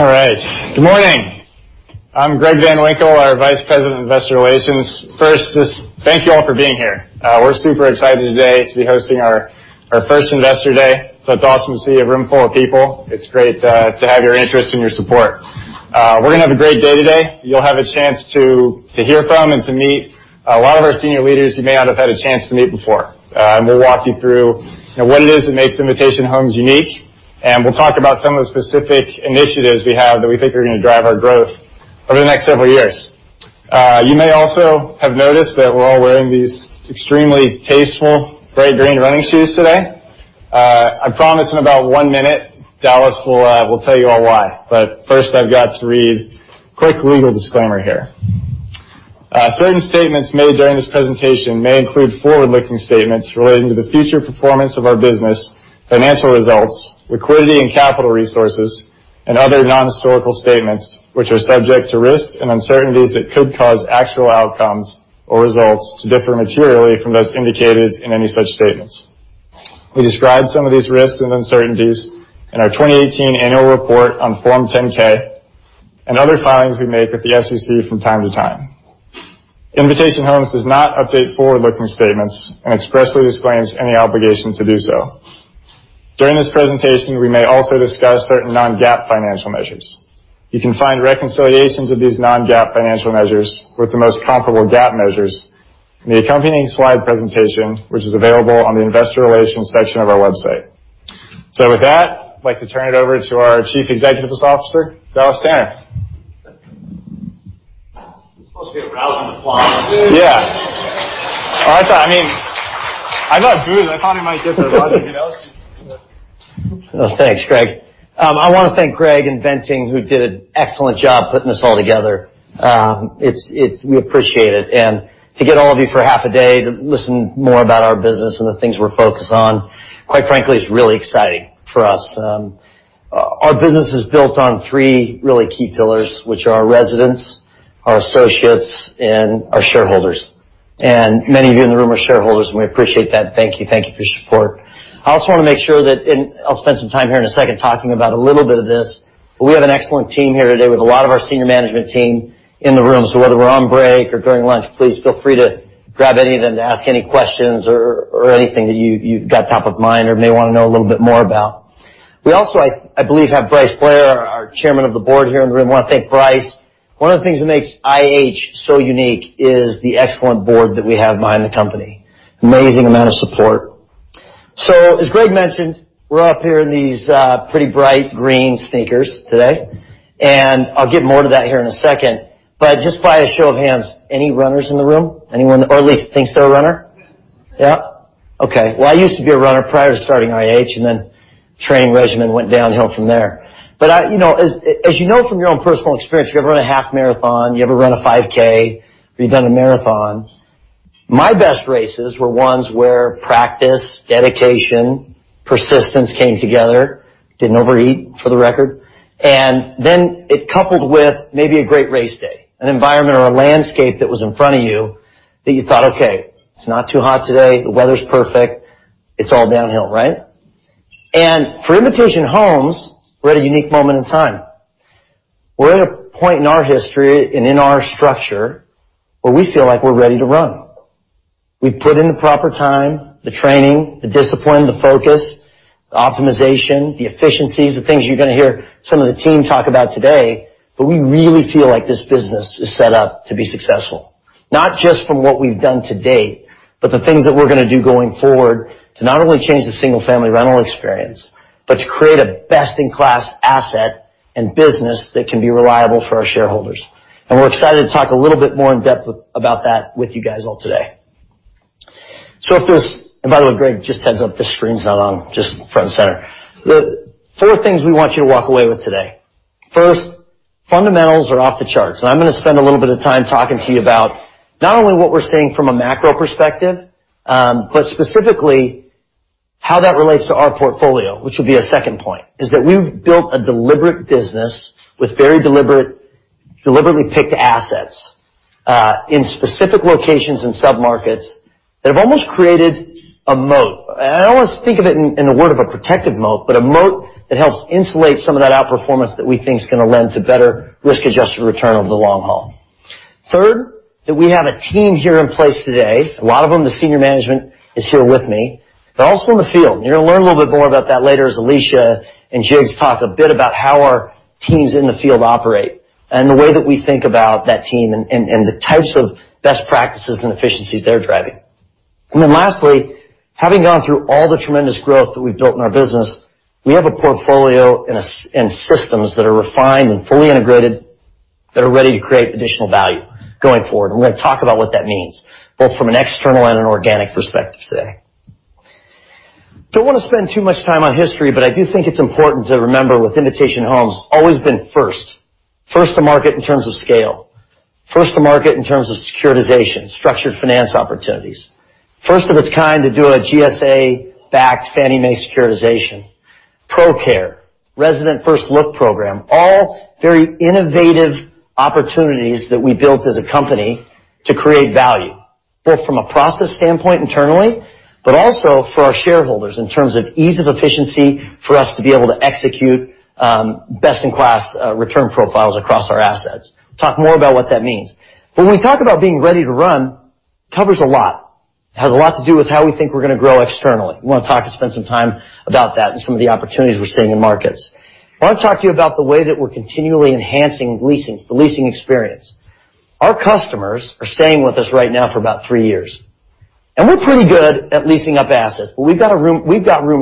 All right. Good morning. I'm Greg Van Winkle, our Vice President of Investor Relations. First, thank you all for being here. We're super excited today to be hosting our first Investor Day, so it's awesome to see a room full of people. It's great to have your interest and your support. We're going to have a great day today. You'll have a chance to hear from and to meet a lot of our senior leaders you may not have had a chance to meet before. We'll walk you through what it is that makes Invitation Homes unique, and we'll talk about some of the specific initiatives we have that we think are going to drive our growth over the next several years. You may also have noticed that we're all wearing these extremely tasteful bright green running shoes today. I promise in about one minute, Dallas will tell you all why. First, I've got to read a quick legal disclaimer here. Certain statements made during this presentation may include forward-looking statements relating to the future performance of our business, financial results, liquidity and capital resources, and other non-historical statements, which are subject to risks and uncertainties that could cause actual outcomes or results to differ materially from those indicated in any such statements. We describe some of these risks and uncertainties in our 2018 annual report on Form 10-K and other filings we make with the SEC from time to time. Invitation Homes does not update forward-looking statements and expressly disclaims any obligation to do so. During this presentation, we may also discuss certain non-GAAP financial measures. You can find reconciliations of these non-GAAP financial measures with the most comparable GAAP measures in the accompanying slide presentation, which is available on the investor relations section of our website. With that, I'd like to turn it over to our Chief Executive Officer, Dallas Tanner. There's supposed to be a rousing applause. Yeah. All right. I thought I might get the rousing applause. Oh, thanks, Greg. I want to thank Greg and Bensing, who did an excellent job putting this all together. We appreciate it. To get all of you for half a day to listen more about our business and the things we're focused on, quite frankly, is really exciting for us. Our business is built on three really key pillars, which are our residents, our associates, and our shareholders. Many of you in the room are shareholders, and we appreciate that. Thank you. Thank you for your support. I also want to make sure that, and I'll spend some time here in a second talking about a little bit of this, but we have an excellent team here today with a lot of our senior management team in the room. Whether we're on break or during lunch, please feel free to grab any of them to ask any questions or anything that you've got top of mind or may want to know a little bit more about. We also, I believe, have Bryce Blair, our Chairman of the Board, here in the room. I want to thank Bryce. One of the things that makes IH so unique is the excellent board that we have behind the company. Amazing amount of support. As Greg mentioned, we're up here in these pretty bright green sneakers today, and I'll get more to that here in a second. Just by a show of hands, any runners in the room? Anyone, or at least thinks they're a runner? Yeah. Yeah. Okay. Well, I used to be a runner prior to starting IH. Training regimen went downhill from there. As you know from your own personal experience, if you've run a half marathon, you ever run a 5K, or you've done a marathon, my best races were ones where practice, dedication, persistence came together. Didn't overeat, for the record. It coupled with maybe a great race day, an environment or a landscape that was in front of you that you thought, okay, it's not too hot today. The weather's perfect. It's all downhill, right? For Invitation Homes, we're at a unique moment in time. We're at a point in our history and in our structure where we feel like we're ready to run. We've put in the proper time, the training, the discipline, the focus, the optimization, the efficiencies, the things you're going to hear some of the team talk about today, but we really feel like this business is set up to be successful. Not just from what we've done to date, but the things that we're going to do going forward to not only change the single-family rental experience, but to create a best-in-class asset and business that can be reliable for our shareholders. We're excited to talk a little bit more in depth about that with you guys all today. By the way, Greg, just a heads up, this screen's not on, just front and center. The four things we want you to walk away with today. First, fundamentals are off the charts. I'm going to spend a little bit of time talking to you about not only what we're seeing from a macro perspective, but specifically how that relates to our portfolio. Which will be a second point, is that we've built a deliberate business with very deliberately picked assets, in specific locations and sub-markets that have almost created a moat. I always think of it in the word of a protective moat, but a moat that helps insulate some of that outperformance that we think is going to lend to better risk-adjusted return over the long haul. Third, that we have a team here in place today. A lot of them, the senior management, is here with me, but also in the field. You're going to learn a little bit more about that later as Alicia and Jiggs talk a bit about how our teams in the field operate, and the way that we think about that team and the types of best practices and efficiencies they're driving. Lastly, having gone through all the tremendous growth that we've built in our business, we have a portfolio and systems that are refined and fully integrated that are ready to create additional value going forward. We're going to talk about what that means, both from an external and an organic perspective today. Don't want to spend too much time on history, but I do think it's important to remember with Invitation Homes, always been first. First to market in terms of scale. First to market in terms of securitization, structured finance opportunities. First of its kind to do a GSA-backed Fannie Mae securitization. ProCare, Resident First Look program, all very innovative opportunities that we built as a company to create value, both from a process standpoint internally, but also for our shareholders in terms of ease of efficiency for us to be able to execute best-in-class return profiles across our assets. We'll talk more about what that means. When we talk about being ready to run, covers a lot. It has a lot to do with how we think we're going to grow externally. We want to talk and spend some time about that and some of the opportunities we're seeing in markets. I want to talk to you about the way that we're continually enhancing leasing, the leasing experience. Our customers are staying with us right now for about three years. We're pretty good at leasing up assets, but we've got room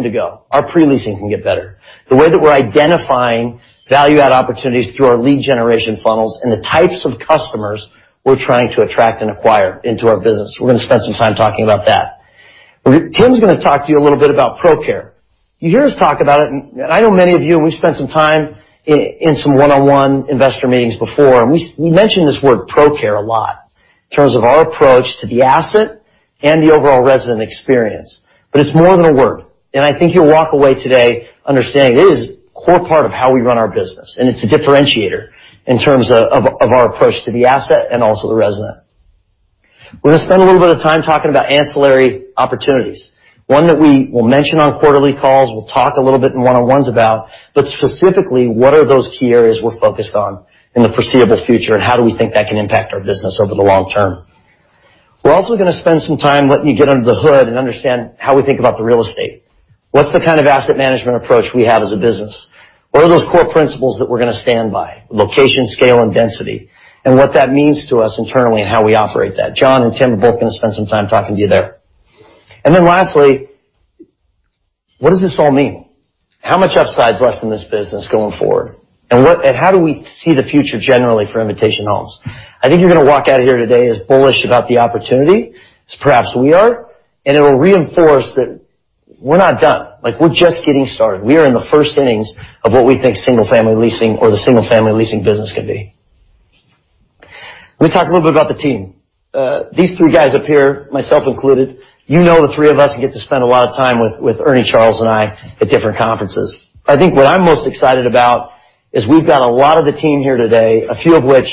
to go. Our pre-leasing can get better. The way that we're identifying value-add opportunities through our lead generation funnels and the types of customers we're trying to attract and acquire into our business. We're going to spend some time talking about that. Tim's going to talk to you a little bit about ProCare. You hear us talk about it, and I know many of you, and we've spent some time in some one-on-one investor meetings before, and we mention this word ProCare a lot in terms of our approach to the asset and the overall resident experience. It's more than a word. I think you'll walk away today understanding this is a core part of how we run our business, and it's a differentiator in terms of our approach to the asset and also the resident. We're going to spend a little bit of time talking about ancillary opportunities. Specifically, what are those key areas we're focused on in the foreseeable future, and how do we think that can impact our business over the long term? We're also going to spend some time letting you get under the hood and understand how we think about the real estate. What's the kind of asset management approach we have as a business? What are those core principles that we're going to stand by, location, scale, and density? What that means to us internally and how we operate that. John and Tim are both going to spend some time talking to you there. Lastly, what does this all mean? How much upside is left in this business going forward? How do we see the future generally for Invitation Homes? I think you're going to walk out of here today as bullish about the opportunity as perhaps we are, and it'll reinforce that we're not done. We're just getting started. We are in the first innings of what we think single-family leasing or the single-family leasing business can be. Let me talk a little bit about the team. These three guys up here, myself included, you know the three of us. You get to spend a lot of time with Ernie, Charles, and I at different conferences. I think what I'm most excited about is we've got a lot of the team here today, a few of which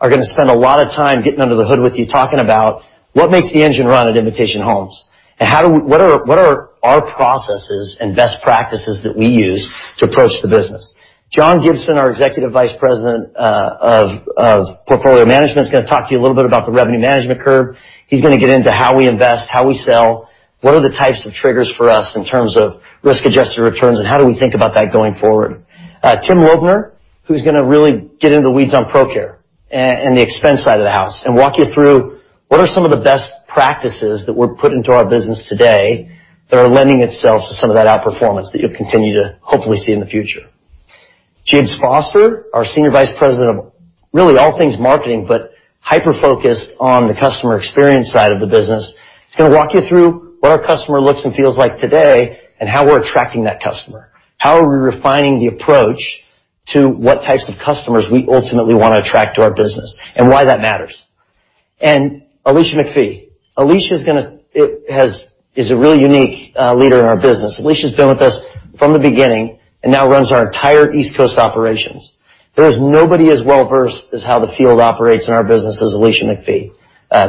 are going to spend a lot of time getting under the hood with you, talking about what makes the engine run at Invitation Homes, and what are our processes and best practices that we use to approach the business. John Gibson, our Executive Vice President of Portfolio Management, is going to talk to you a little bit about the revenue management curve. He's going to get into how we invest, how we sell, what are the types of triggers for us in terms of risk-adjusted returns, and how do we think about that going forward. Tim Lauthner, who's going to really get into the weeds on ProCare and the expense side of the house and walk you through what are some of the best practices that we're putting into our business today that are lending itself to some of that outperformance that you'll continue to hopefully see in the future. Jiggs Foster, our Senior Vice President of really all things marketing, but hyper-focused on the customer experience side of the business. He's going to walk you through what our customer looks and feels like today and how we're attracting that customer. How are we refining the approach to what types of customers we ultimately want to attract to our business and why that matters. Alicia MacPhee. Alicia is a really unique leader in our business. Alicia's been with us from the beginning and now runs our entire East Coast operations. There is nobody as well-versed as how the field operates in our business as Alicia MacPhee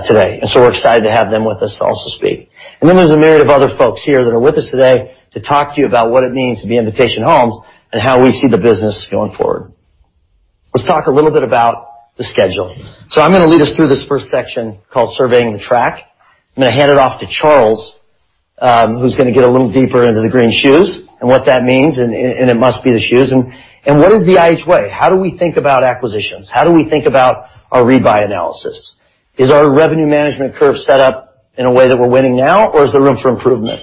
today. We're excited to have them with us to also speak. There's a myriad of other folks here that are with us today to talk to you about what it means to be Invitation Homes and how we see the business going forward. Let's talk a little bit about the schedule. I'm going to lead us through this first section called Surveying the Track. I'm going to hand it off to Charles, who's going to get a little deeper into the green shoes and what that means. It must be the shoes. What is the IH way? How do we think about acquisitions? How do we think about our rebuy analysis? Is our revenue management curve set up in a way that we're winning now, or is there room for improvement?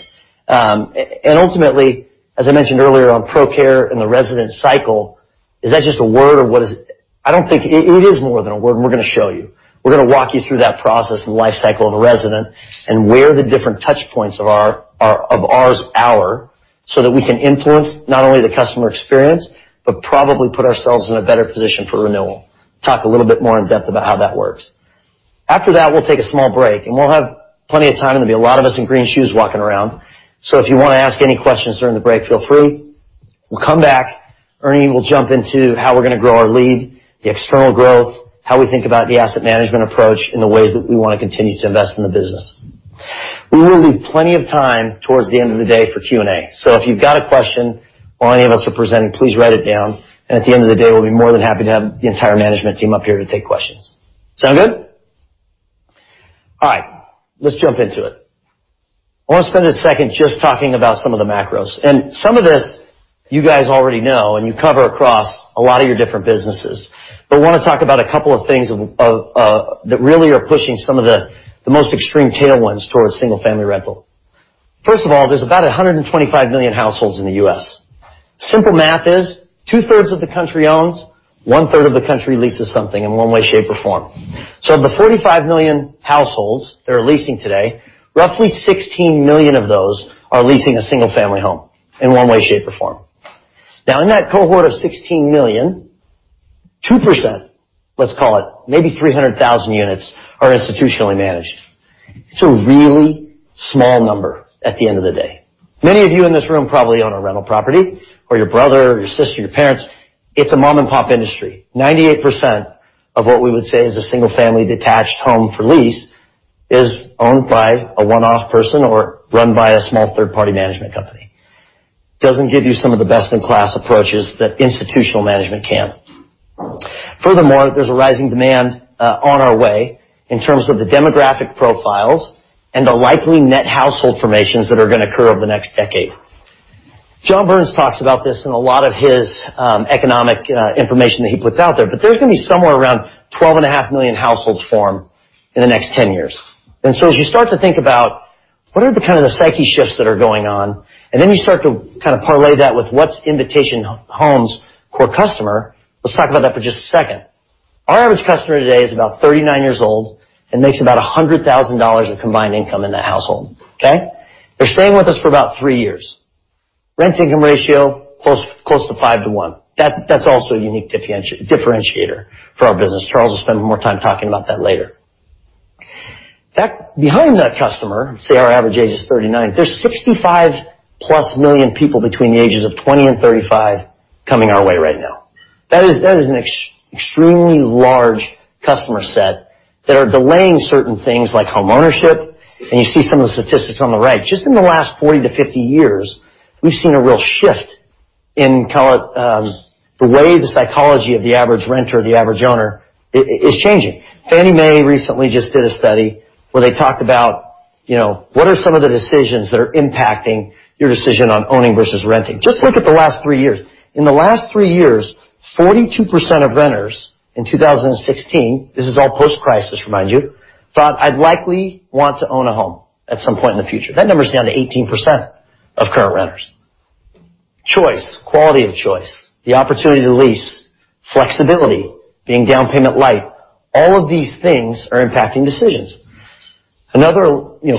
Ultimately, as I mentioned earlier on ProCare and the resident cycle, is that just a word or what is it? It is more than a word, and we're going to show you. We're going to walk you through that process and lifecycle of a resident and where the different touch points of ours are so that we can influence not only the customer experience but probably put ourselves in a better position for renewal. Talk a little bit more in-depth about how that works. After that, we'll take a small break, and we'll have plenty of time. There will be a lot of us in green shoes walking around. If you want to ask any questions during the break, feel free. We'll come back. Ernie will jump into how we're going to grow our lead, the external growth, how we think about the asset management approach, and the ways that we want to continue to invest in the business. We will leave plenty of time towards the end of the day for Q&A. If you've got a question while any of us are presenting, please write it down, and at the end of the day, we'll be more than happy to have the entire management team up here to take questions. Sound good? All right. Let's jump into it. I want to spend one second just talking about some of the macros. Some of this you guys already know, and you cover across a lot of your different businesses. I want to talk about two of things that really are pushing some of the most extreme tailwinds towards single-family rental. First of all, there's about 125 million households in the U.S. Simple math is two-thirds of the country owns, one-third of the country leases something in one way, shape, or form. Of the 45 million households that are leasing today, roughly 16 million of those are leasing a single-family home in one way, shape, or form. Now, in that cohort of 16 million, 2%, let's call it maybe 300,000 units are institutionally managed. It's a really small number at the end of the day. Many of you in this room probably own a rental property, or your brother, your sister, your parents. It's a mom-and-pop industry. 98% of what we would say is a single-family detached home for lease is owned by a one-off person or run by a small third-party management company. Doesn't give you some of the best-in-class approaches that institutional management can. Furthermore, there's a rising demand on our way in terms of the demographic profiles and the likely net household formations that are going to occur over the next decade. There's going to be somewhere around 12.5 million households formed in the next 10 years. As you start to think about what are the kind of the psyche shifts that are going on, and then you start to kind of parlay that with what's Invitation Homes' core customer, let's talk about that for just a second. Our average customer today is about 39 years old and makes about $100,000 of combined income in that household. Okay. They're staying with us for about three years. Rent-income ratio, close to 5 to 1. That's also a unique differentiator for our business. Charles will spend more time talking about that later. Behind that customer, say our average age is 39, there's 65-plus million people between the ages of 20 and 35 coming our way right now. That is an extremely large customer set that are delaying certain things like homeownership, and you see some of the statistics on the right. Just in the last 40 to 50 years, we've seen a real shift in, call it, the way the psychology of the average renter, the average owner, is changing. Fannie Mae recently just did a study where they talked about what are some of the decisions that are impacting your decision on owning versus renting? Just look at the last three years. In the last three years, 42% of renters in 2016, this is all post-crisis, mind you, thought, "I'd likely want to own a home at some point in the future." That number is down to 18% of current renters. Choice, quality of choice, the opportunity to lease, flexibility, being down payment light, all of these things are impacting decisions. Another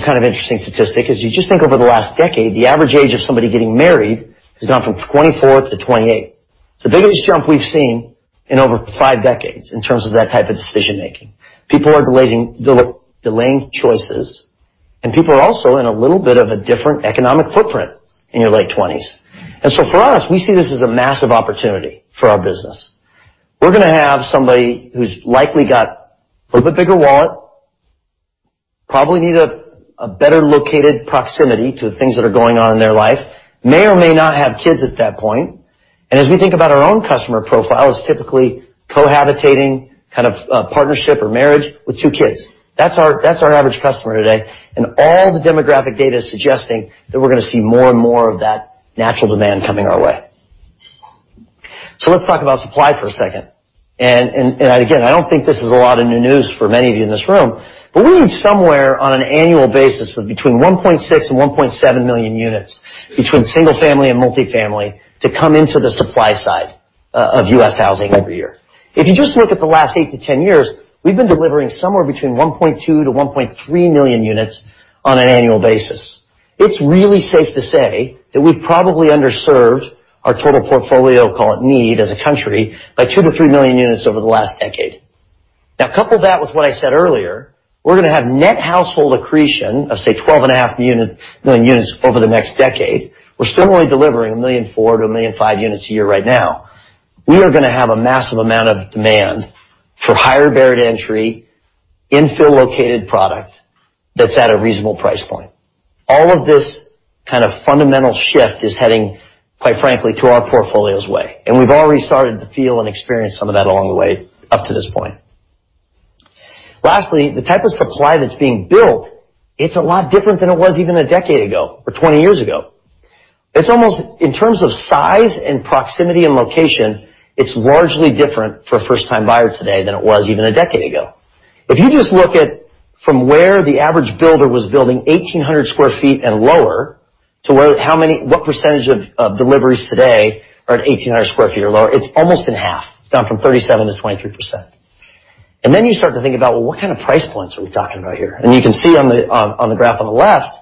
kind of interesting statistic is you just think over the last decade, the average age of somebody getting married has gone from 24 to 28. It's the biggest jump we've seen in over five decades in terms of that type of decision-making. People are delaying choices, and people are also in a little bit of a different economic footprint in your late 20s. For us, we see this as a massive opportunity for our business. We're going to have somebody who's likely got a little bit bigger wallet, probably need a better located proximity to the things that are going on in their life. May or may not have kids at that point. As we think about our own customer profile, it's typically cohabitating kind of partnership or marriage with two kids. That's our average customer today. All the demographic data is suggesting that we're going to see more and more of that natural demand coming our way. Let's talk about supply for a second. Again, I don't think this is a lot of new news for many of you in this room, but we need somewhere on an annual basis of between 1.6 and 1.7 million units between single-family and multi-family to come into the supply side of U.S. housing every year. If you just look at the last 8-10 years, we've been delivering somewhere between 1.2 million-1.3 million units on an annual basis. It's really safe to say that we've probably underserved our total portfolio, call it need as a country, by 2 million-3 million units over the last decade. Now, couple that with what I said earlier, we're going to have net household accretion of, say, 12.5 million units over the next decade. We're still only delivering 1.4 million-1.5 million units a year right now. We are going to have a massive amount of demand for higher barrier to entry, infill-located product that's at a reasonable price point. All of this kind of fundamental shift is heading, quite frankly, to our portfolio's way, and we've already started to feel and experience some of that along the way up to this point. The type of supply that's being built, it's a lot different than it was even a decade ago or 20 years ago. It's almost, in terms of size and proximity and location, it's largely different for a first-time buyer today than it was even a decade ago. If you just look at from where the average builder was building 1,800 sq ft and lower to what percentage of deliveries today are at 1,800 sq ft or lower, it's almost in half. It's gone from 37% to 23%. You start to think about, well, what kind of price points are we talking about here? You can see on the graph on the left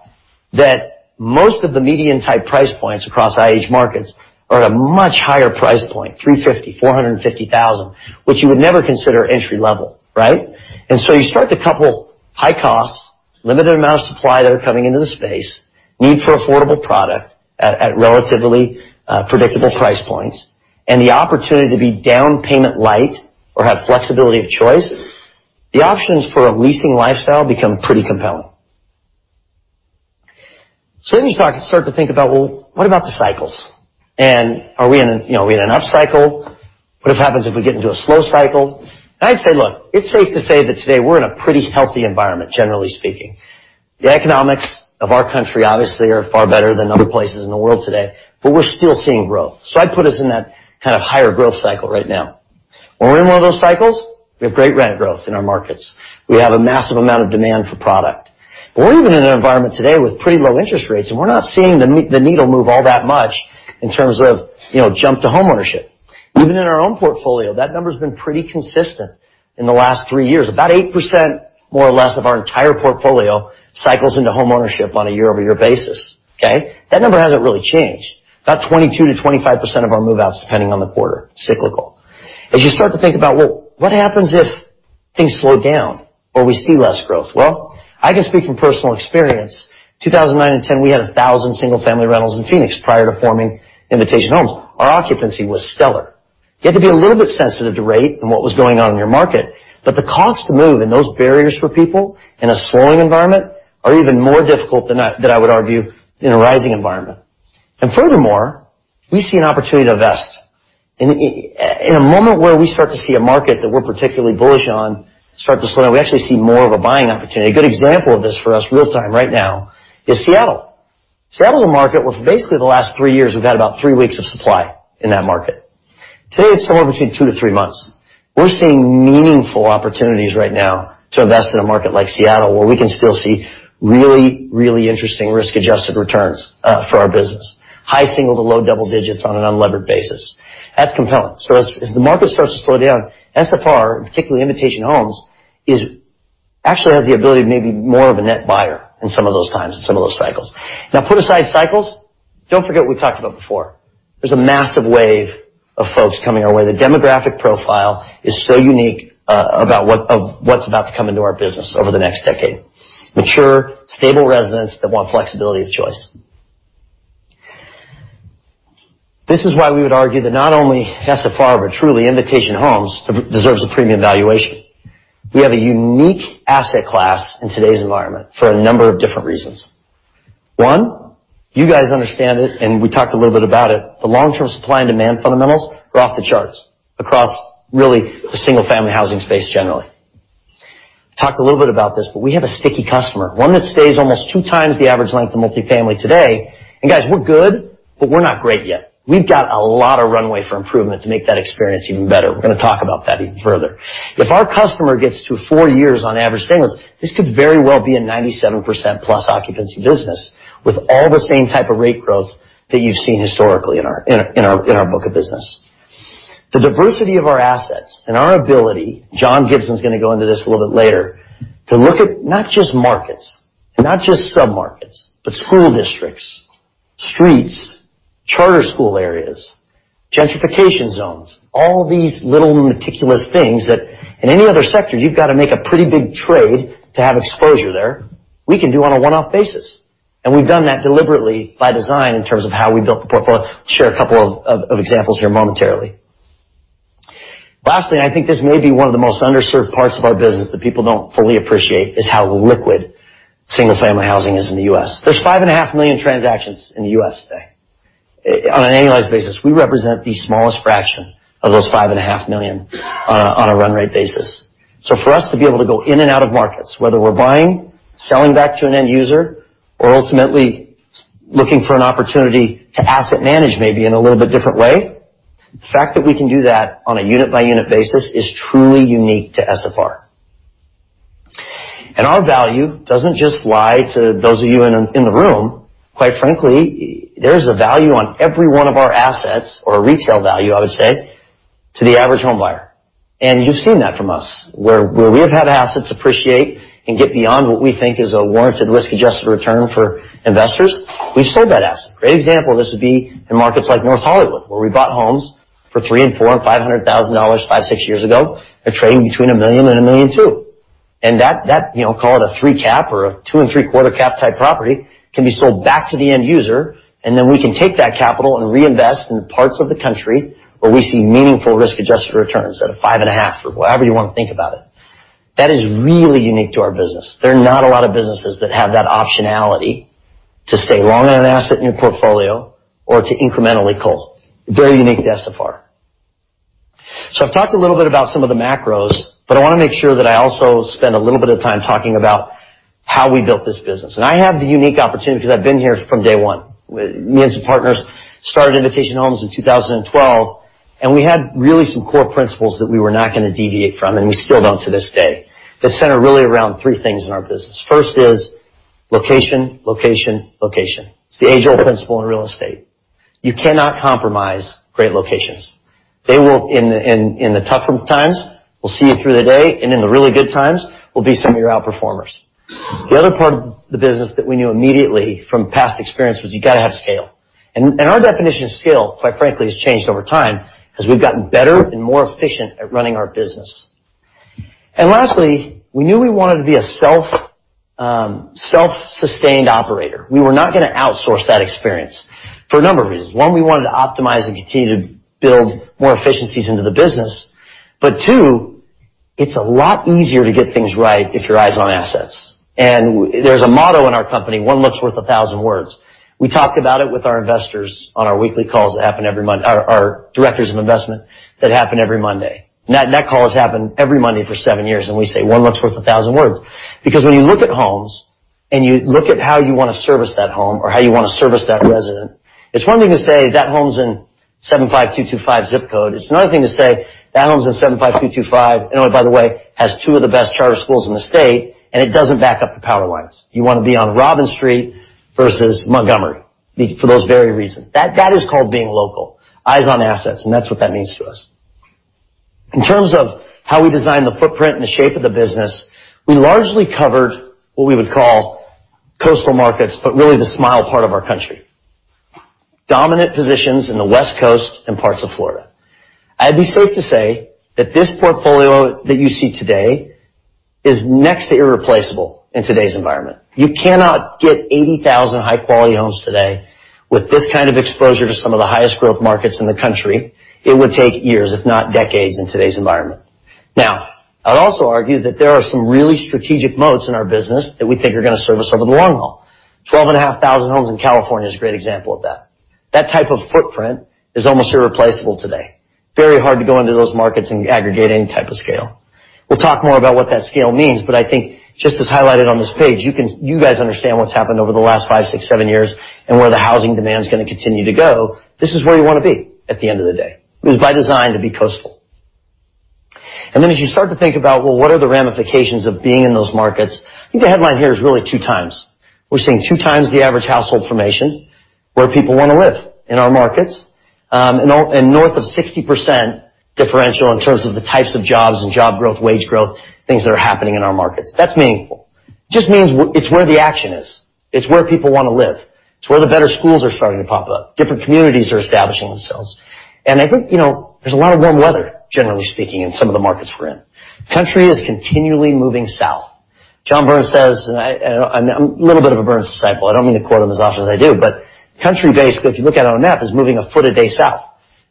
that most of the median-type price points across IH markets are at a much higher price point, $350,000, $450,000, which you would never consider entry-level, right? You start to couple high costs, limited amount of supply that are coming into the space, need for affordable product at relatively predictable price points, and the opportunity to be down payment light or have flexibility of choice, the options for a leasing lifestyle become pretty compelling. You start to think about, well, what about the cycles? Are we in an upcycle? What happens if we get into a slow cycle? I'd say, look, it's safe to say that today we're in a pretty healthy environment, generally speaking. The economics of our country obviously are far better than other places in the world today, but we're still seeing growth. I'd put us in that kind of higher growth cycle right now. When we're in one of those cycles, we have great rent growth in our markets. We have a massive amount of demand for product. We're even in an environment today with pretty low interest rates, and we're not seeing the needle move all that much in terms of jump to homeownership. Even in our own portfolio, that number's been pretty consistent in the last three years. About 8%, more or less, of our entire portfolio cycles into homeownership on a year-over-year basis. Okay. That number hasn't really changed. About 22%-25% of our move-outs depending on the quarter, cyclical. As you start to think about, well, what happens if things slow down or we see less growth? Well, I can speak from personal experience. 2009 and 2010, we had 1,000 single-family rentals in Phoenix prior to forming Invitation Homes. Our occupancy was stellar. You had to be a little bit sensitive to rate and what was going on in your market, but the cost to move and those barriers for people in a slowing environment are even more difficult than I would argue in a rising environment. Furthermore, we see an opportunity to invest. In a moment where we start to see a market that we're particularly bullish on start to slow down, we actually see more of a buying opportunity. A good example of this for us real-time right now is Seattle. Seattle's a market where for basically the last 3 years, we've had about 3 weeks of supply in that market. Today, it's somewhere between 2-3 months. We're seeing meaningful opportunities right now to invest in a market like Seattle, where we can still see really, really interesting risk-adjusted returns for our business. High single to low double digits on an unlevered basis. That's compelling. As the market starts to slow down, SFR, particularly Invitation Homes, actually have the ability to be maybe more of a net buyer in some of those times, in some of those cycles. Now, put aside cycles, don't forget what we talked about before. There's a massive wave of folks coming our way. The demographic profile is so unique of what's about to come into our business over the next decade. Mature, stable residents that want flexibility of choice. This is why we would argue that not only SFR, but truly Invitation Homes deserves a premium valuation. We have a unique asset class in today's environment for a number of different reasons. One, you guys understand it, and we talked a little bit about it. The long-term supply and demand fundamentals are off the charts across really the single-family housing space generally. Talked a little bit about this, but we have a sticky customer, one that stays almost 2 times the average length of multifamily today. Guys, we're good, but we're not great yet. We've got a lot of runway for improvement to make that experience even better. We're going to talk about that even further. If our customer gets to 4 years on average stay with us, this could very well be a 97%+ occupancy business with all the same type of rate growth that you've seen historically in our book of business. The diversity of our assets and our ability, John Gibson's going to go into this a little bit later, to look at not just markets and not just sub-markets, but school districts, streets, charter school areas, gentrification zones, all these little meticulous things that in any other sector, you've got to make a pretty big trade to have exposure there, we can do on a one-off basis. We've done that deliberately by design in terms of how we built the portfolio. Share a couple of examples here momentarily. Lastly, I think this may be one of the most underserved parts of our business that people don't fully appreciate, is how liquid single-family housing is in the U.S. There's $5.5 million transactions in the U.S. today. On an annualized basis, we represent the smallest fraction of those $5.5 million on a run rate basis. For us to be able to go in and out of markets, whether we're buying, selling back to an end user, or ultimately looking for an opportunity to asset manage maybe in a little bit different way, the fact that we can do that on a unit-by-unit basis is truly unique to SFR. Our value doesn't just lie to those of you in the room. Quite frankly, there's a value on every one of our assets or retail value, I would say, to the average homebuyer. You've seen that from us, where we have had assets appreciate and get beyond what we think is a warranted risk-adjusted return for investors, we've sold that asset. Great example of this would be in markets like North Hollywood, where we bought homes for $300,000 and $400,000, $500,000 five, six years ago. They're trading between $1 million and $1.2 million. That, call it a three cap or a two and three-quarter cap type property, can be sold back to the end user, and then we can take that capital and reinvest in parts of the country where we see meaningful risk-adjusted returns at a five and a half or whatever you want to think about it. That is really unique to our business. There are not a lot of businesses that have that optionality to stay long on an asset in your portfolio or to incrementally cull. Very unique to SFR. I've talked a little bit about some of the macros, but I want to make sure that I also spend a little bit of time talking about how we built this business. I have the unique opportunity because I've been here from day one. Me and some partners started Invitation Homes in 2012. We had really some core principles that we were not going to deviate from, and we still don't to this day, that center really around three things in our business. First is location, location. It's the age-old principle in real estate. You cannot compromise great locations. They, in the tougher times, will see you through the day, and in the really good times, will be some of your out-performers. The other part of the business that we knew immediately from past experience was you got to have scale. Our definition of scale, quite frankly, has changed over time as we've gotten better and more efficient at running our business. Lastly, we knew we wanted to be a self-sustained operator. We were not going to outsource that experience for a number of reasons. We wanted to optimize and continue to build more efficiencies into the business. Two, it's a lot easier to get things right if your eye is on assets. There's a motto in our company, one look's worth a thousand words. We talked about it with our investors on our weekly calls that happen every Monday, our directors of investment that happen every Monday. That call has happened every Monday for seven years, and we say one look's worth a thousand words. When you look at homes and you look at how you want to service that home or how you want to service that resident, it's one thing to say that home's in 75225 ZIP Code. It's another thing to say that home's in 75225, and by the way, has two of the best charter schools in the state, and it doesn't back up to power lines. You want to be on Robin Street versus Montgomery for those very reasons. That is called being local, eyes on assets, and that's what that means to us. In terms of how we design the footprint and the shape of the business, we largely covered what we would call coastal markets, but really the smile part of our country. Dominant positions in the West Coast and parts of Florida. I'd be safe to say that this portfolio that you see today is next to irreplaceable in today's environment. You cannot get 80,000 high-quality homes today with this kind of exposure to some of the highest growth markets in the country. It would take years, if not decades, in today's environment. I'd also argue that there are some really strategic moats in our business that we think are going to serve us over the long haul. 12,500 homes in California is a great example of that. That type of footprint is almost irreplaceable today. Very hard to go into those markets and aggregate any type of scale. We'll talk more about what that scale means. I think just as highlighted on this page, you guys understand what's happened over the last five, six, seven years and where the housing demand is going to continue to go. This is where you want to be at the end of the day. It was by design to be coastal. As you start to think about, well, what are the ramifications of being in those markets? I think the headline here is really two times. We're seeing two times the average household formation, where people want to live in our markets. North of 60% differential in terms of the types of jobs and job growth, wage growth, things that are happening in our markets. That's meaningful. It just means it's where the action is. It's where people want to live. It's where the better schools are starting to pop up. Different communities are establishing themselves. I think there's a lot of warm weather, generally speaking, in some of the markets we're in. Country is continually moving south. John Burns says, and I'm a little bit of a Burns disciple. I don't mean to quote him as often as I do, but country basically, if you look at it on a map, is moving a foot a day south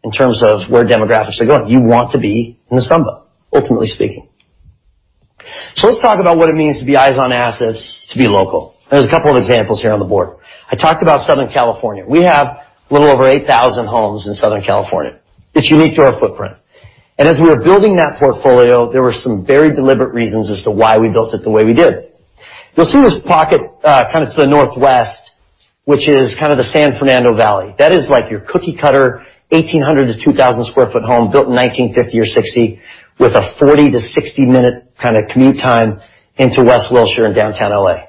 in terms of where demographics are going. You want to be in the sunbelt, ultimately speaking. Let's talk about what it means to be eyes on assets, to be local. There's a couple of examples here on the board. I talked about Southern California. We have a little over 8,000 homes in Southern California. It's unique to our footprint. As we were building that portfolio, there were some very deliberate reasons as to why we built it the way we did. You'll see this pocket kind of to the northwest, which is kind of the San Fernando Valley. That is like your cookie-cutter 1,800 to 2,000 square foot home built in 1950 or 1960 with a 40 to 60-minute kind of commute time into West Wilshire in Downtown L.A.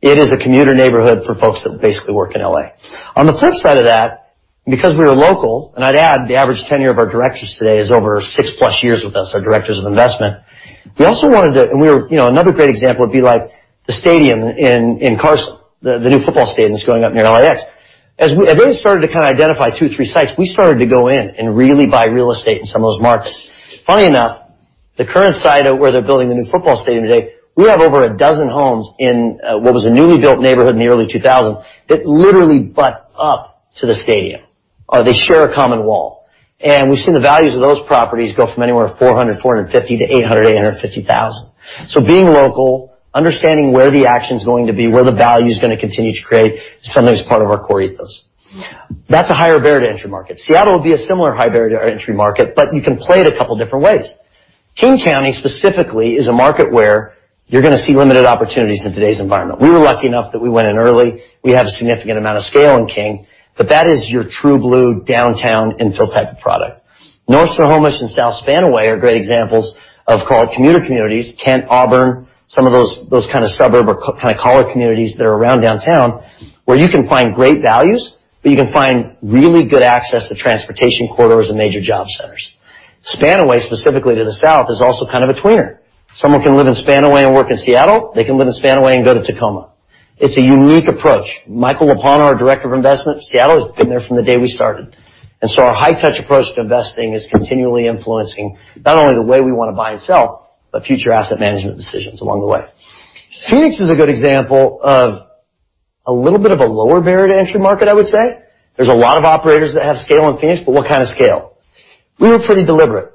It is a commuter neighborhood for folks that basically work in L.A. On the flip side of that, because we are local, I'd add the average tenure of our directors today is over six-plus years with us, our directors of investment. Another great example would be the stadium in Carson. The new football stadium that's going up near LAX. As they started to kind of identify two, three sites, we started to go in and really buy real estate in some of those markets. Funny enough, the current site where they're building the new football stadium today, we have over a dozen homes in what was a newly built neighborhood in the early 2000s that literally butt up to the stadium, or they share a common wall. We've seen the values of those properties go from anywhere from $400,000, $450,000 to $800,000, $850,000. Being local, understanding where the action's going to be, where the value's going to continue to create, is something that's part of our core ethos. That's a higher barrier to entry market. Seattle would be a similar high barrier to entry market, but you can play it a couple of different ways. King County specifically is a market where you're going to see limited opportunities in today's environment. We were lucky enough that we went in early. We have a significant amount of scale in King, but that is your true blue downtown infill type of product. North Snohomish and South Spanaway are great examples of called commuter communities. Kent, Auburn, some of those kind of suburb or kind of collar communities that are around downtown, where you can find great values, but you can find really good access to transportation corridors and major job centers. Spanaway, specifically to the south, is also kind of a tweener. Someone can live in Spanaway and work in Seattle. They can live in Spanaway and go to Tacoma. It's a unique approach. Michael Lapointe, our director of investment for Seattle, has been there from the day we started. Our high-touch approach to investing is continually influencing not only the way we want to buy and sell, but future asset management decisions along the way. Phoenix is a good example of a little bit of a lower barrier to entry market, I would say. There's a lot of operators that have scale in Phoenix, but what kind of scale? We were pretty deliberate.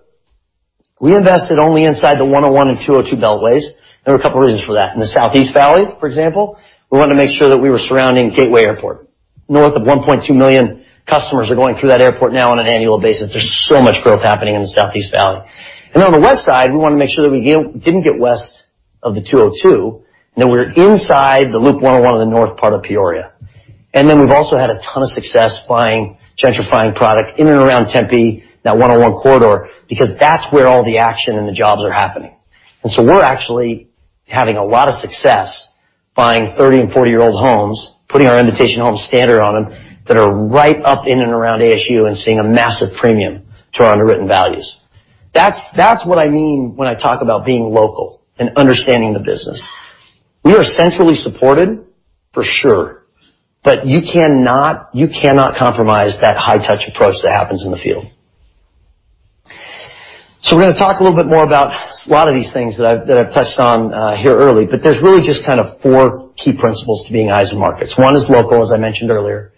We invested only inside the 101 and 202 beltways. There were a couple of reasons for that. In the Southeast Valley, for example, we wanted to make sure that we were surrounding Gateway Airport. North of 1.2 million customers are going through that airport now on an annual basis. There's so much growth happening in the Southeast Valley. On the west side, we wanted to make sure that we didn't get west of the 202, and that we were inside the Loop 101 in the north part of Peoria. We've also had a ton of success buying gentrifying product in and around Tempe, that 101 corridor, because that's where all the action and the jobs are happening. We're actually having a lot of success buying 30 and 40-year-old homes, putting our Invitation Homes standard on them that are right up in and around ASU and seeing a massive premium to our underwritten values. That's what I mean when I talk about being local and understanding the business. We are centrally supported, for sure. You cannot compromise that high-touch approach that happens in the field. We're going to talk a little bit more about a lot of these things that I've touched on here early, but there's really just kind of 4 key principles to being eyes on markets. 1 is local, as I mentioned earlier.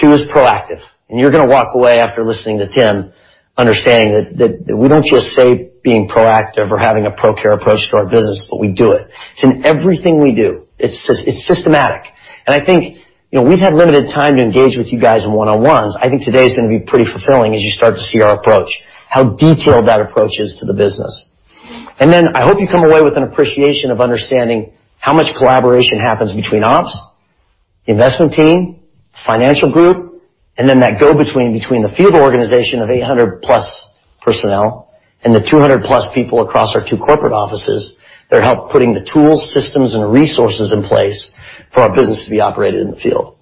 2 is proactive, and you're going to walk away after listening to Tim understanding that we don't just say being proactive or having a ProCare approach to our business, but we do it. It's in everything we do. It's systematic. I think we've had limited time to engage with you guys in one-on-ones. I think today's going to be pretty fulfilling as you start to see our approach, how detailed that approach is to the business. I hope you come away with an appreciation of understanding how much collaboration happens between ops, the investment team, financial group, and then that go-between between the field organization of 800-plus personnel and the 200-plus people across our two corporate offices that help putting the tools, systems, and resources in place for our business to be operated in the field.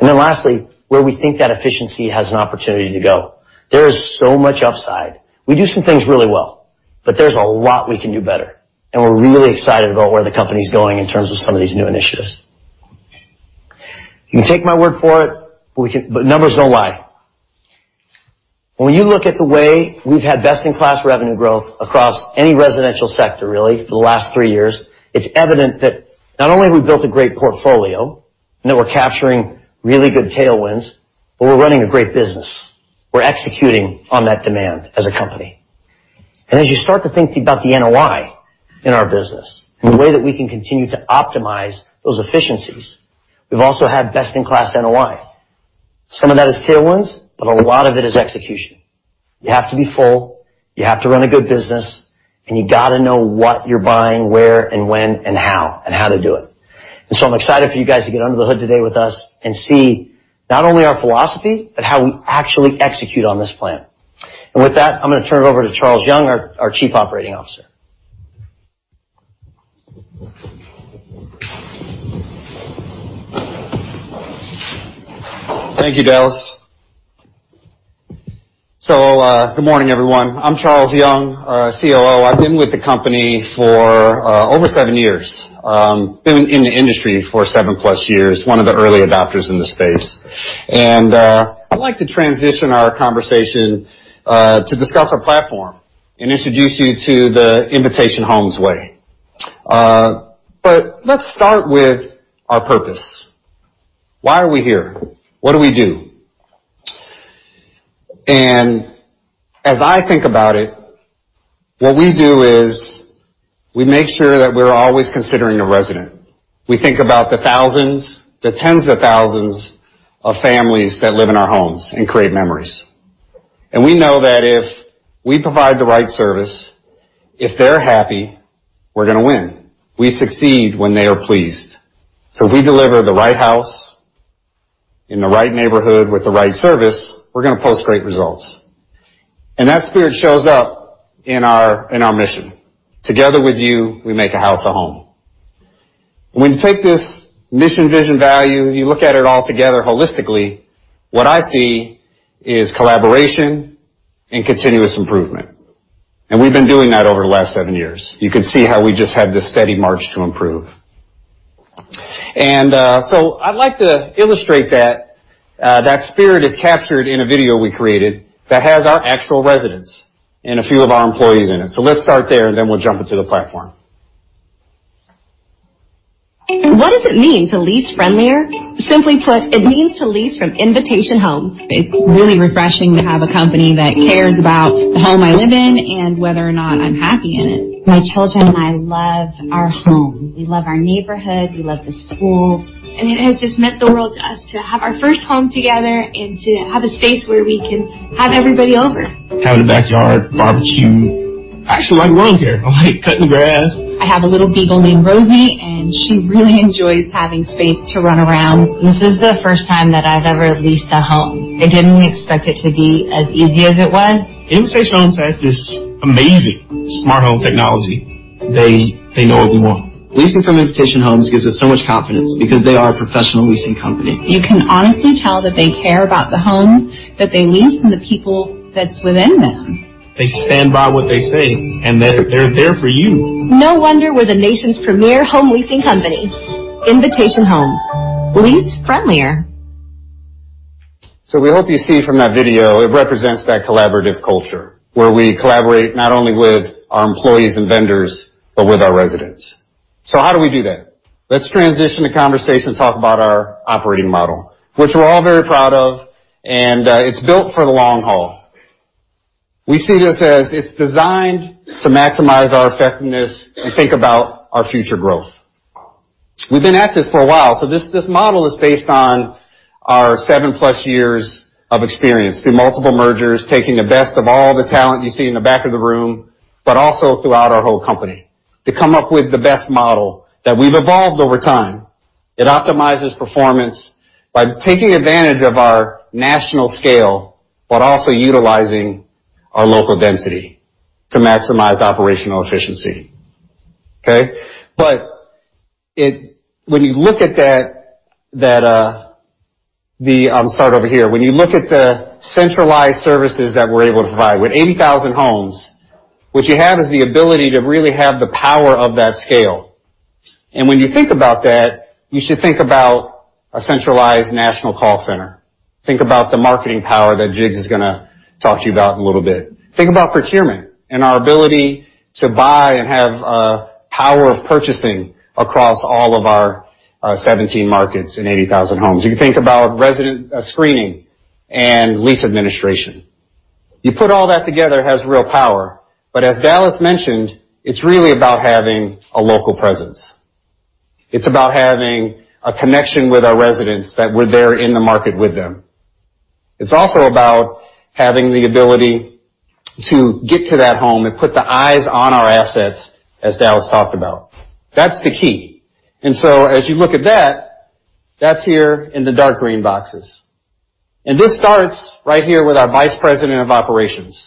Lastly, where we think that efficiency has an opportunity to go. There is so much upside. We do some things really well, but there's a lot we can do better, and we're really excited about where the company's going in terms of some of these new initiatives. You can take my word for it, but numbers don't lie. When you look at the way we've had best-in-class revenue growth across any residential sector, really, for the last 3 years, it's evident that not only have we built a great portfolio and that we're capturing really good tailwinds, but we're running a great business. We're executing on that demand as a company. As you start to think about the NOI in our business, and the way that we can continue to optimize those efficiencies, we've also had best-in-class NOI. Some of that is tailwinds, but a lot of it is execution. You have to be full, you have to run a good business, and you got to know what you're buying, where and when and how, and how to do it. I'm excited for you guys to get under the hood today with us and see not only our philosophy, but how we actually execute on this plan. With that, I'm going to turn it over to Charles Young, our Chief Operating Officer. Thank you, Dallas. Good morning, everyone. I'm Charles Young, our COO. I've been with the company for over seven years. Been in the industry for seven-plus years, one of the early adopters in the space. I'd like to transition our conversation to discuss our platform and introduce you to the Invitation Homes way. Let's start with our purpose. Why are we here? What do we do? As I think about it, what we do is we make sure that we're always considering the resident. We think about the thousands, the tens of thousands of families that live in our homes and create memories. We know that if we provide the right service, if they're happy, we're going to win. We succeed when they are pleased. If we deliver the right house in the right neighborhood with the right service, we're going to post great results. That spirit shows up in our mission. Together with you, we make a house a home. When you take this mission, vision, value, you look at it all together holistically, what I see is collaboration and continuous improvement. We've been doing that over the last seven years. You can see how we just have this steady march to improve. I'd like to illustrate that. That spirit is captured in a video we created tha`t has our actual residents and a few of our employees in it. Let's start there, and then we'll jump into the platform. What does it mean to lease friendlier? Simply put, it means to lease from Invitation Homes. It's really refreshing to have a company that cares about the home I live in and whether or not I'm happy in it. My children and I love our home. We love our neighborhood, we love the school. It has just meant the world to us to have our first home together and to have a space where we can have everybody over. Having a backyard barbecue. I actually like lawn care. I like cutting the grass. I have a little beagle named Rosie, and she really enjoys having space to run around. This is the first time that I've ever leased a home. I didn't expect it to be as easy as it was. Invitation Homes has this amazing Smart Home technology. They know what we want. Leasing from Invitation Homes gives us so much confidence because they are a professional leasing company. You can honestly tell that they care about the homes that they lease and the people that's within them. They stand by what they say, and they're there for you. No wonder we're the nation's premier home leasing company. Invitation Homes. Lease friendlier. We hope you see from that video, it represents that collaborative culture, where we collaborate not only with our employees and vendors, but with our residents. How do we do that? Let's transition the conversation and talk about our operating model, which we're all very proud of, and it's built for the long haul. We see this as it's designed to maximize our effectiveness and think about our future growth. We've been at this for a while, so this model is based on our seven-plus years of experience through multiple mergers, taking the best of all the talent you see in the back of the room, but also throughout our whole company, to come up with the best model that we've evolved over time. It optimizes performance by taking advantage of our national scale, but also utilizing our local density to maximize operational efficiency. Okay. I'll start over here. When you look at the centralized services that we're able to provide, with 80,000 homes, what you have is the ability to really have the power of that scale. When you think about that, you should think about a centralized national call center. Think about the marketing power that Jiggs is going to talk to you about in a little bit. Think about procurement and our ability to buy and have power of purchasing across all of our 17 markets and 80,000 homes. You can think about resident screening and lease administration. You put all that together, it has real power. As Dallas mentioned, it's really about having a local presence. It's about having a connection with our residents, that we're there in the market with them. It's also about having the ability to get to that home and put the eyes on our assets, as Dallas talked about. That's the key. As you look at that's here in the dark green boxes. This starts right here with our vice president of operations.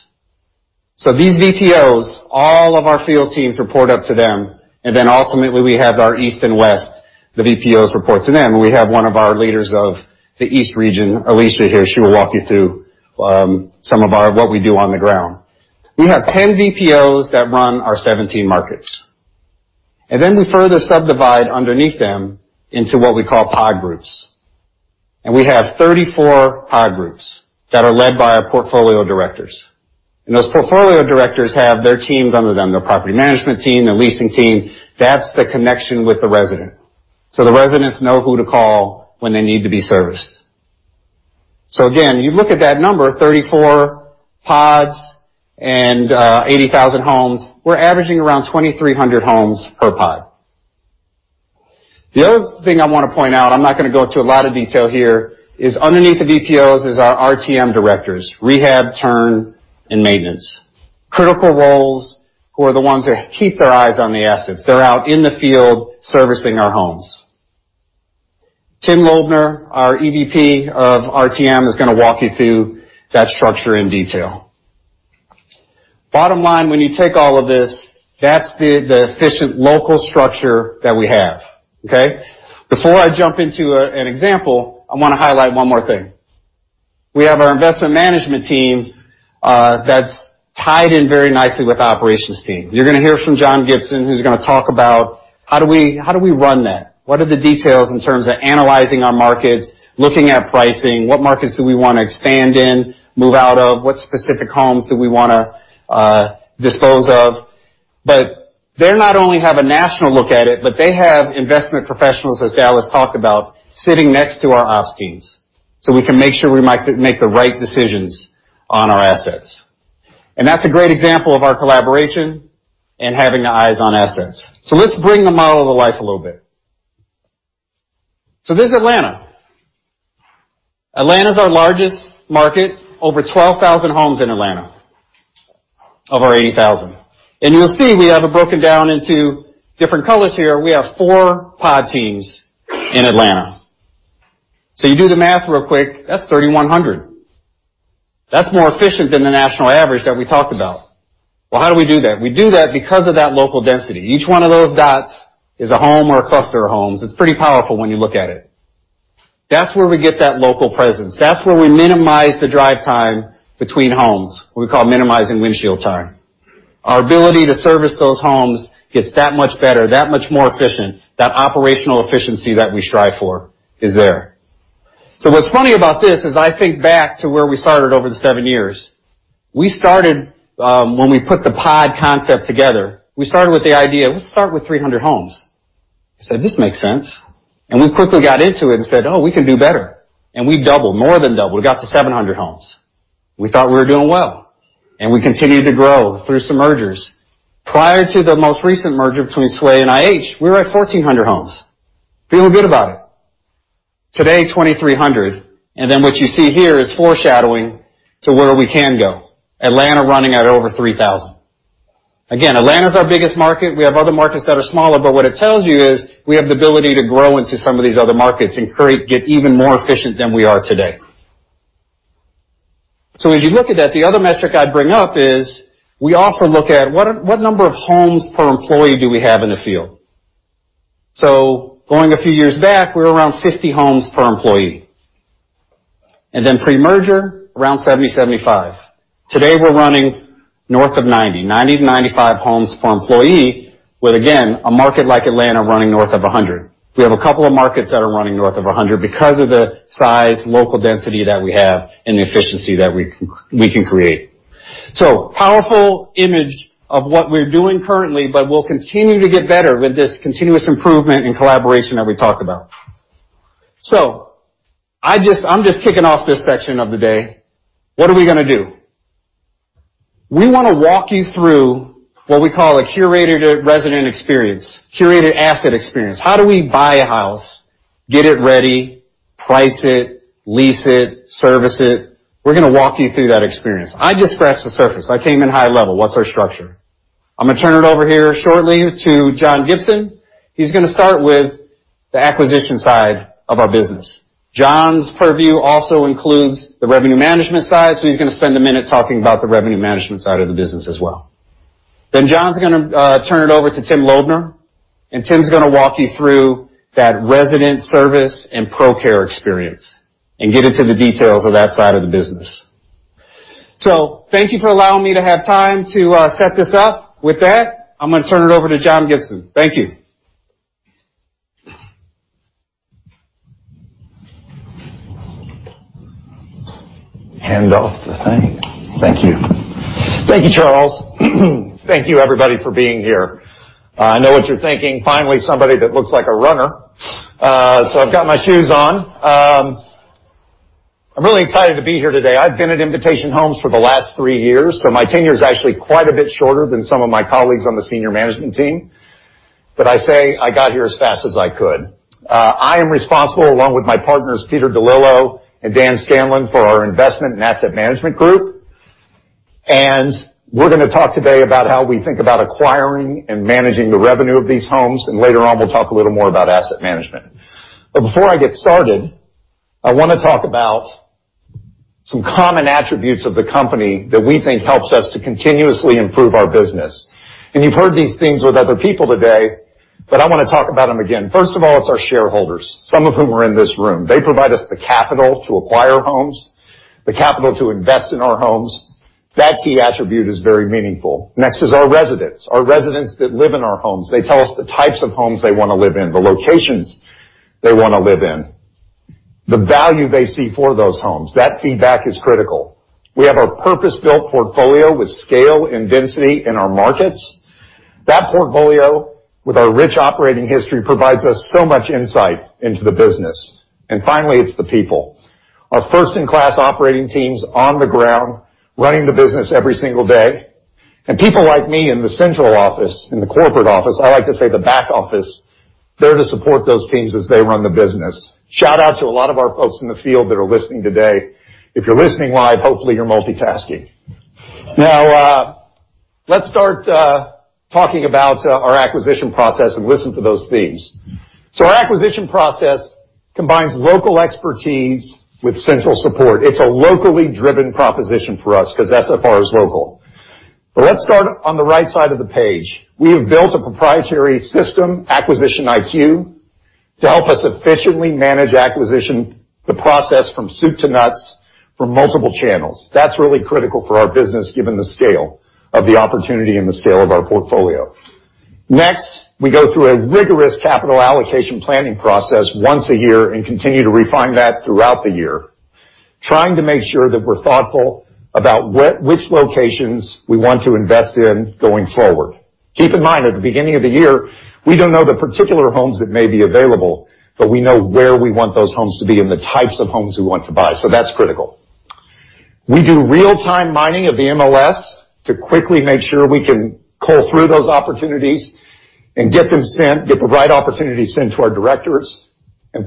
These VPOs, all of our field teams report up to them. Ultimately we have our east and west, the VPOs report to them. We have one of our leaders of the east region, Alicia, here. She will walk you through some of what we do on the ground. We have 10 VPOs that run our 17 markets. We further subdivide underneath them into what we call pod groups. We have 34 pod groups that are led by our portfolio directors. Those portfolio directors have their teams under them, their property management team, their leasing team. That's the connection with the resident. The residents know who to call when they need to be serviced. Again, you look at that number, 34 pods and 80,000 homes, we're averaging around 2,300 homes per pod. The other thing I want to point out, I'm not going to go into a lot of detail here, is underneath the VPOs is our RTM directors, rehab, turn, and maintenance, critical roles who are the ones that keep their eyes on the assets. They're out in the field servicing our homes. Tim Lauthner, our EVP of RTM, is going to walk you through that structure in detail. Bottom line, when you take all of this, that's the efficient local structure that we have. Okay? Before I jump into an example, I want to highlight one more thing. We have our investment management team that's tied in very nicely with the operations team. You're going to hear from John Gibson, who's going to talk about how do we run that? What are the details in terms of analyzing our markets, looking at pricing, what markets do we want to expand in, move out of? What specific homes do we want to dispose of? They not only have a national look at it, but they have investment professionals, as Dallas talked about, sitting next to our ops teams, so we can make sure we make the right decisions on our assets. That's a great example of our collaboration and having the eyes on assets. Let's bring the model to life a little bit. This is Atlanta. Atlanta is our largest market, over 12,000 homes in Atlanta of our 80,000. You'll see we have it broken down into different colors here. We have four pod teams in Atlanta. You do the math real quick, that's 3,100. That's more efficient than the national average that we talked about. Well, how do we do that? We do that because of that local density. Each one of those dots is a home or a cluster of homes. It's pretty powerful when you look at it. That's where we get that local presence. That's where we minimize the drive time between homes, what we call minimizing windshield time. Our ability to service those homes gets that much better, that much more efficient. That operational efficiency that we strive for is there. What's funny about this is I think back to where we started over the seven years. We started, when we put the pod concept together, we started with the idea, let's start with 300 homes. We said, "This makes sense." We quickly got into it and said, "Oh, we can do better." We doubled, more than doubled. We got to 700 homes. We thought we were doing well. We continued to grow through some mergers. Prior to the most recent merger between Sway and IH, we were at 1,400 homes. Feeling good about it. Today, we are at 2,300. What you see here is foreshadowing to where we can go. Atlanta is running at over 3,000. Again, Atlanta is our biggest market. We have other markets that are smaller, but what it tells you is we have the ability to grow into some of these other markets and get even more efficient than we are today. As you look at that, the other metric I'd bring up is we also look at what number of homes per employee do we have in the field? Going a few years back, we were around 50 homes per employee. Pre-merger, around 70, 75. Today, we're running north of 90-95 homes per employee, with again, a market like Atlanta running north of 100. We have a couple of markets that are running north of 100 because of the size, local density that we have and the efficiency that we can create. Powerful image of what we're doing currently, but we'll continue to get better with this continuous improvement and collaboration that we talked about. I'm just kicking off this section of the day. What are we going to do? We want to walk you through what we call a curated resident experience, curated asset experience. How do we buy a house, get it ready, price it, lease it, service it? We're going to walk you through that experience. I just scratched the surface. I came in high level. What's our structure? I'm going to turn it over here shortly to John Gibson. He's going to start with the acquisition side of our business. John's purview also includes the revenue management side. He's going to spend a minute talking about the revenue management side of the business as well. John's going to turn it over to Tim Lauthner, and Tim's going to walk you through that resident service and ProCare experience and get into the details of that side of the business. Thank you for allowing me to have time to set this up. With that, I'm going to turn it over to John Gibson. Thank you. Hand off the thing. Thank you. Thank you, Charles. Thank you everybody for being here. I know what you're thinking. Finally, somebody that looks like a runner. I've got my shoes on. I'm really excited to be here today. I've been at Invitation Homes for the last three years, my tenure is actually quite a bit shorter than some of my colleagues on the senior management team. I say I got here as fast as I could. I am responsible, along with my partners, Peter DeLillo and Dan Scanlon, for our investment and asset management group. We're going to talk today about how we think about acquiring and managing the revenue of these homes, and later on, we'll talk a little more about asset management. Before I get started, I want to talk about some common attributes of the company that we think helps us to continuously improve our business. You've heard these things with other people today, but I want to talk about them again. First of all, it's our shareholders, some of whom are in this room. They provide us the capital to acquire homes, the capital to invest in our homes. That key attribute is very meaningful. Next is our residents. Our residents that live in our homes, they tell us the types of homes they want to live in, the locations they want to live in, the value they see for those homes. That feedback is critical. We have our purpose-built portfolio with scale and density in our markets. That portfolio, with our rich operating history, provides us so much insight into the business. Finally, it's the people. Our first-in-class operating teams on the ground running the business every single day, and people like me in the central office, in the corporate office, I like to say, the back office, there to support those teams as they run the business. Shout out to a lot of our folks in the field that are listening today. If you're listening live, hopefully, you're multitasking. Let's start talking about our acquisition process and listen to those themes. Our acquisition process combines local expertise with central support. It's a locally driven proposition for us because SFR is local. Let's start on the right side of the page. We have built a proprietary system, Acquisition IQ, to help us efficiently manage acquisition, the process from soup to nuts, from multiple channels. That's really critical for our business given the scale of the opportunity and the scale of our portfolio. Next, we go through a rigorous capital allocation planning process once a year and continue to refine that throughout the year, trying to make sure that we're thoughtful about which locations we want to invest in going forward. Keep in mind, at the beginning of the year, we don't know the particular homes that may be available, but we know where we want those homes to be and the types of homes we want to buy. That's critical. We do real-time mining of the MLS to quickly make sure we can cull through those opportunities and get the right opportunities sent to our directors.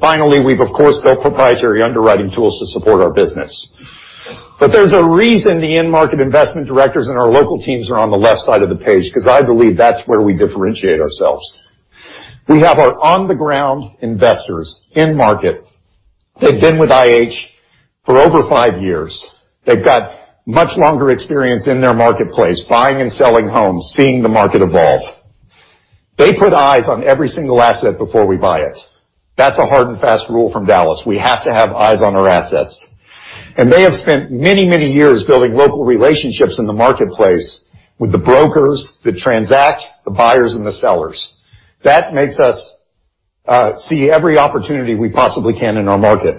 Finally, we've, of course, built proprietary underwriting tools to support our business. There's a reason the end-market investment directors and our local teams are on the left side of the page, because I believe that's where we differentiate ourselves. We have our on-the-ground investors in-market. They've been with IH for over five years. They've got much longer experience in their marketplace, buying and selling homes, seeing the market evolve. They put eyes on every single asset before we buy it. That's a hard and fast rule from Dallas. We have to have eyes on our assets. They have spent many years building local relationships in the marketplace with the brokers that transact the buyers and the sellers. That makes us see every opportunity we possibly can in our market.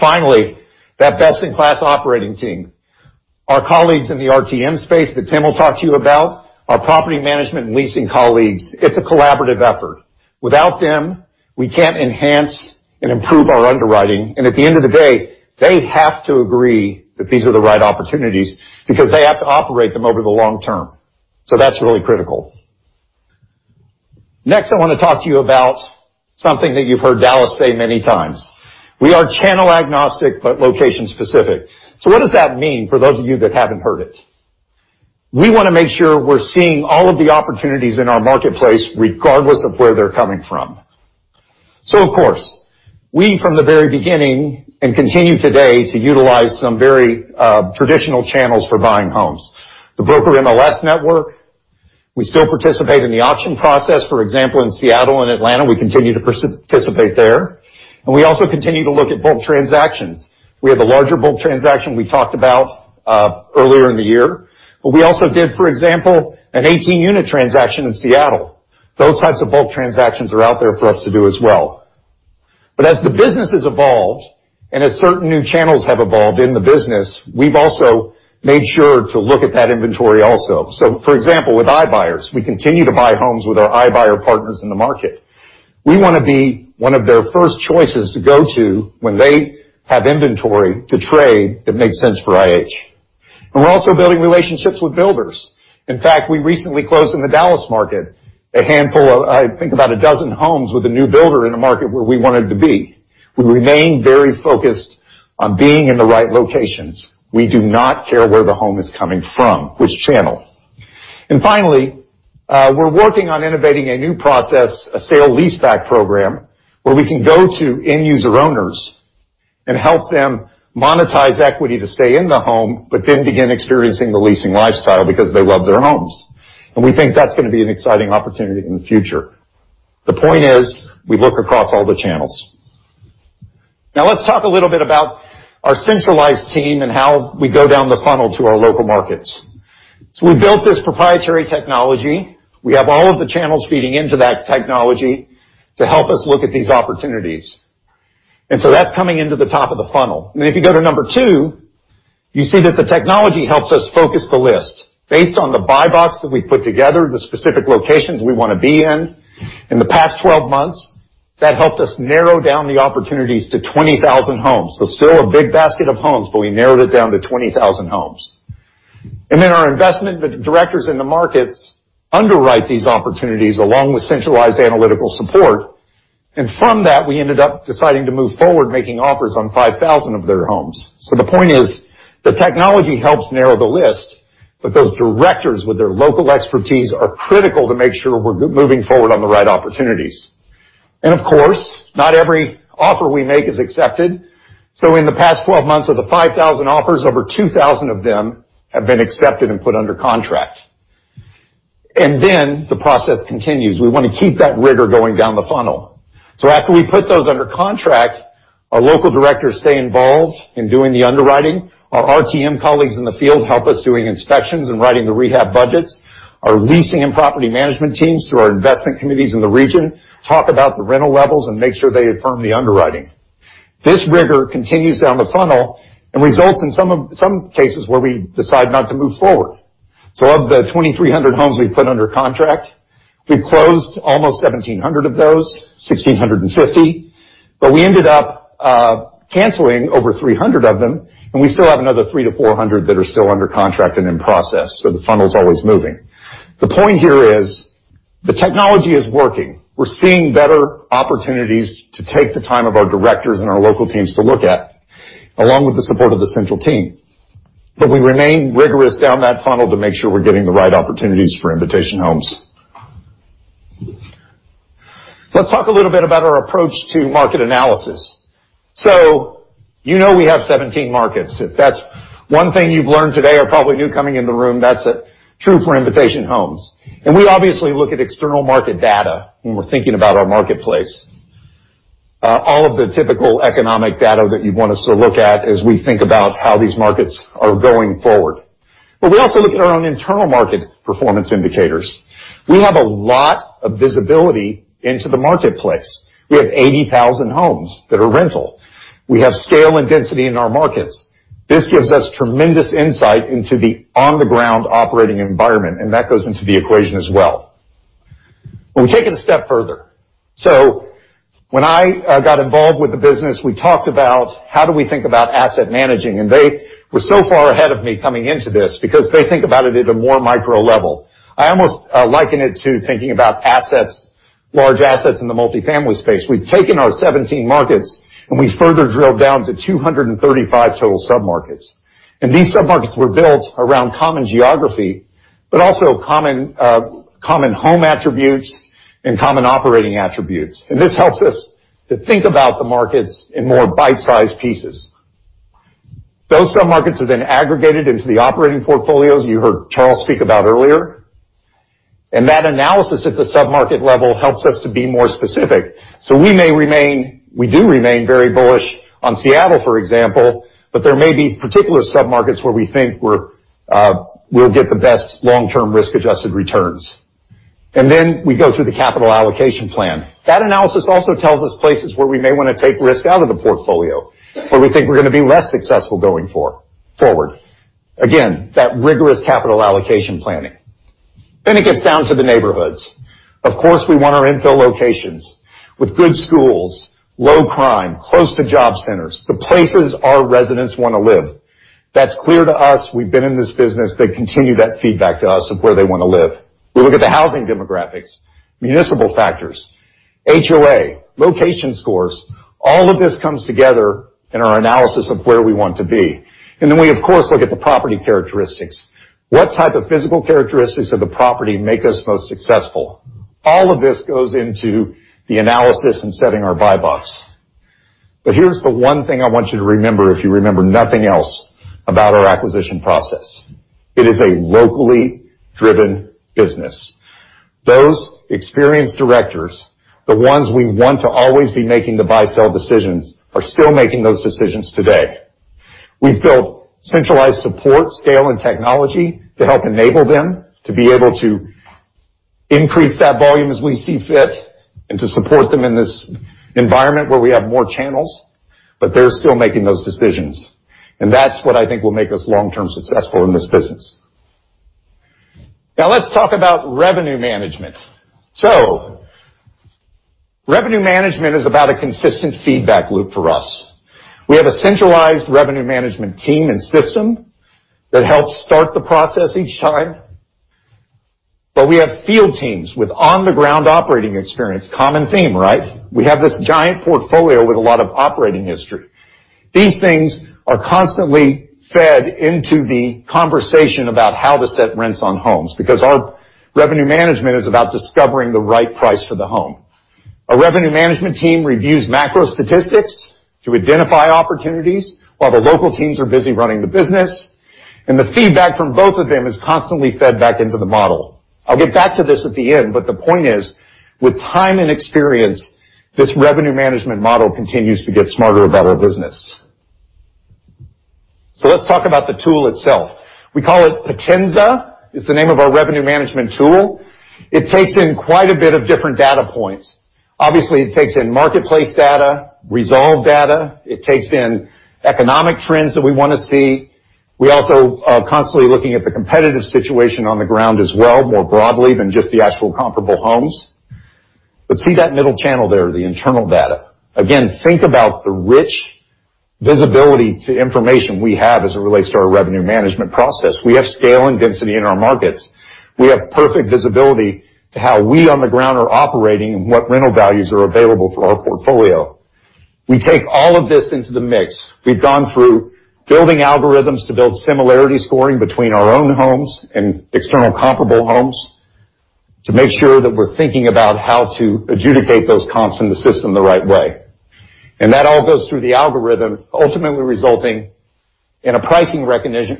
Finally, that best-in-class operating team, our colleagues in the RTM space that Tim will talk to you about, our property management and leasing colleagues, it's a collaborative effort. Without them, we can't enhance and improve our underwriting. At the end of the day, they have to agree that these are the right opportunities because they have to operate them over the long term. That's really critical. Next, I want to talk to you about something that you've heard Dallas say many times. We are channel agnostic but location specific. What does that mean for those of you that haven't heard it? We want to make sure we're seeing all of the opportunities in our marketplace, regardless of where they're coming from. Of course, we from the very beginning, and continue today, to utilize some very traditional channels for buying homes. The broker MLS network. We still participate in the auction process. For example, in Seattle and Atlanta, we continue to participate there. We also continue to look at bulk transactions. We have the larger bulk transaction we talked about earlier in the year, but we also did, for example, an 18-unit transaction in Seattle. Those types of bulk transactions are out there for us to do as well. As the business has evolved and as certain new channels have evolved in the business, we've also made sure to look at that inventory also. For example, with iBuyers, we continue to buy homes with our iBuyer partners in the market. We want to be one of their first choices to go to when they have inventory to trade that makes sense for IH. We're also building relationships with builders. In fact, we recently closed in the Dallas market, a handful of, I think about 12 homes with a new builder in a market where we wanted to be. We remain very focused on being in the right locations. We do not care where the home is coming from, which channel. Finally, we're working on innovating a new process, a sale leaseback program, where we can go to end user owners and help them monetize equity to stay in the home, then begin experiencing the leasing lifestyle because they love their homes. We think that's going to be an exciting opportunity in the future. The point is, we look across all the channels. Let's talk a little bit about our centralized team and how we go down the funnel to our local markets. We built this proprietary technology. We have all of the channels feeding into that technology to help us look at these opportunities. That's coming into the top of the funnel. If you go to number two, you see that the technology helps us focus the list based on the buy box that we've put together, the specific locations we want to be in. In the past 12 months, that helped us narrow down the opportunities to 20,000 homes. Still a big basket of homes, but we narrowed it down to 20,000 homes. Our investment directors in the markets underwrite these opportunities along with centralized analytical support. From that, we ended up deciding to move forward making offers on 5,000 of their homes. The point is, the technology helps narrow the list. Those directors with their local expertise are critical to make sure we're moving forward on the right opportunities. Of course, not every offer we make is accepted. In the past 12 months, of the 5,000 offers, over 2,000 of them have been accepted and put under contract. The process continues. We want to keep that rigor going down the funnel. After we put those under contract, our local directors stay involved in doing the underwriting. Our RTM colleagues in the field help us doing inspections and writing the rehab budgets. Our leasing and property management teams, through our investment committees in the region, talk about the rental levels and make sure they affirm the underwriting. This rigor continues down the funnel and results in some cases where we decide not to move forward. Of the 2,300 homes we put under contract, we closed almost 1,700 of those, 1,650. We ended up canceling over 300 of them, and we still have another 300-400 that are still under contract and in process. The funnel's always moving. The point here is the technology is working. We're seeing better opportunities to take the time of our directors and our local teams to look at, along with the support of the central team. We remain rigorous down that funnel to make sure we're getting the right opportunities for Invitation Homes. Let's talk a little bit about our approach to market analysis. You know we have 17 markets. If that's one thing you've learned today or probably knew coming in the room, that's true for Invitation Homes. We obviously look at external market data when we're thinking about our marketplace. All of the typical economic data that you'd want us to look at as we think about how these markets are going forward. We also look at our own internal market performance indicators. We have a lot of visibility into the marketplace. We have 80,000 homes that are rental. We have scale and density in our markets. This gives us tremendous insight into the on-the-ground operating environment, and that goes into the equation as well. We take it a step further. When I got involved with the business, we talked about how do we think about asset managing, and they were so far ahead of me coming into this because they think about it at a more micro level. I almost liken it to thinking about large assets in the multifamily space. We've taken our 17 markets, and we've further drilled down to 235 total sub-markets. These sub-markets were built around common geography, but also common home attributes and common operating attributes. This helps us to think about the markets in more bite-sized pieces. Those sub-markets are then aggregated into the operating portfolios you heard Charles speak about earlier. That analysis at the sub-market level helps us to be more specific. We do remain very bullish on Seattle, for example, but there may be particular sub-markets where we think we'll get the best long-term risk-adjusted returns. We go through the capital allocation plan. That analysis also tells us places where we may want to take risk out of the portfolio, where we think we're going to be less successful going forward. Again, that rigorous capital allocation planning. It gets down to the neighborhoods. We want our infill locations with good schools, low crime, close to job centers, the places our residents want to live. That's clear to us. We've been in this business. They continue that feedback to us of where they want to live. We look at the housing demographics, municipal factors, HOA, location scores. All of this comes together in our analysis of where we want to be. Then we, of course, look at the property characteristics. What type of physical characteristics of the property make us most successful? All of this goes into the analysis in setting our buy box. Here's the one thing I want you to remember if you remember nothing else about our acquisition process. It is a locally driven business. Those experienced directors, the ones we want to always be making the buy/sell decisions, are still making those decisions today. We've built centralized support, scale, and technology to help enable them to be able to increase that volume as we see fit and to support them in this environment where we have more channels, but they're still making those decisions. That's what I think will make us long-term successful in this business. Now let's talk about revenue management. Revenue management is about a consistent feedback loop for us. We have a centralized revenue management team and system that helps start the process each time. We have field teams with on-the-ground operating experience. Common theme, right? We have this giant portfolio with a lot of operating history. These things are constantly fed into the conversation about how to set rents on homes because our revenue management is about discovering the right price for the home. Our revenue management team reviews macro statistics to identify opportunities while the local teams are busy running the business, and the feedback from both of them is constantly fed back into the model. I'll get back to this at the end, but the point is, with time and experience, this revenue management model continues to get smarter about our business. Let's talk about the tool itself. We call it Potenza, is the name of our revenue management tool. It takes in quite a bit of different data points. Obviously, it takes in marketplace data, resolve data. It takes in economic trends that we want to see. We also are constantly looking at the competitive situation on the ground as well, more broadly than just the actual comparable homes. See that middle channel there, the internal data. Again, think about the rich visibility to information we have as it relates to our revenue management process. We have scale and density in our markets. We have perfect visibility to how we on the ground are operating and what rental values are available for our portfolio. We take all of this into the mix. We've gone through building algorithms to build similarity scoring between our own homes and external comparable homes to make sure that we're thinking about how to adjudicate those comps in the system the right way. That all goes through the algorithm, ultimately resulting in a pricing recommendation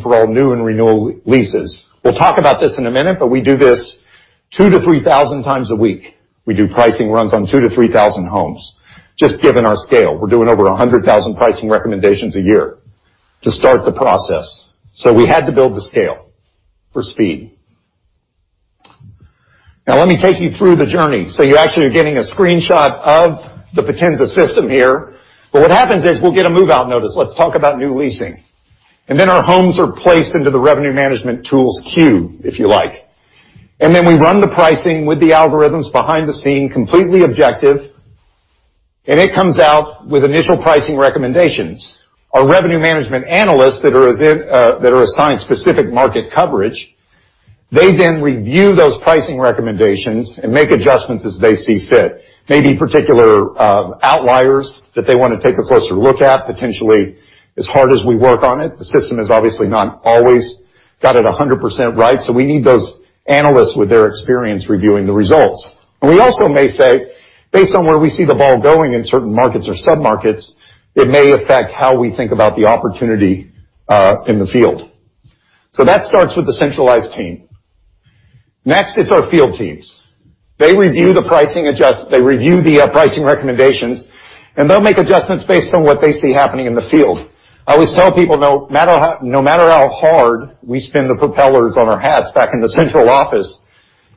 for all new and renewal leases. We'll talk about this in a minute, but we do this 2,000 to 3,000 times a week. We do pricing runs on 2,000 to 3,000 homes, just given our scale. We're doing over 100,000 pricing recommendations a year to start the process. We had to build the scale for speed. Let me take you through the journey. You actually are getting a screenshot of the Potenza system here. What happens is, we'll get a move-out notice. Let's talk about new leasing. Our homes are placed into the revenue management tools queue, if you like. We run the pricing with the algorithms behind the scene, completely objective, and it comes out with initial pricing recommendations. Our revenue management analysts that are assigned specific market coverage, they then review those pricing recommendations and make adjustments as they see fit. Maybe particular outliers that they want to take a closer look at, potentially. As hard as we work on it, the system is obviously not always got it 100% right, we need those analysts with their experience reviewing the results. We also may say, based on where we see the ball going in certain markets or sub-markets, it may affect how we think about the opportunity in the field. That starts with the centralized team. Next, it's our field teams. They review the pricing recommendations, and they'll make adjustments based on what they see happening in the field. I always tell people, no matter how hard we spin the propellers on our hats back in the central office,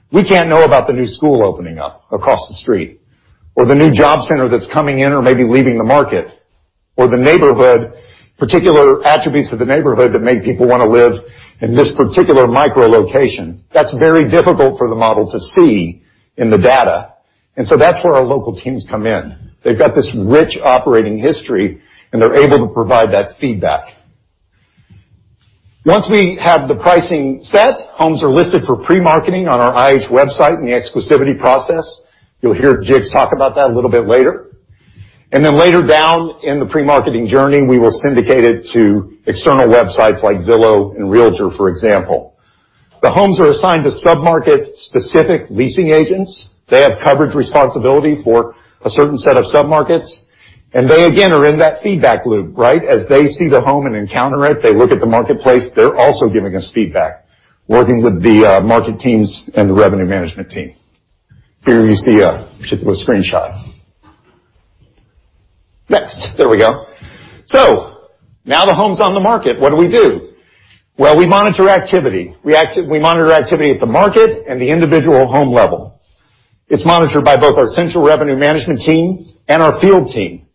we can't know about the new school opening up across the street or the new job center that's coming in or maybe leaving the market, or the neighborhood, particular attributes of the neighborhood that make people want to live in this particular micro location. That's very difficult for the model to see in the data. That's where our local teams come in. They've got this rich operating history, and they're able to provide that feedback. Once we have the pricing set, homes are listed for pre-marketing on our IH website in the exclusivity process. You'll hear Jiggs talk about that a little bit later. Later down in the pre-marketing journey, we will syndicate it to external websites like Zillow and Realtor.com, for example. The homes are assigned to sub-market specific leasing agents. They have coverage responsibility for a certain set of sub-markets, and they again are in that feedback loop, right? As they see the home and encounter it, they look at the marketplace. They're also giving us feedback, working with the market teams and the revenue management team. Here you see a particular screenshot. Next. There we go. Now the home's on the market. What do we do? Well, we monitor activity. We monitor activity at the market and the individual home level. It's monitored by both our central revenue management team and our field team.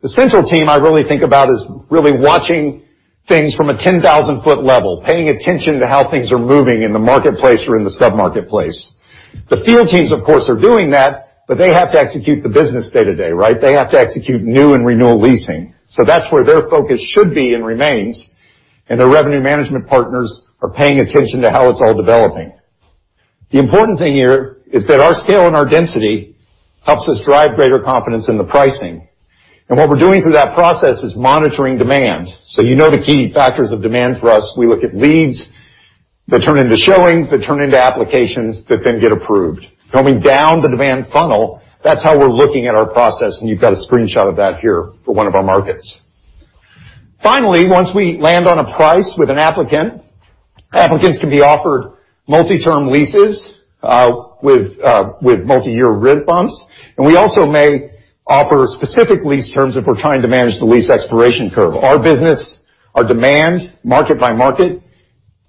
The central team I really think about as really watching things from a 10,000-foot level, paying attention to how things are moving in the marketplace or in the sub-marketplace. The field teams, of course, are doing that, but they have to execute the business day-to-day, right? They have to execute new and renewal leasing. That's where their focus should be and remains, and their revenue management partners are paying attention to how it's all developing. The important thing here is that our scale and our density helps us drive greater confidence in the pricing. What we're doing through that process is monitoring demand. You know the key factors of demand for us. We look at leads that turn into showings, that turn into applications, that then get approved. Going down the demand funnel, that's how we're looking at our process, and you've got a screenshot of that here for one of our markets. Finally, once we land on a price with an applicant, applicants can be offered multi-term leases, with multi-year rent bumps, and we also may offer specific lease terms if we're trying to manage the lease expiration curve. Our business, our demand, market by market,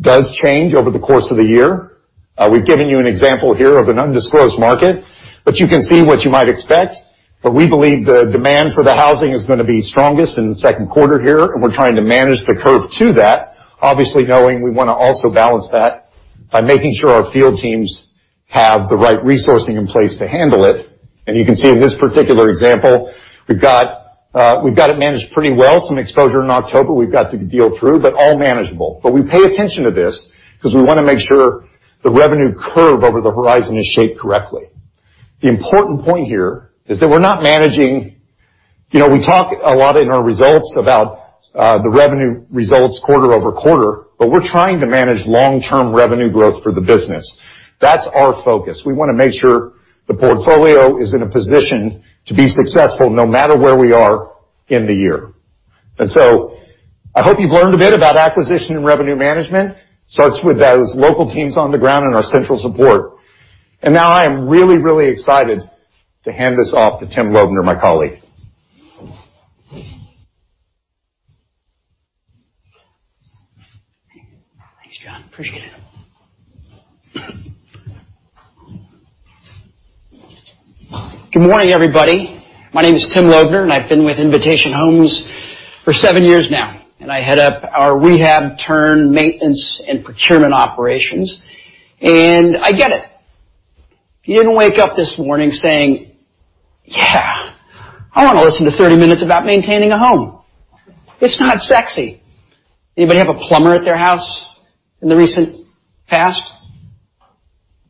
does change over the course of the year. We've given you an example here of an undisclosed market, but you can see what you might expect. We believe the demand for the housing is going to be strongest in the second quarter here, and we're trying to manage the curve to that. Obviously knowing we want to also balance that by making sure our field teams have the right resourcing in place to handle it. You can see in this particular example, we've got it managed pretty well, some exposure in October we've got to deal through, but all manageable. We pay attention to this because we want to make sure the revenue curve over the horizon is shaped correctly. The important point here is that we're not managing. We talk a lot in our results about the revenue results quarter-over-quarter, but we're trying to manage long-term revenue growth for the business. That's our focus. We want to make sure the portfolio is in a position to be successful no matter where we are in the year. I hope you've learned a bit about acquisition and revenue management. It starts with those local teams on the ground and our central support. Now I am really excited to hand this off to Tim Lauthner, my colleague. Thanks, John. Appreciate it. Good morning, everybody. My name is Tim Lauthner, and I've been with Invitation Homes for seven years now, and I head up our rehab, turn, maintenance, and procurement operations. I get it. You didn't wake up this morning saying, "Yeah, I want to listen to 30 minutes about maintaining a home." It's not sexy. Anybody have a plumber at their house in the recent past?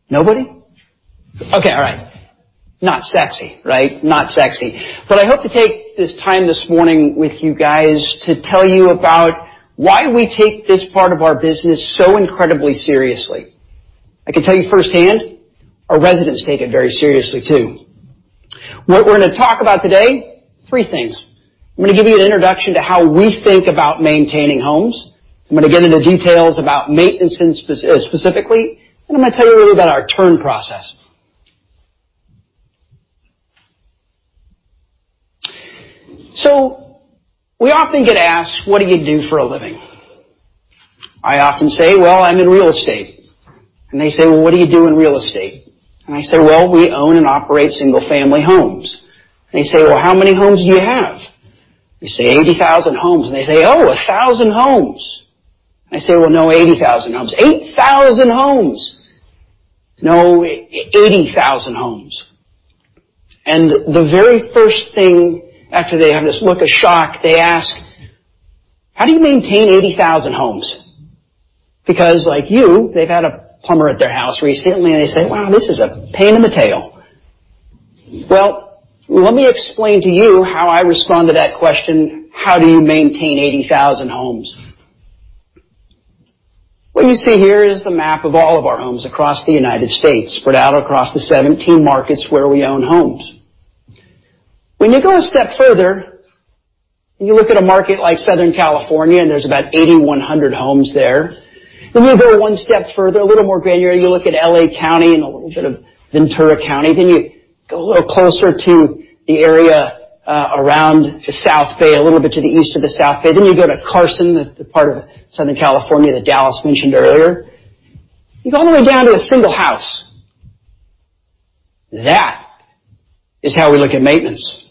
Nobody? Okay. All right. Not sexy, right? Not sexy. I hope to take this time this morning with you guys to tell you about why we take this part of our business so incredibly seriously. I can tell you firsthand, our residents take it very seriously, too. What we're going to talk about today, three things. I'm going to give you an introduction to how we think about maintaining homes. I'm going to get into details about maintenance specifically. I'm going to tell you a little about our turn process. We often get asked, "What do you do for a living?" I often say, "Well, I'm in real estate." They say, "Well, what do you do in real estate?" I say, "Well, we own and operate single-family homes." They say, "Well, how many homes do you have?" I say, "80,000 homes." They say, "Oh, 1,000 homes." I say, "Well, no, 80,000 homes." "8,000 homes?" "No, 80,000 homes." The very first thing after they have this look of shock, they ask, "How do you maintain 80,000 homes?" Because like you, they've had a plumber at their house recently, and they say, "Wow, this is a pain in the tail." Well, let me explain to you how I respond to that question, how do you maintain 80,000 homes? What you see here is the map of all of our homes across the U.S., spread out across the 17 markets where we own homes. You go a step further, you look at a market like Southern California, there's about 8,100 homes there. You go one step further, a little more granular, you look at L.A. County and a little bit of Ventura County. You go a little closer to the area around the South Bay, a little bit to the east of the South Bay. You go to Carson, the part of Southern California that Dallas mentioned earlier. You go all the way down to a single house. That is how we look at maintenance,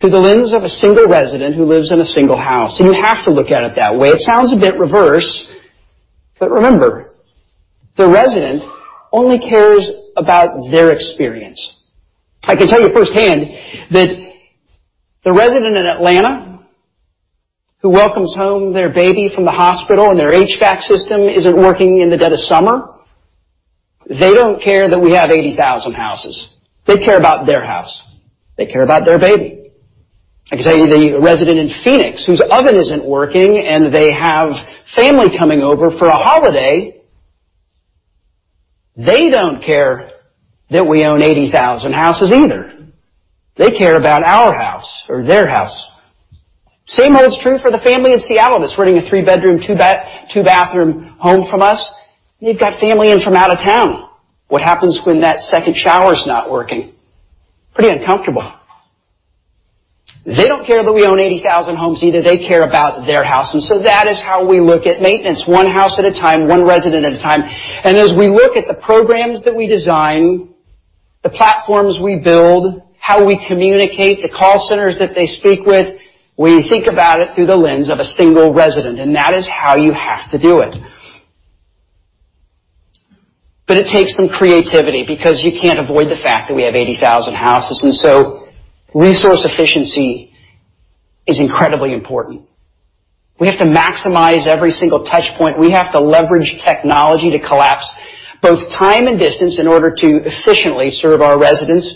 through the lens of a single resident who lives in a single house. You have to look at it that way. It sounds a bit reverse, but remember, the resident only cares about their experience. I can tell you firsthand that the resident in Atlanta who welcomes home their baby from the hospital, and their HVAC system isn't working in the dead of summer, they don't care that we have 80,000 houses. They care about their house. They care about their baby. I can tell you, the resident in Phoenix whose oven isn't working, and they have family coming over for a holiday, they don't care that we own 80,000 houses either. They care about our house or their house. Same holds true for the family in Seattle that's renting a three-bedroom, two-bathroom home from us, and they've got family in from out of town. What happens when that second shower's not working? Pretty uncomfortable. They don't care that we own 80,000 homes either. They care about their house. That is how we look at maintenance, one house at a time, one resident at a time. As we look at the programs that we design, the platforms we build, how we communicate, the call centers that they speak with, we think about it through the lens of a single resident, and that is how you have to do it. It takes some creativity because you can't avoid the fact that we have 80,000 houses. Resource efficiency is incredibly important. We have to maximize every single touch point. We have to leverage technology to collapse both time and distance in order to efficiently serve our residents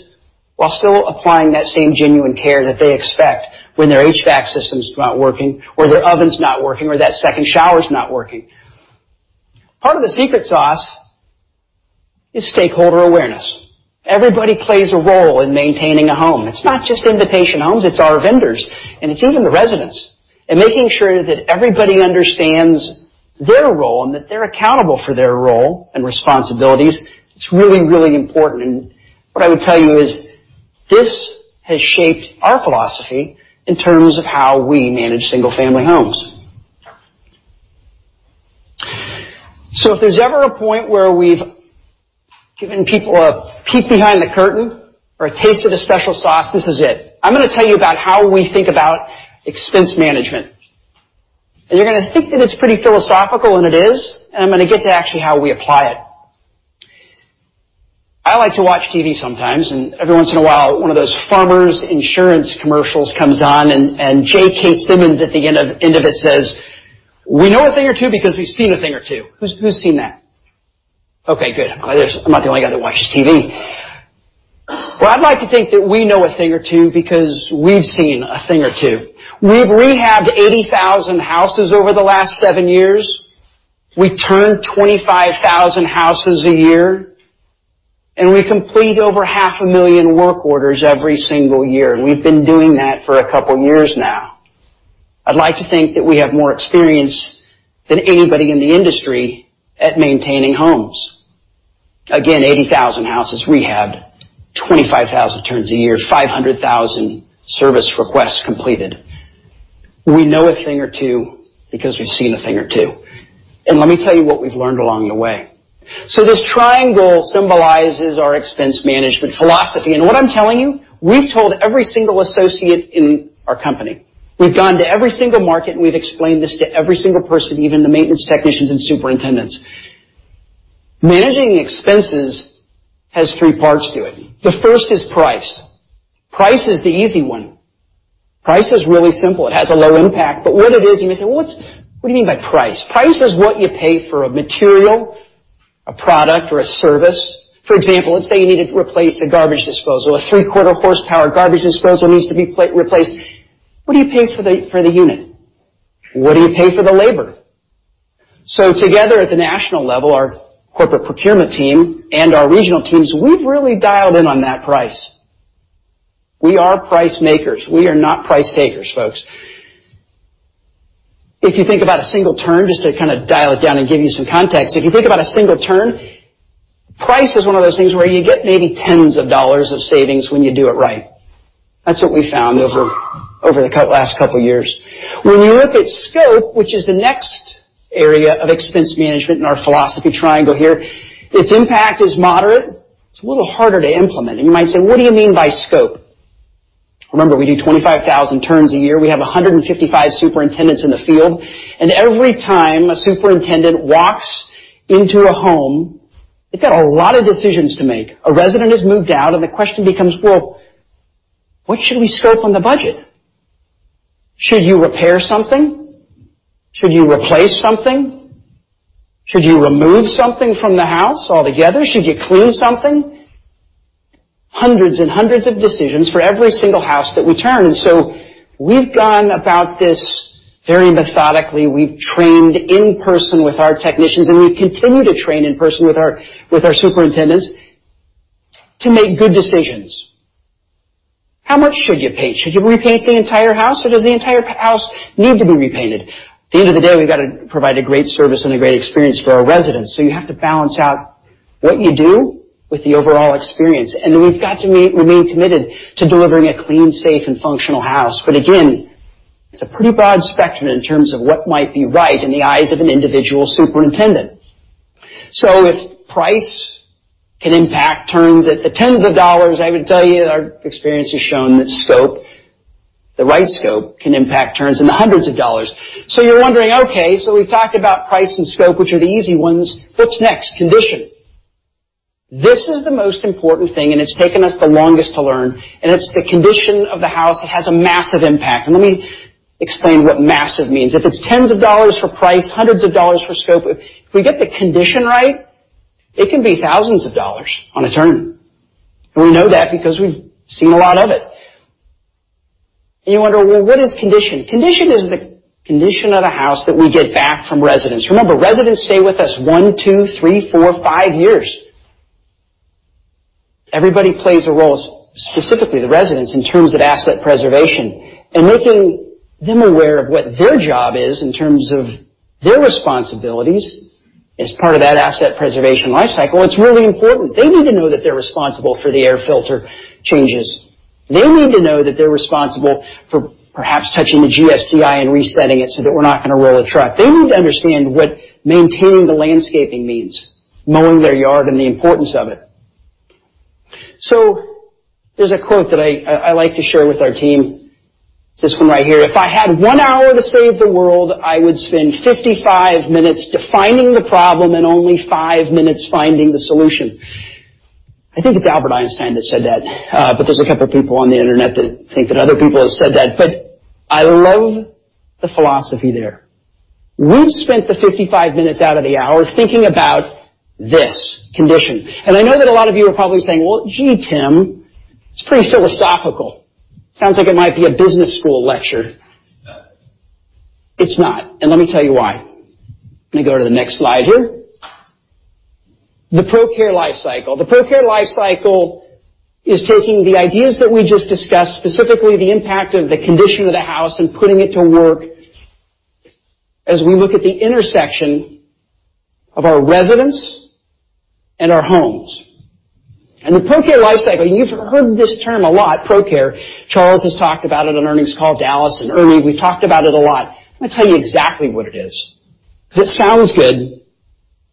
while still applying that same genuine care that they expect when their HVAC system's not working or their oven's not working or that second shower's not working. Part of the secret sauce is stakeholder awareness. Everybody plays a role in maintaining a home. It's not just Invitation Homes, it's our vendors, and it's even the residents. Making sure that everybody understands their role and that they're accountable for their role and responsibilities, it's really important. What I would tell you is this has shaped our philosophy in terms of how we manage single-family homes. If there's ever a point where we've given people a peek behind the curtain or a taste of the special sauce, this is it. I'm going to tell you about how we think about expense management. You're going to think that it's pretty philosophical, and it is, and I'm going to get to actually how we apply it. I like to watch TV sometimes, and every once in a while, one of those Farmers Insurance commercials comes on, and J.K. Simmons at the end of it says, "We know a thing or two because we've seen a thing or two." Who's seen that? Okay, good. I'm not the only guy that watches TV. I'd like to think that we know a thing or two because we've seen a thing or two. We've rehabbed 80,000 houses over the last seven years. We turn 25,000 houses a year, and we complete over half a million work orders every single year. We've been doing that for a couple of years now. I'd like to think that we have more experience than anybody in the industry at maintaining homes. Again, 80,000 houses rehabbed, 25,000 turns a year, 500,000 service requests completed. We know a thing or two because we've seen a thing or two. Let me tell you what we've learned along the way. This triangle symbolizes our expense management philosophy. What I'm telling you, we've told every single associate in our company. We've gone to every single market, we've explained this to every single person, even the maintenance technicians and superintendents. Managing expenses has three parts to it. The first is price. Price is the easy one. Price is really simple. It has a low impact, what it is, you may say, "What do you mean by price?" Price is what you pay for a material, a product, or a service. For example, let's say you need to replace a garbage disposal. A three-quarter horsepower garbage disposal needs to be replaced. What do you pay for the unit? What do you pay for the labor? Together at the national level, our corporate procurement team and our regional teams, we've really dialed in on that price. We are price makers. We are not price takers, folks. If you think about a single turn, just to kind of dial it down and give you some context, if you think about a single turn, price is one of those things where you get maybe tens of dollars of savings when you do it right. That's what we've found over the last couple of years. When you look at scope, which is the next area of expense management in our philosophy triangle here, its impact is moderate. It's a little harder to implement. You might say, "What do you mean by scope?" Remember, we do 25,000 turns a year. We have 155 superintendents in the field, and every time a superintendent walks into a home, they've got a lot of decisions to make. The question becomes, well, what should we scope on the budget? Should you repair something? Should you replace something? Should you remove something from the house altogether? Should you clean something? Hundreds and hundreds of decisions for every single house that we turn. We've gone about this very methodically. We've trained in person with our technicians, and we continue to train in person with our superintendents to make good decisions. How much should you paint? Should you repaint the entire house, or does the entire house need to be repainted? At the end of the day, we've got to provide a great service and a great experience for our residents. You have to balance out what you do with the overall experience. We've got to remain committed to delivering a clean, safe, and functional house. Again, it's a pretty broad spectrum in terms of what might be right in the eyes of an individual superintendent. If price can impact turns at tens of dollars, I would tell you that our experience has shown that scope, the right scope, can impact turns in the hundreds of dollars. You're wondering, okay, we've talked about price and scope, which are the easy ones. What's next? Condition. This is the most important thing, and it's taken us the longest to learn, and it's the condition of the house. It has a massive impact. Let me explain what massive means. If it's tens of dollars for price, hundreds of dollars for scope, if we get the condition right, it can be thousands of dollars on a turn. We know that because we've seen a lot of it. You wonder, well, what is condition? Condition is the condition of the house that we get back from residents. Remember, residents stay with us one, two, three, four, five years. Everybody plays a role, specifically the residents, in terms of asset preservation and making them aware of what their job is in terms of their responsibilities as part of that asset preservation life cycle. It's really important. They need to know that they're responsible for the air filter changes. They need to know that they're responsible for perhaps touching the GFCI and resetting it so that we're not going to roll a truck. They need to understand what maintaining the landscaping means, mowing their yard, and the importance of it. There's a quote that I like to share with our team. It's this one right here. If I had one hour to save the world, I would spend 55 minutes defining the problem and only five minutes finding the solution." I think it's Albert Einstein that said that, there's a couple of people on the internet that think that other people have said that. I love the philosophy there. We've spent the 55 minutes out of the hour thinking about this condition. I know that a lot of you are probably saying, "Well, gee, Tim, it's pretty philosophical. Sounds like it might be a business school lecture." It's not. Let me tell you why. Let me go to the next slide here. The ProCare Life Cycle. The ProCare Life Cycle is taking the ideas that we just discussed, specifically the impact of the condition of the house, and putting it to work as we look at the intersection of our residents and our homes. The ProCare Life Cycle, you've heard this term a lot, ProCare. Charles has talked about it on earnings call. Dallas and Ernie, we've talked about it a lot. Let me tell you exactly what it is. It sounds good,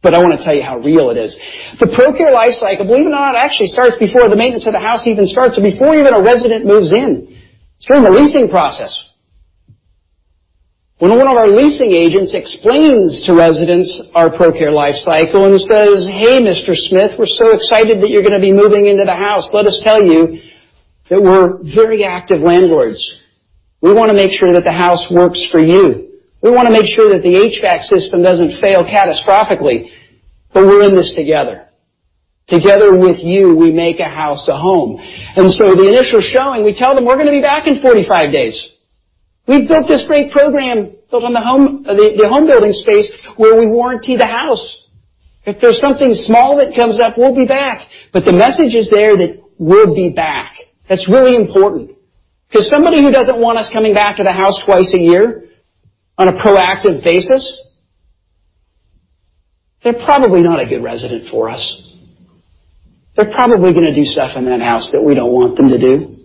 but I want to tell you how real it is. The ProCare Life Cycle, believe it or not, actually starts before the maintenance of the house even starts or before even a resident moves in. It's during the leasing process. When one of our leasing agents explains to residents our ProCare Life Cycle and says, "Hey, Mr. Smith, we're so excited that you're going to be moving into the house. Let us tell you that we're very active landlords. We want to make sure that the house works for you. We want to make sure that the HVAC system doesn't fail catastrophically. We're in this together. Together with you, we make a house a home. The initial showing, we tell them we're going to be back in 45 days. We've built this great program built on the home building space where we warranty the house. If there's something small that comes up, we'll be back. The message is there that we'll be back. That's really important. Because somebody who doesn't want us coming back to the house twice a year on a proactive basis, they're probably not a good resident for us. They're probably going to do stuff in that house that we don't want them to do.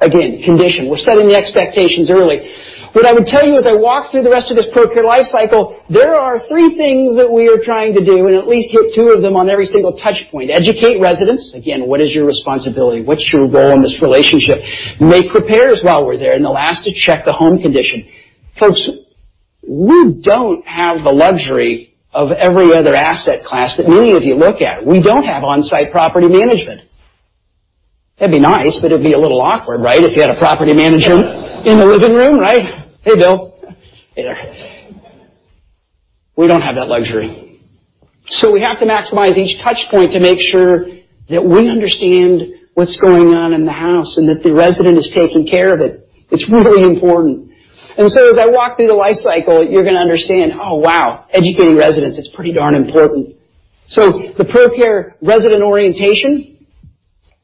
Again, condition. We're setting the expectations early. What I would tell you as I walk through the rest of this ProCare Life Cycle, there are three things that we are trying to do and at least get two of them on every single touch point. Educate residents. Again, what is your responsibility? What's your role in this relationship? Make repairs while we're there. The last is check the home condition. Folks. We don't have the luxury of every other asset class that many of you look at. We don't have on-site property management. That'd be nice, but it'd be a little awkward, right, if you had a property manager in the living room? Right? "Hey, Bill." "Hey, there." We don't have that luxury. We have to maximize each touch point to make sure that we understand what's going on in the house and that the resident is taking care of it. It's really important. As I walk through the life cycle, you're going to understand, oh, wow, educating residents, it's pretty darn important. The ProCare resident orientation,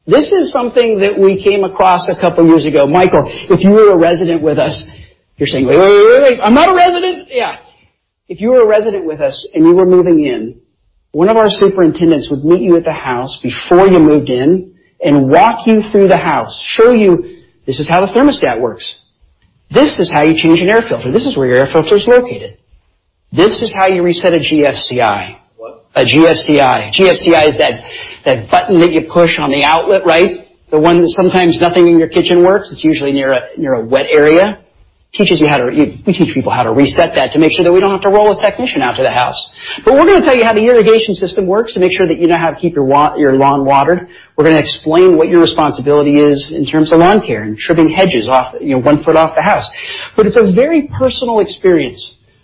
this is something that we came across a couple of years ago. Michael, if you were a resident with us, you're saying, "Wait, wait, wait. I'm not a resident." Yeah. If you were a resident with us and you were moving in, one of our superintendents would meet you at the house before you moved in and walk you through the house, show you, this is how the thermostat works. This is how you change an air filter. This is where your air filter is located. This is how you reset a GFCI. What? A GFCI. GFCI is that button that you push on the outlet, right? The one that sometimes nothing in your kitchen works. It's usually near a wet area. We teach people how to reset that to make sure that we don't have to roll a technician out to the house. We're going to tell you how the irrigation system works to make sure that you know how to keep your lawn watered. We're going to explain what your responsibility is in terms of lawn care and trimming hedges one foot off the house. It's a very personal experience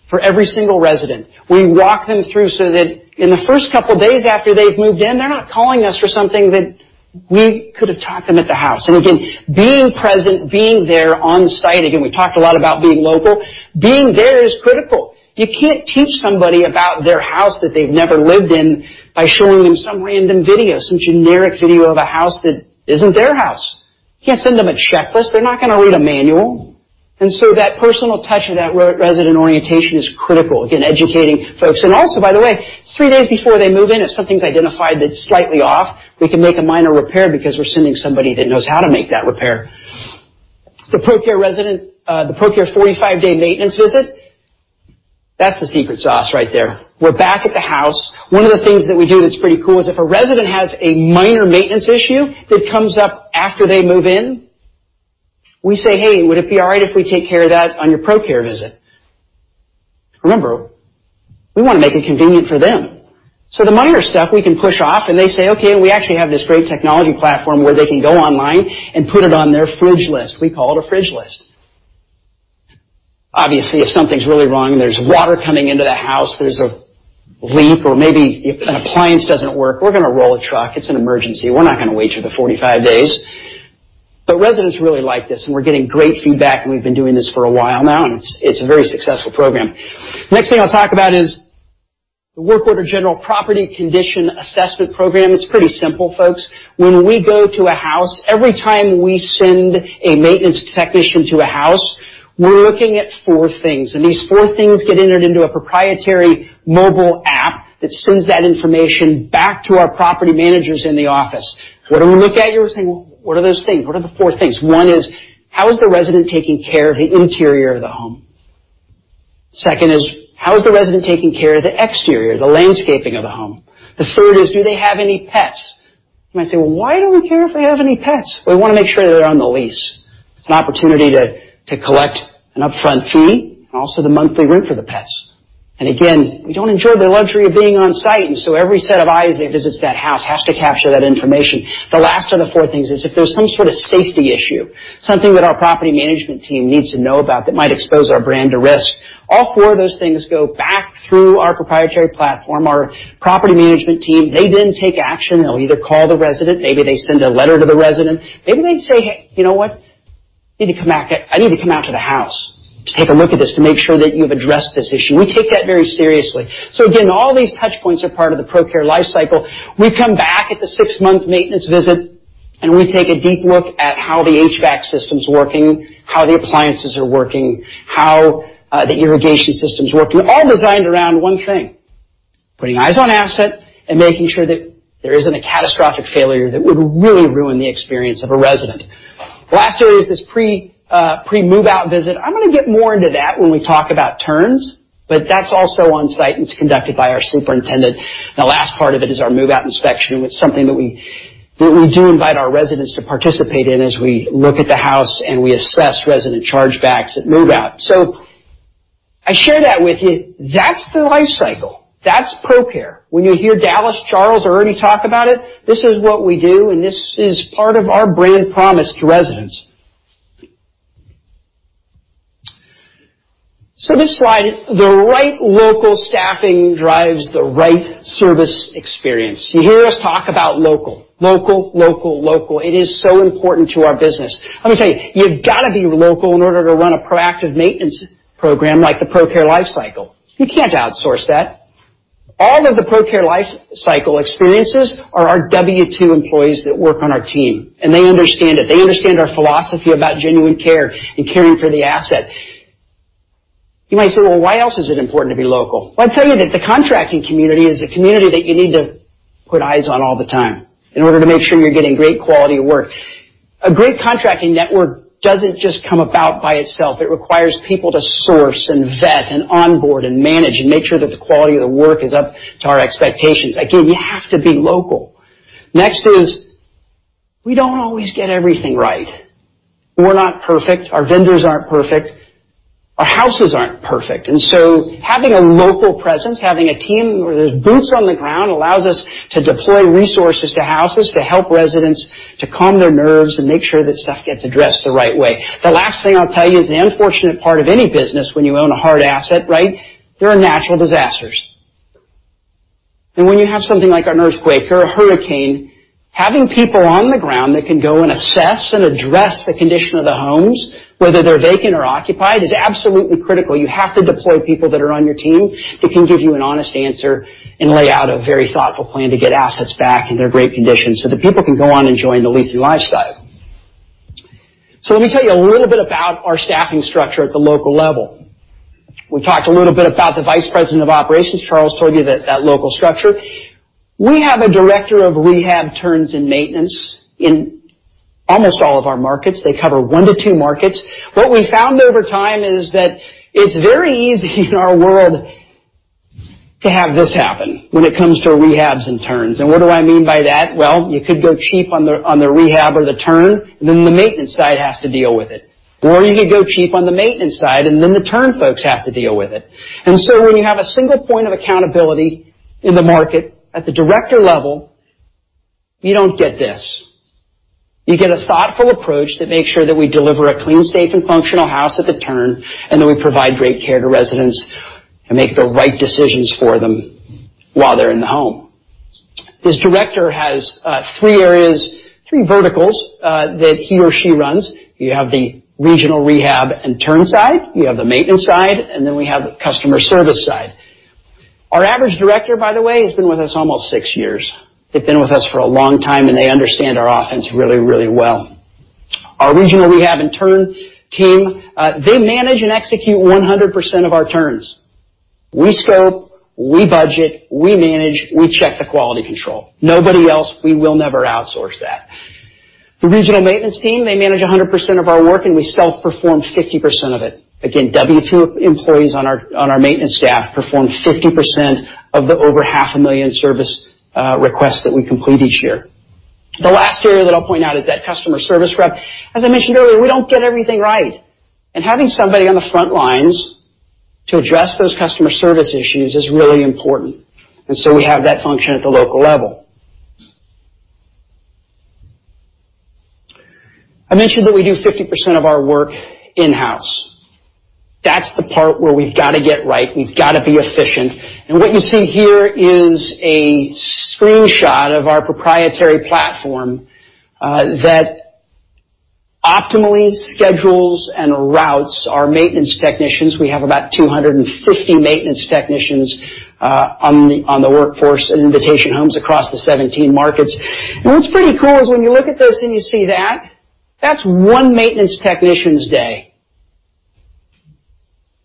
for every single resident. We walk them through so that in the first couple of days after they've moved in, they're not calling us for something that we could have taught them at the house. Again, being present, being there on-site. Again, we talked a lot about being local. Being there is critical. You can't teach somebody about their house that they've never lived in by showing them some random video, some generic video of a house that isn't their house. You can't send them a checklist. They're not going to read a manual. That personal touch of that resident orientation is critical. Again, educating folks. By the way, it's three days before they move in, if something's identified that's slightly off, we can make a minor repair because we're sending somebody that knows how to make that repair. The ProCare 45-day maintenance visit, that's the secret sauce right there. We're back at the house. One of the things that we do that's pretty cool is if a resident has a minor maintenance issue that comes up after they move in, we say, "Hey, would it be all right if we take care of that on your ProCare visit?" Remember, we want to make it convenient for them. The minor stuff we can push off, and they say, okay. We actually have this great technology platform where they can go online and put it on their fridge list. We call it a fridge list. Obviously, if something's really wrong and there's water coming into the house, there's a leak, or maybe if an appliance doesn't work, we're going to roll a truck. It's an emergency. We're not going to wait for the 45 days. Residents really like this, and we're getting great feedback, and we've been doing this for a while now, and it's a very successful program. Next thing I'll talk about is the work order general property condition assessment program. It's pretty simple, folks. When we go to a house, every time we send a maintenance technician to a house, we're looking at four things, and these four things get entered into a proprietary mobile app that sends that information back to our property managers in the office. What do we look at? You're saying, what are those things? What are the four things? One is, how is the resident taking care of the interior of the home? Second is, how is the resident taking care of the exterior, the landscaping of the home? The third is, do they have any pets? You might say, "Well, why do we care if they have any pets?" We want to make sure they're on the lease. It's an opportunity to collect an upfront fee, and also the monthly rent for the pets. Again, we don't enjoy the luxury of being on-site, and so every set of eyes that visits that house has to capture that information. The last of the four things is if there's some sort of safety issue, something that our property management team needs to know about that might expose our brand to risk. All four of those things go back through our proprietary platform. Our property management team, they then take action. They'll either call the resident. Maybe they send a letter to the resident. Maybe they say, "Hey, you know what? I need to come out to the house to take a look at this to make sure that you've addressed this issue." We take that very seriously. Again, all these touch points are part of the ProCare lifecycle. We come back at the six-month maintenance visit, and we take a deep look at how the HVAC system's working, how the appliances are working, how the irrigation system's working, all designed around one thing, putting eyes on asset and making sure that there isn't a catastrophic failure that would really ruin the experience of a resident. The last area is this pre-move-out visit. I'm going to get more into that when we talk about turns, that's also on-site, and it's conducted by our superintendent. The last part of it is our move-out inspection, and it's something that we do invite our residents to participate in as we look at the house and we assess resident chargebacks at move-out. I share that with you. That's the life cycle. That's ProCare. When you hear Dallas, Charles, or Ernie talk about it, this is what we do, and this is part of our brand promise to residents. This slide, the right local staffing drives the right service experience. You hear us talk about local. Local, local. It is so important to our business. Let me tell you've got to be local in order to run a proactive maintenance program like the ProCare lifecycle. You can't outsource that. All of the ProCare lifecycle experiences are our W2 employees that work on our team, and they understand it. They understand our philosophy about genuine care and caring for the asset. You might say, "Well, why else is it important to be local?" Well, I'll tell you that the contracting community is a community that you need to put eyes on all the time in order to make sure you're getting great quality of work. A great contracting network doesn't just come about by itself. It requires people to source and vet and onboard and manage and make sure that the quality of the work is up to our expectations. Again, you have to be local. We don't always get everything right. We're not perfect. Our vendors aren't perfect. Our houses aren't perfect. Having a local presence, having a team where there's boots on the ground, allows us to deploy resources to houses to help residents to calm their nerves and make sure that stuff gets addressed the right way. The last thing I'll tell you is the unfortunate part of any business when you own a hard asset, there are natural disasters. When you have something like an earthquake or a hurricane, having people on the ground that can go and assess and address the condition of the homes, whether they're vacant or occupied, is absolutely critical. You have to deploy people that are on your team that can give you an honest answer and lay out a very thoughtful plan to get assets back into their great conditions so that people can go on enjoying the leasing lifestyle. Let me tell you a little bit about our staffing structure at the local level. We talked a little bit about the vice president of operations. Charles told you that local structure. We have a director of rehab, turns, and maintenance in almost all of our markets. They cover one to two markets. What we found over time is that it's very easy in our world to have this happen when it comes to rehabs and turns. What do I mean by that? Well, you could go cheap on the rehab or the turn, and then the maintenance side has to deal with it. You could go cheap on the maintenance side, and then the turn folks have to deal with it. When you have a single point of accountability in the market at the director level, you don't get this. You get a thoughtful approach that makes sure that we deliver a clean, safe, and functional house at the turn, and that we provide great care to residents and make the right decisions for them while they're in the home. This director has three areas, three verticals, that he or she runs. You have the regional rehab and turn side, you have the maintenance side, and then we have the customer service side. Our average director, by the way, has been with us almost six years. They've been with us for a long time, and they understand our offense really well. Our regional rehab and turn team, they manage and execute 100% of our turns. We scope, we budget, we manage, we check the quality control. Nobody else. We will never outsource that. The regional maintenance team, they manage 100% of our work, and we self-perform 50% of it. W2 employees on our maintenance staff perform 50% of the over half a million service requests that we complete each year. The last area that I'll point out is that customer service rep. As I mentioned earlier, we don't get everything right. Having somebody on the front lines to address those customer service issues is really important. We have that function at the local level. I mentioned that we do 50% of our work in-house. That's the part where we've got to get right. We've got to be efficient. What you see here is a screenshot of our proprietary platform that optimally schedules and routes our maintenance technicians. We have about 250 maintenance technicians on the workforce at Invitation Homes across the 17 markets. What's pretty cool is when you look at this and you see that that's one maintenance technician's day.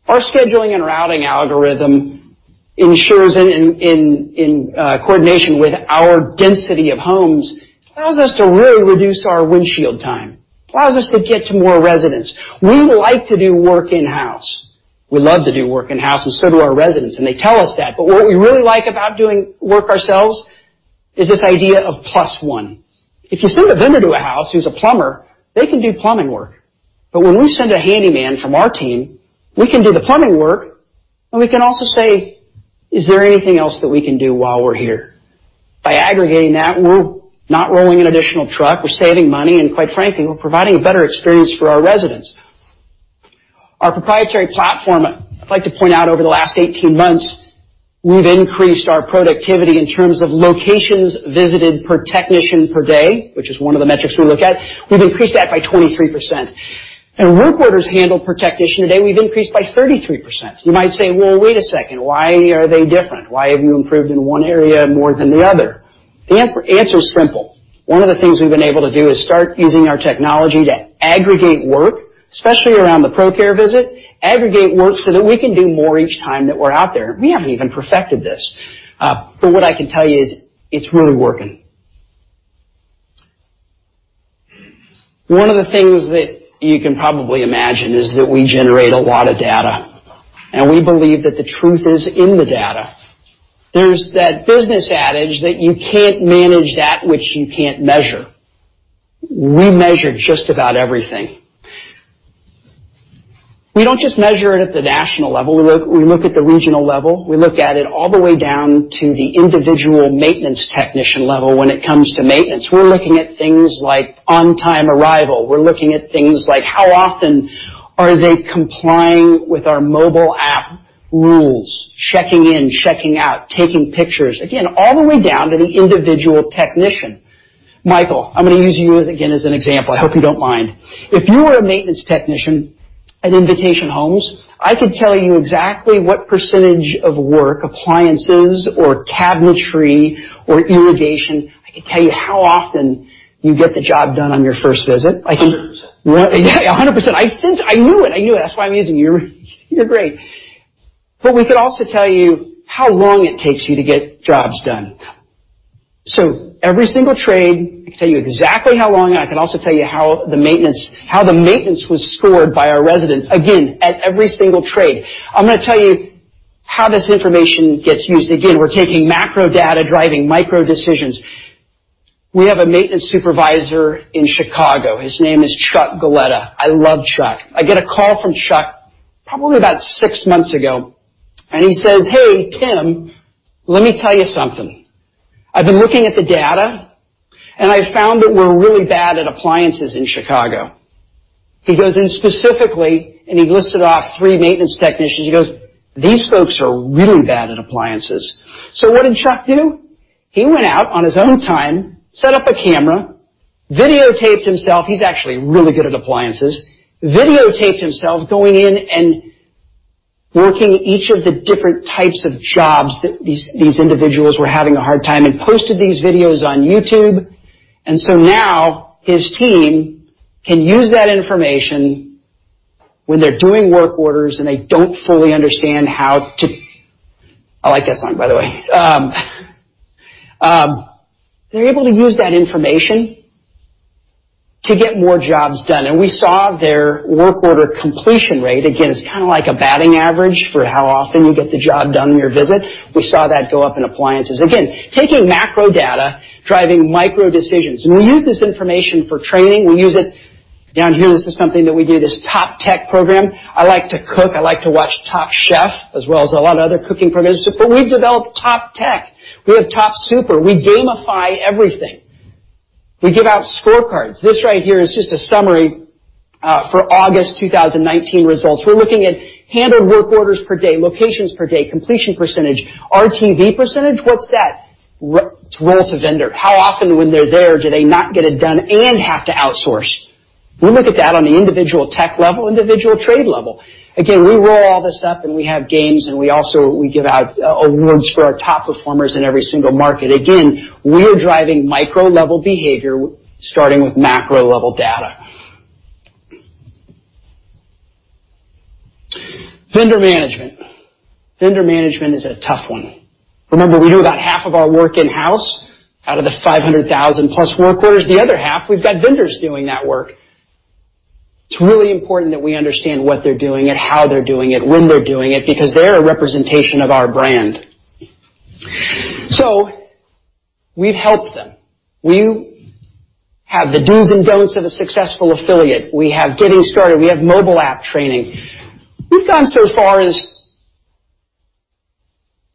Our scheduling and routing algorithm ensures in coordination with our density of homes, it allows us to really reduce our windshield time, allows us to get to more residents. We like to do work in-house. We love to do work in-house, and so do our residents, and they tell us that. What we really like about doing work ourselves is this idea of plus one. If you send a vendor to a house who's a plumber, they can do plumbing work. When we send a handyman from our team, we can do the plumbing work, and we can also say, "Is there anything else that we can do while we're here?" By aggregating that, we're not rolling an additional truck, we're saving money, and quite frankly, we're providing a better experience for our residents. Our proprietary platform, I'd like to point out over the last 18 months, we've increased our productivity in terms of locations visited per technician per day, which is one of the metrics we look at. We've increased that by 23%. Work orders handled per technician a day, we've increased by 33%. You might say, "Well, wait a second. Why are they different? Why have you improved in one area more than the other?" The answer is simple. One of the things we've been able to do is start using our technology to aggregate work, especially around the ProCare visit, aggregate work so that we can do more each time that we're out there. We haven't even perfected this. What I can tell you is it's really working. One of the things that you can probably imagine is that we generate a lot of data, and we believe that the truth is in the data. There's that business adage that you can't manage that which you can't measure. We measure just about everything. We don't just measure it at the national level. We look at the regional level. We look at it all the way down to the individual maintenance technician level when it comes to maintenance. We're looking at things like on-time arrival. We're looking at things like how often are they complying with our mobile app rules, checking in, checking out, taking pictures. Again, all the way down to the individual technician. Michael, I'm going to use you again as an example. I hope you don't mind. If you were a maintenance technician at Invitation Homes, I could tell you exactly what % of work, appliances or cabinetry or irrigation. I could tell you how often you get the job done on your first visit. 100%. Yeah, 100%. I knew it. That's why I'm using you. You're great. We could also tell you how long it takes you to get jobs done. Every single trade, I could tell you exactly how long, and I could also tell you how the maintenance was scored by our resident, again, at every single trade. I'm going to tell you how this information gets used. Again, we're taking macro data, driving micro decisions. We have a maintenance supervisor in Chicago. His name is Chuck Galletta. I love Chuck. I get a call from Chuck probably about six months ago, and he says, "Hey, Tim, let me tell you something. I've been looking at the data, and I've found that we're really bad at appliances in Chicago." He goes in specifically, and he listed off three maintenance technicians. He goes, "These folks are really bad at appliances." What did Chuck do? He went out on his own time, set up a camera, videotaped himself. He's actually really good at appliances. Videotaped himself going in and working each of the different types of jobs that these individuals were having a hard time, and posted these videos on YouTube. Now his team can use that information when they're doing work orders, and they don't fully understand how to. I like that song, by the way. They're able to use that information to get more jobs done. We saw their work order completion rate. Again, it's kind of like a batting average for how often you get the job done on your visit. We saw that go up in appliances. Again, taking macro data, driving micro decisions. We use this information for training. We use it down here. This is something that we do, this Top Tech program. I like to cook. I like to watch Top Chef, as well as a lot of other cooking programs. We've developed Top Tech. We have Top Super. We gamify everything. We give out scorecards. This right here is just a summary, for August 2019 results. We're looking at handled work orders per day, locations per day, completion %, RTV %. What's that? It's return to vendor. How often when they're there, do they not get it done and have to outsource? We look at that on the individual tech level, individual trade level. We roll all this up, we have games, we also give out awards for our top performers in every single market. We are driving micro-level behavior starting with macro-level data. Vendor management. Vendor management is a tough one. Remember, we do about half of our work in-house out of the 500,000-plus work orders. The other half, we've got vendors doing that work. It's really important that we understand what they're doing and how they're doing it, when they're doing it, because they're a representation of our brand. We've helped them. We have the do's and don'ts of a successful affiliate. We have getting started. We have mobile app training. We've gone so far as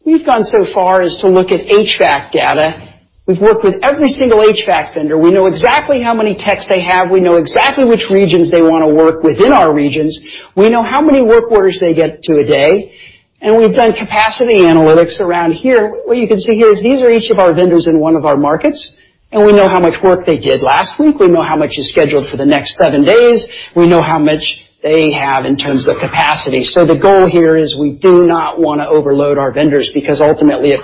to look at HVAC data. We've worked with every single HVAC vendor. We know exactly how many techs they have. We know exactly which regions they want to work within our regions. We know how many work orders they get to a day, and we've done capacity analytics around here. What you can see here is these are each of our vendors in one of our markets, and we know how much work they did last week. We know how much is scheduled for the next seven days. We know how much they have in terms of capacity. The goal here is we do not want to overload our vendors, because ultimately it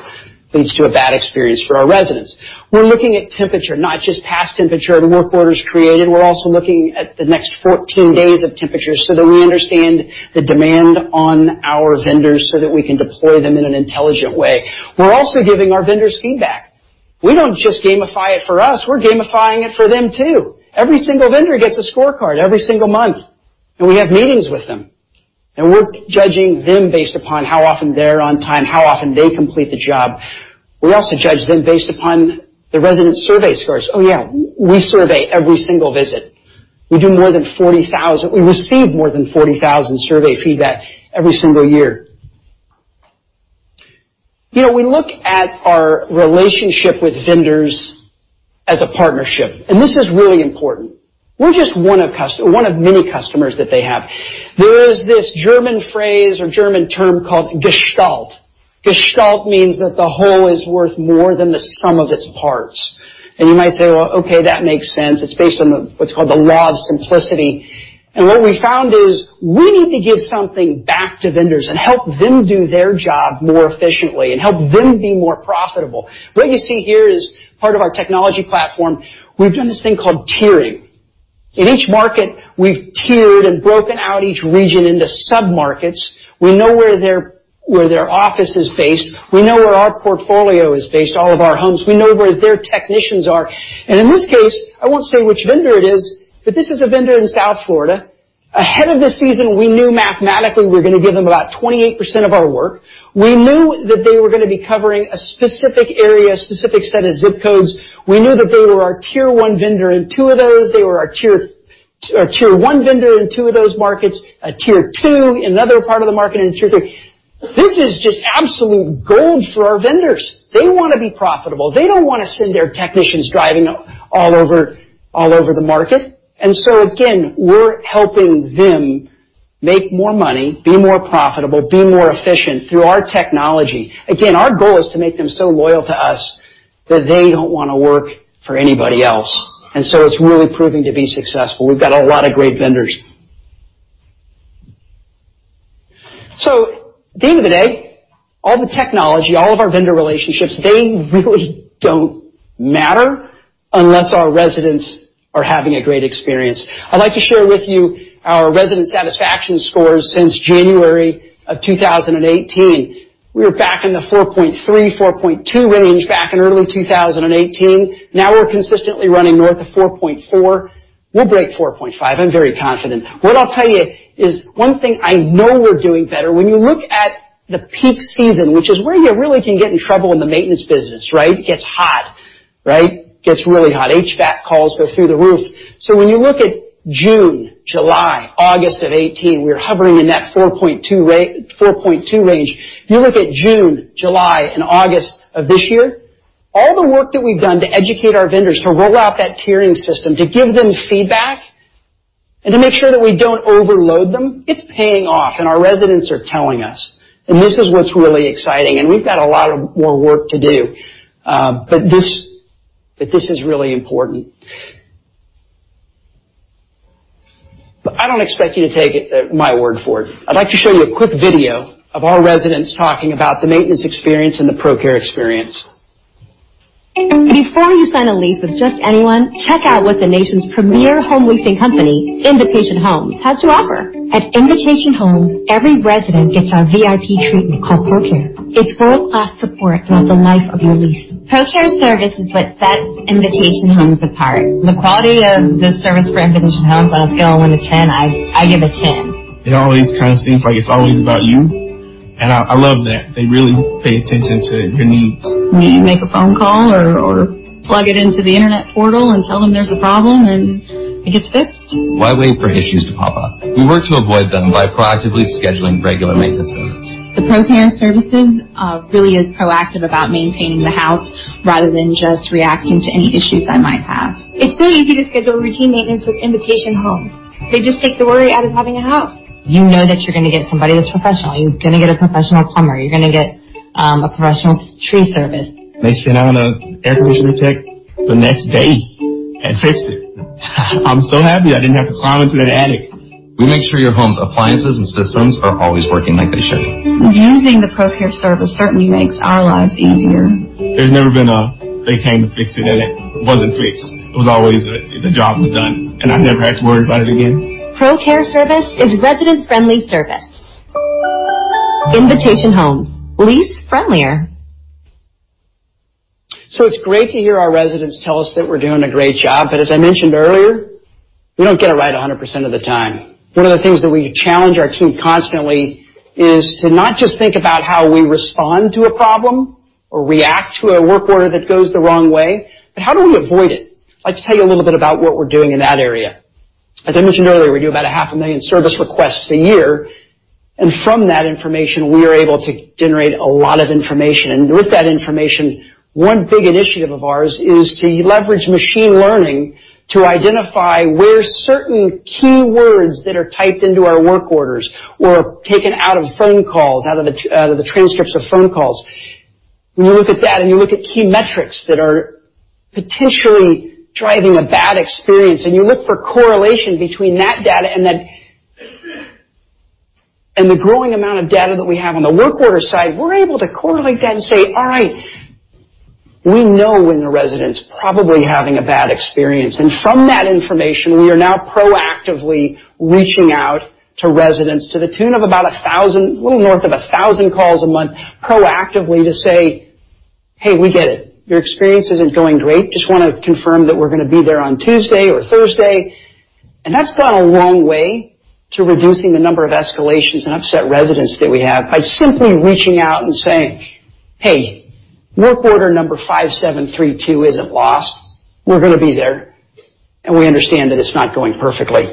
leads to a bad experience for our residents. We're looking at temperature, not just past temperature and work orders created. We're also looking at the next 14 days of temperatures so that we understand the demand on our vendors, so that we can deploy them in an intelligent way. We're also giving our vendors feedback. We don't just gamify it for us. We're gamifying it for them, too. Every single vendor gets a scorecard every single month, and we have meetings with them, and we're judging them based upon how often they're on time, how often they complete the job. We also judge them based upon the resident survey scores. Oh, yeah, we survey every single visit. We receive more than 40,000 survey feedback every single year. We look at our relationship with vendors as a partnership, and this is really important. We're just one of many customers that they have. There is this German phrase or German term called gestalt. Gestalt means that the whole is worth more than the sum of its parts. You might say, "Well, okay, that makes sense." It's based on what's called the law of simplicity. What we found is we need to give something back to vendors and help them do their job more efficiently and help them be more profitable. What you see here is part of our technology platform. We've done this thing called tiering. In each market, we've tiered and broken out each region into sub-markets. We know where their office is based. We know where our portfolio is based, all of our homes. We know where their technicians are. In this case, I won't say which vendor it is, but this is a vendor in South Florida. Ahead of the season, we knew mathematically we were going to give them about 28% of our work. We knew that they were going to be covering a specific area, a specific set of zip codes. We knew that they were our tier 1 vendor in two of those markets, a tier 2 in another part of the market, and tier 3. This is just absolute gold for our vendors. They want to be profitable. They don't want to send their technicians driving all over the market. Again, we're helping them make more money, be more profitable, be more efficient through our technology. Again, our goal is to make them so loyal to us that they don't want to work for anybody else. It's really proving to be successful. We've got a lot of great vendors. At the end of the day, all the technology, all of our vendor relationships, they really don't matter unless our residents are having a great experience. I'd like to share with you our resident satisfaction scores since January of 2018. We were back in the 4.3-4.2 range back in early 2018. Now we're consistently running north of 4.4. We'll break 4.5. I'm very confident. What I'll tell you is one thing I know we're doing better. When you look at the peak season, which is where you really can get in trouble in the maintenance business, right? It gets hot. It gets really hot. HVAC calls go through the roof. When you look at June, July, August of 2018, we were hovering in that 4.2 range. You look at June, July, and August of this year, all the work that we've done to educate our vendors to roll out that tiering system, to give them feedback, and to make sure that we don't overload them, it's paying off, and our residents are telling us. This is what's really exciting, and we've got a lot of more work to do. This is really important. I don't expect you to take my word for it. I'd like to show you a quick video of our residents talking about the maintenance experience and the ProCare experience. Before you sign a lease with just anyone, check out what the nation's premier home leasing company, Invitation Homes, has to offer. At Invitation Homes, every resident gets our VIP treatment called ProCare. It's world-class support throughout the life of your lease. ProCare service is what sets Invitation Homes apart. The quality of the service for Invitation Homes, on a scale of one to 10, I give a 10. It always kind of seems like it's always about you, and I love that. They really pay attention to your needs. You make a phone call or plug it into the internet portal and tell them there's a problem, and it gets fixed. Why wait for issues to pop up? We work to avoid them by proactively scheduling regular maintenance visits. The ProCare services really is proactive about maintaining the house rather than just reacting to any issues I might have. It's so easy to schedule routine maintenance with Invitation Homes. They just take the worry out of having a house. You know that you're going to get somebody that's professional. You're going to get a professional plumber. You're going to get a professional tree service. They sent out an air conditioner tech the next day and fixed it. I'm so happy I didn't have to climb into that attic. We make sure your home's appliances and systems are always working like they should. Using the ProCare service certainly makes our lives easier. There's never been a, they came to fix it and it wasn't fixed. It was always the job was done, and I never had to worry about it again. ProCare service is resident-friendly service. Invitation Homes. Lease friendlier. It's great to hear our residents tell us that we're doing a great job. As I mentioned earlier, we don't get it right 100% of the time. One of the things that we challenge our team constantly is to not just think about how we respond to a problem or react to a work order that goes the wrong way, but how do we avoid it? I'd like to tell you a little bit about what we're doing in that area. As I mentioned earlier, we do about half a million service requests a year, and from that information, we are able to generate a lot of information. With that information, one big initiative of ours is to leverage machine learning to identify where certain keywords that are typed into our work orders or taken out of phone calls, out of the transcripts of phone calls. When you look at that and you look at key metrics that are potentially driving a bad experience, and you look for correlation between that data and the growing amount of data that we have on the work order side, we're able to correlate that and say, "All right, we know when a resident's probably having a bad experience." From that information, we are now proactively reaching out to residents to the tune of about 1,000, a little north of 1,000 calls a month, proactively to say, "Hey, we get it. Your experience isn't going great. Just want to confirm that we're going to be there on Tuesday or Thursday." That's gone a long way to reducing the number of escalations and upset residents that we have by simply reaching out and saying, "Hey, work order number 5732 isn't lost. We're going to be there, and we understand that it's not going perfectly."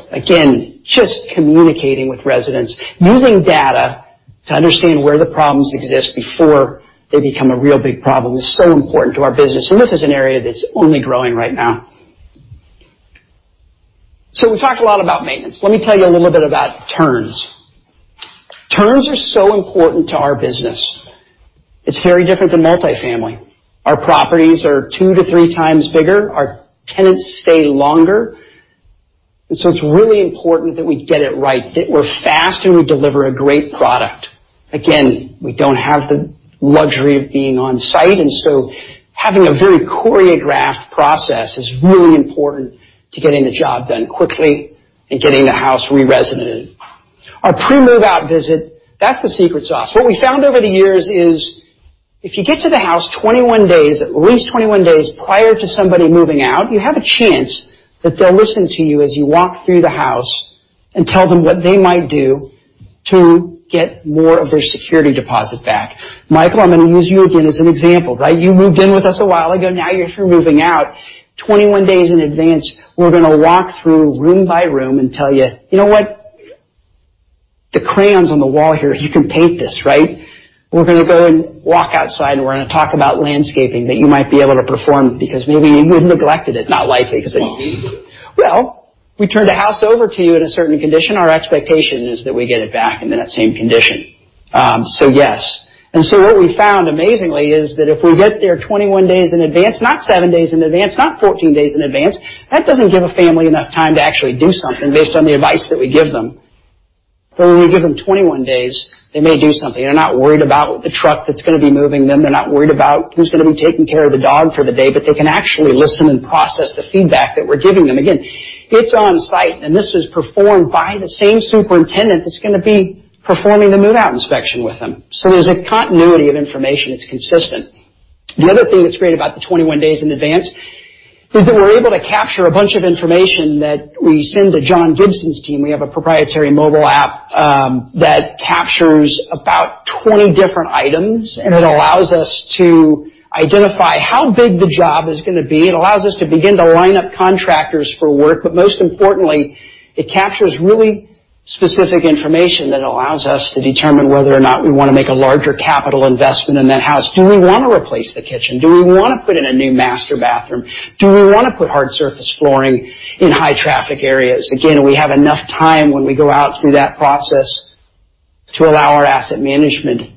Just communicating with residents, using data to understand where the problems exist before they become a real big problem is so important to our business. This is an area that's only growing right now. We've talked a lot about maintenance. Let me tell you a little bit about turns. Turns are so important to our business. It's very different than multi-family. Our properties are two to three times bigger. Our tenants stay longer. It's really important that we get it right, that we're fast, and we deliver a great product. We don't have the luxury of being on-site. Having a very choreographed process is really important to getting the job done quickly and getting the house re-residented. Our pre-move-out visit, that's the secret sauce. What we found over the years is if you get to the house 21 days, at least 21 days prior to somebody moving out, you have a chance that they'll listen to you as you walk through the house and tell them what they might do to get more of their security deposit back. Michael, I'm going to use you again as an example. You moved in with us a while ago. Now you're moving out. 21 days in advance, we're going to walk through room by room and tell you, "You know what? The crayons on the wall here, you can paint this. We're going to go and walk outside, and we're going to talk about landscaping that you might be able to perform because maybe you had neglected it." Not likely because Well, maybe. Well, we turned the house over to you in a certain condition. Our expectation is that we get it back in that same condition. Yes. What we found amazingly is that if we get there 21 days in advance, not seven days in advance, not 14 days in advance, that doesn't give a family enough time to actually do something based on the advice that we give them. When we give them 21 days, they may do something. They're not worried about the truck that's going to be moving them. They're not worried about who's going to be taking care of the dog for the day, but they can actually listen and process the feedback that we're giving them. Again, it's on-site, and this is performed by the same superintendent that's going to be performing the move-out inspection with them. There's a continuity of information. It's consistent. The other thing that's great about the 21 days in advance is that we're able to capture a bunch of information that we send to John Gibson's team. We have a proprietary mobile app that captures about 20 different items. It allows us to identify how big the job is going to be. It allows us to begin to line up contractors for work. Most importantly, it captures really specific information that allows us to determine whether or not we want to make a larger capital investment in that house. Do we want to replace the kitchen? Do we want to put in a new master bathroom? Do we want to put hard surface flooring in high traffic areas? Again, we have enough time when we go out through that process to allow our asset management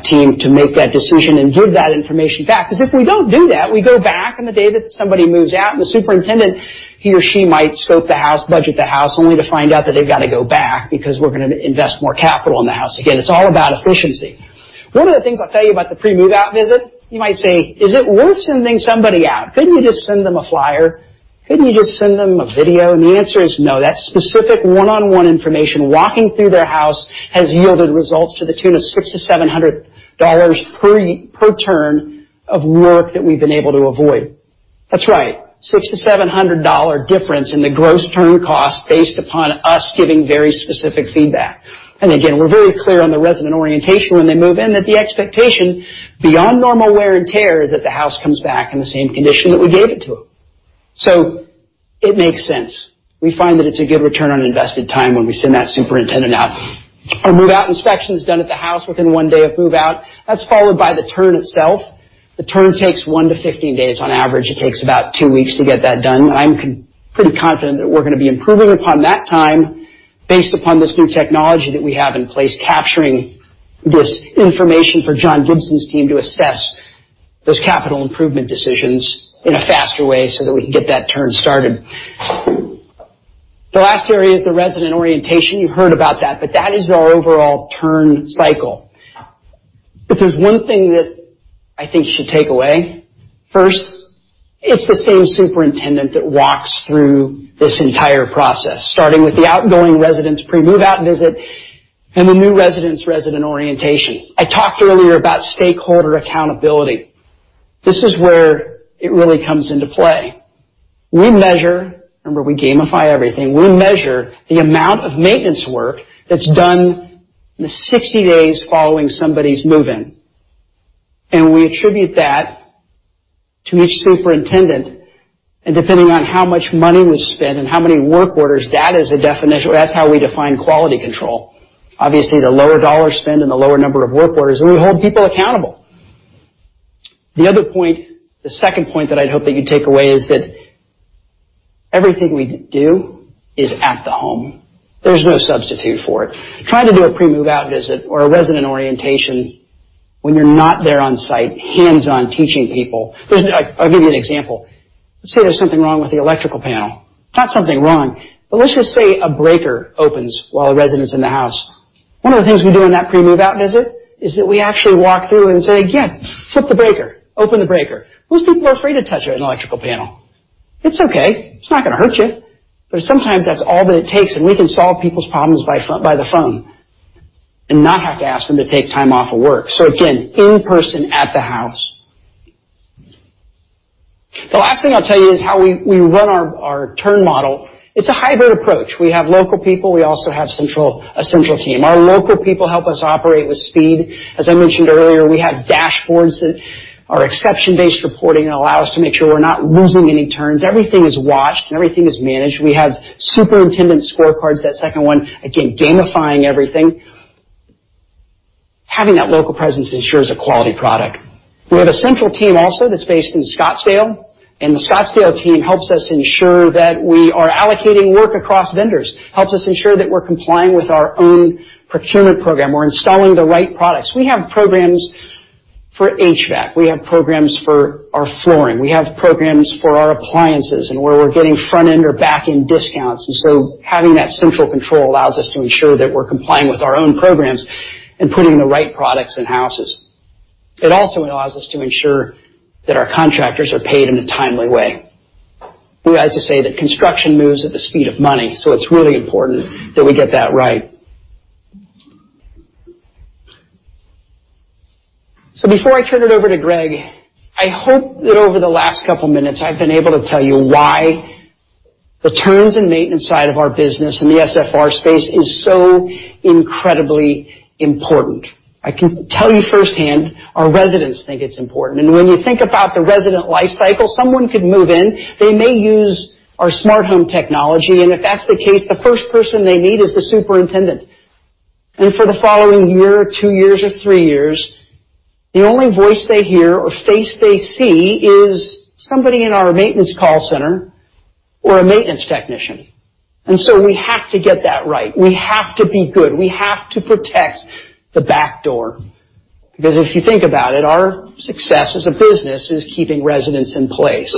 team to make that decision and give that information back. Because if we don't do that, we go back on the day that somebody moves out, and the superintendent, he or she might scope the house, budget the house, only to find out that they've got to go back because we're going to invest more capital in the house. Again, it's all about efficiency. One of the things I'll tell you about the pre-move out visit, you might say, "Is it worth sending somebody out? Couldn't you just send them a flyer? Couldn't you just send them a video?" The answer is no. That specific one-on-one information, walking through their house has yielded results to the tune of $600-$700 per turn of work that we've been able to avoid. That's right, $600-$700 difference in the gross turn cost based upon us giving very specific feedback. Again, we're very clear on the resident orientation when they move in that the expectation, beyond normal wear and tear, is that the house comes back in the same condition that we gave it to them. It makes sense. We find that it's a good return on invested time when we send that superintendent out. Our move-out inspection is done at the house within one day of move-out. That's followed by the turn itself. The turn takes one to 15 days. On average, it takes about two weeks to get that done. I'm pretty confident that we're going to be improving upon that time based upon this new technology that we have in place, capturing this information for John Gibson's team to assess those capital improvement decisions in a faster way so that we can get that turn started. The last area is the resident orientation. You heard about that, but that is our overall turn cycle. If there's one thing that I think you should take away, first, it's the same superintendent that walks through this entire process, starting with the outgoing resident's pre-move out visit and the new resident's resident orientation. I talked earlier about stakeholder accountability. This is where it really comes into play. Remember, we gamify everything. We measure the amount of maintenance work that's done in the 60 days following somebody's move-in. We attribute that to each superintendent. Depending on how much money was spent and how many work orders, that's how we define quality control. Obviously, the lower dollar spend and the lower number of work orders, and we hold people accountable. The other point, the second point that I'd hope that you take away is that everything we do is at the home. There's no substitute for it. Trying to do a pre-move out visit or a resident orientation when you're not there on-site, hands-on teaching people. I'll give you an example. Let's say there's something wrong with the electrical panel. Not something wrong, but let's just say a breaker opens while a resident's in the house. One of the things we do on that pre-move out visit is that we actually walk through and say, "Again, flip the breaker, open the breaker." Most people are afraid to touch an electrical panel. It's okay. It's not going to hurt you. Sometimes that's all that it takes, and we can solve people's problems by the phone and not have to ask them to take time off of work. Again, in person at the house. The last thing I'll tell you is how we run our turn model. It's a hybrid approach. We have local people. We also have a central team. Our local people help us operate with speed. As I mentioned earlier, we have dashboards that are exception-based reporting and allow us to make sure we're not losing any turns. Everything is watched, and everything is managed. We have superintendent scorecards, that second one, again, gamifying everything. Having that local presence ensures a quality product. We have a central team also that's based in Scottsdale. The Scottsdale team helps us ensure that we are allocating work across vendors, helps us ensure that we're complying with our own procurement program. We're installing the right products. We have programs for HVAC, we have programs for our flooring, we have programs for our appliances and where we're getting front-end or back-end discounts. Having that central control allows us to ensure that we're complying with our own programs and putting the right products in houses. It also allows us to ensure that our contractors are paid in a timely way. We like to say that construction moves at the speed of money, so it's really important that we get that right. Before I turn it over to Greg, I hope that over the last couple of minutes, I've been able to tell you why the turns and maintenance side of our business in the SFR space is so incredibly important. I can tell you firsthand, our residents think it's important. When you think about the resident life cycle, someone could move in. They may use our Smart Home technology, and if that's the case, the first person they need is the superintendent. For the following year, or two years, or three years, the only voice they hear or face they see is somebody in our maintenance call center or a maintenance technician. We have to get that right. We have to be good. We have to protect the back door. Because if you think about it, our success as a business is keeping residents in place.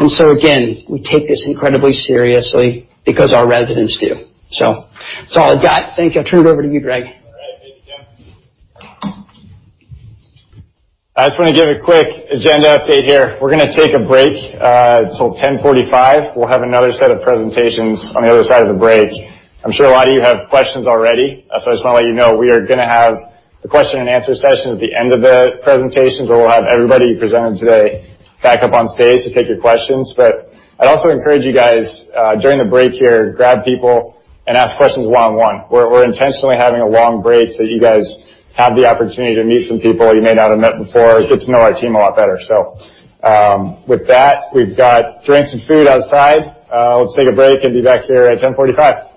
Again, we take this incredibly seriously because our residents do. That's all I've got. Thank you. I'll turn it over to you, Greg. All right. Thank you, Tim. I just want to give a quick agenda update here. We're going to take a break till 10:45. We'll have another set of presentations on the other side of the break. I'm sure a lot of you have questions already. I just want to let you know we are going to have the question and answer session at the end of the presentation, where we'll have everybody presenting today back up on stage to take your questions. I'd also encourage you guys, during the break here, grab people and ask questions one-on-one. We're intentionally having a long break so that you guys have the opportunity to meet some people you may not have met before, get to know our team a lot better. With that, we've got drinks and food outside. Let's take a break and be back here at 10:45.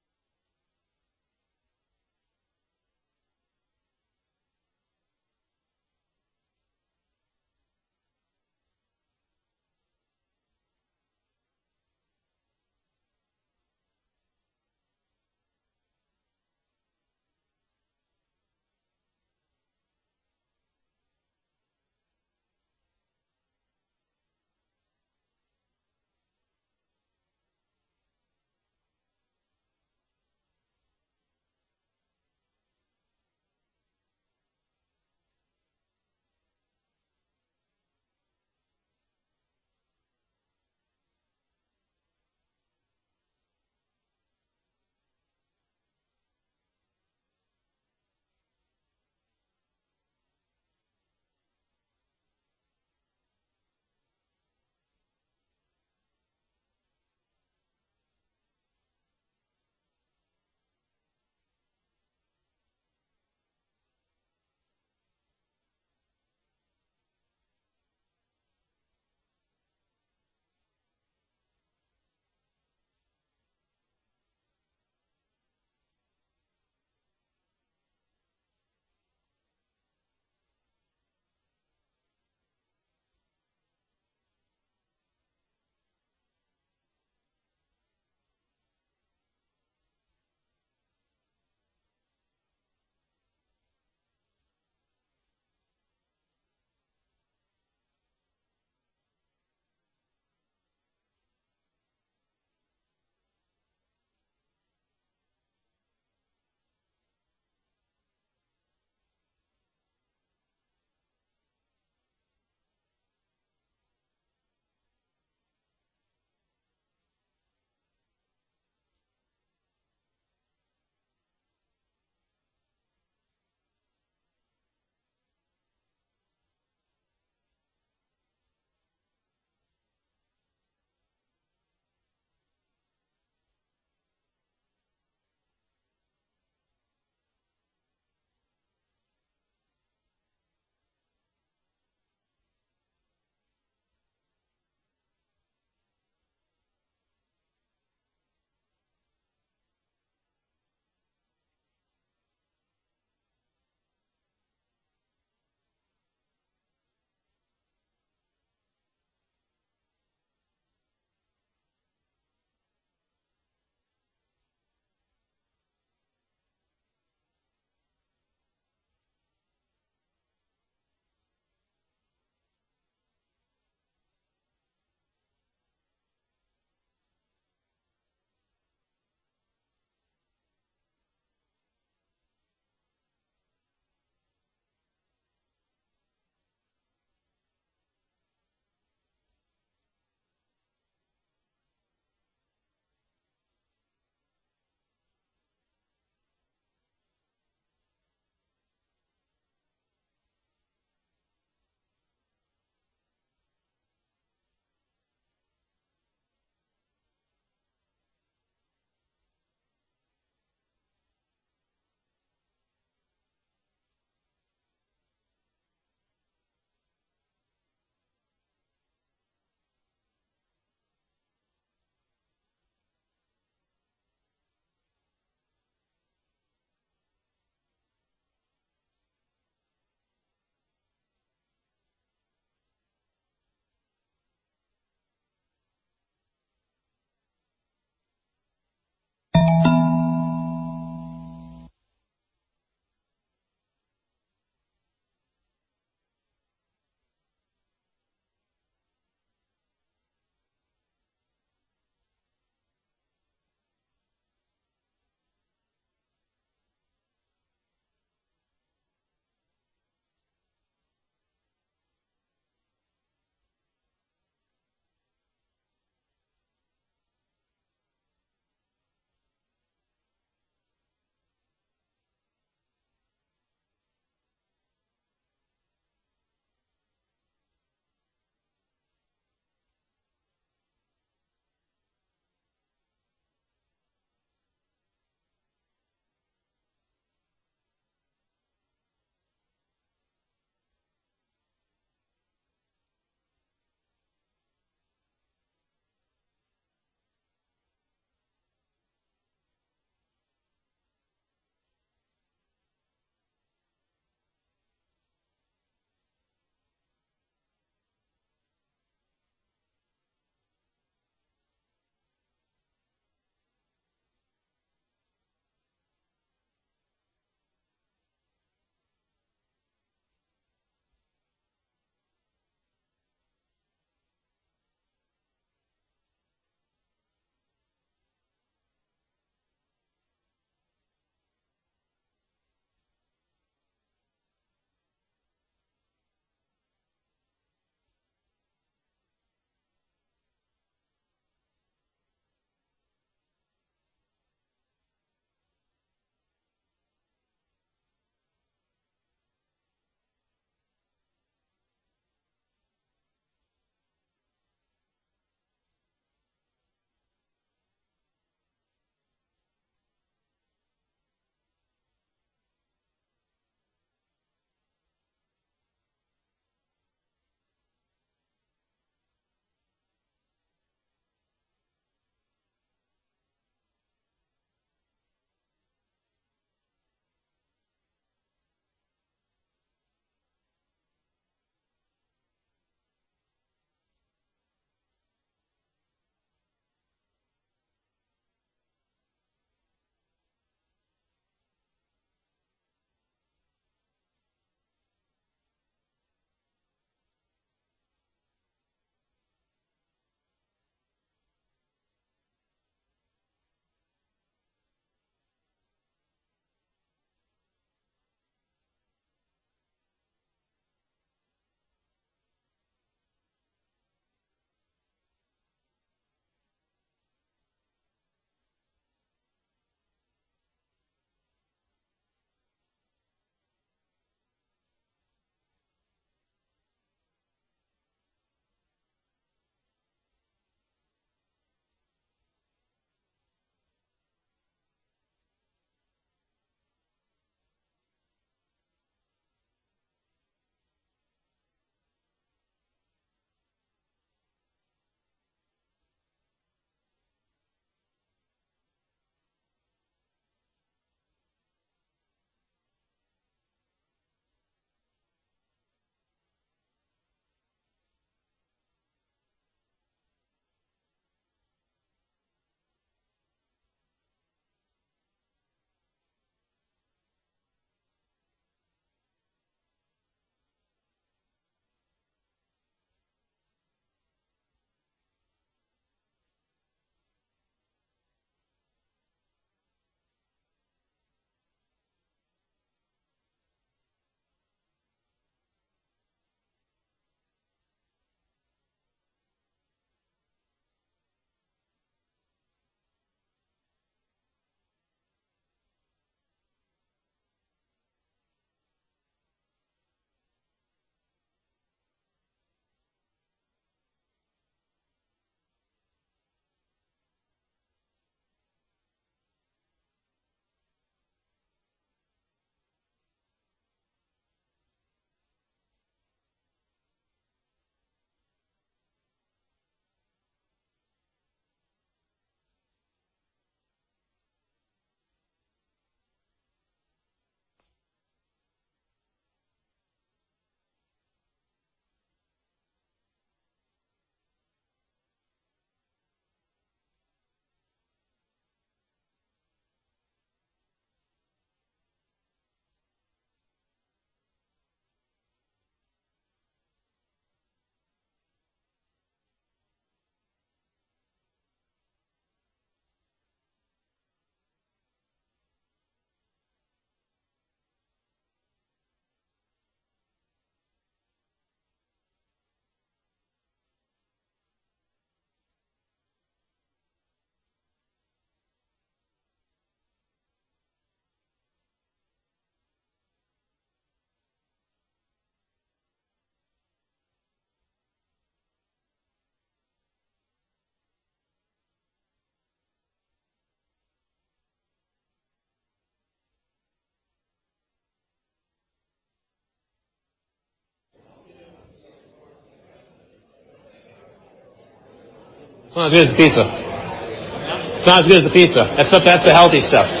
Thanks. It's not as good as the pizza. Huh? It's not as good as the pizza. That's the healthy stuff.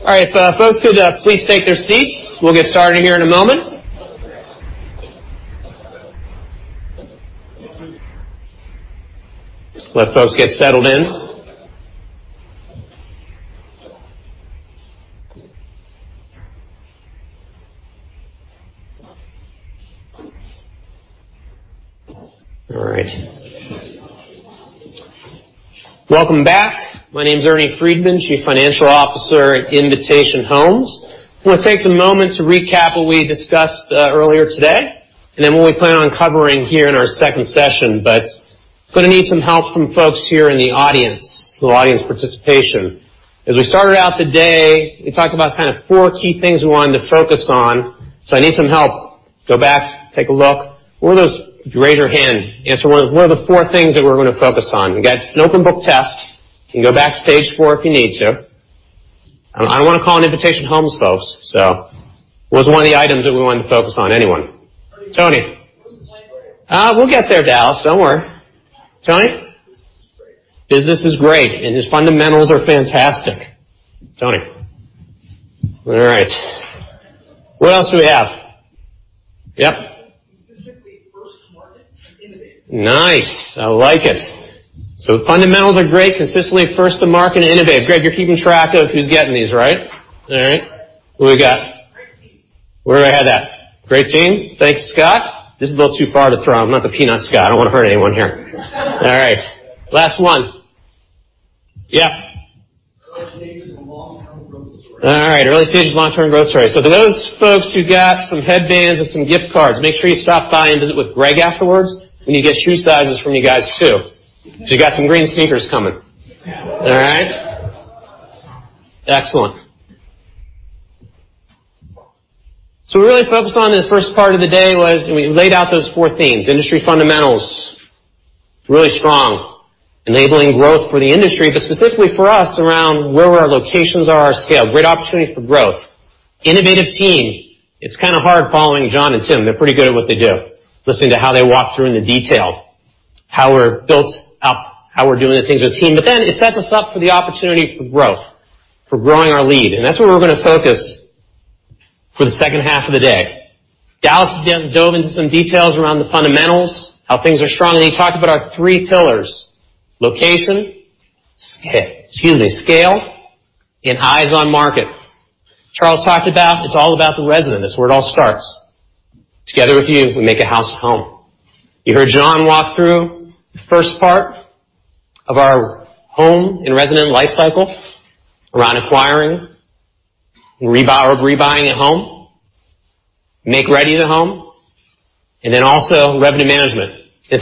All right. If folks could please take their seats, we'll get started here in a moment. Just let folks get settled in. All right. Welcome back. My name is Ernie Freedman, Chief Financial Officer at Invitation Homes. I want to take a moment to recap what we discussed earlier today, and then what we plan on covering here in our second session. Going to need some help from folks here in the audience, a little audience participation. As we started out the day, we talked about kind of four key things we wanted to focus on. I need some help. Go back, take a look. What are those? Raise your hand. Answer one of the four things that we're going to focus on. Again, it's an open book test. You can go back to page four if you need to. I don't want to call on Invitation Homes folks, so what's one of the items that we wanted to focus on? Anyone? Tony. Tony. Where's the slide player? We'll get there, Dallas. Don't worry. Tony? Business is great. Business is great, and his fundamentals are fantastic. Tony. All right. What else do we have? Yep. Consistently first to market and innovative. Nice. I like it. Fundamentals are great. Consistently first to market and innovative. Greg, you're keeping track of who's getting these, right? All right. Who we got? Great team. Where I had that. Great team. Thanks, Scott. This is a little too far to throw. I'm not the peanut Scott. I don't want to hurt anyone here. All right. Last one. Yeah. Early stage with long-term growth story. All right. Early stage with long-term growth story. For those folks who got some headbands or some gift cards, make sure you stop by and visit with Greg afterwards. We need to get shoe sizes from you guys, too. You got some green sneakers coming. All right? Excellent. We're really focused on the first part of the day was we laid out those four themes, industry fundamentals, really strong, enabling growth for the industry, but specifically for us around where our locations are, our scale, great opportunity for growth. Innovative team. It's kind of hard following John and Tim. They're pretty good at what they do. Listening to how they walk through in the detail, how we're built up, how we're doing the things with team. It sets us up for the opportunity for growth, for growing our lead, and that's where we're going to focus for the second half of the day. Dallas dove into some details around the fundamentals, how things are strong, and he talked about our three pillars, location, scale, excuse me, scale, and eyes on market. Charles talked about it's all about the resident. That's where it all starts. Together with you, we make a house a home. You heard John walk through the first part of our home and resident life cycle around acquiring, rebuying a home, make ready the home, and then also revenue management. Tim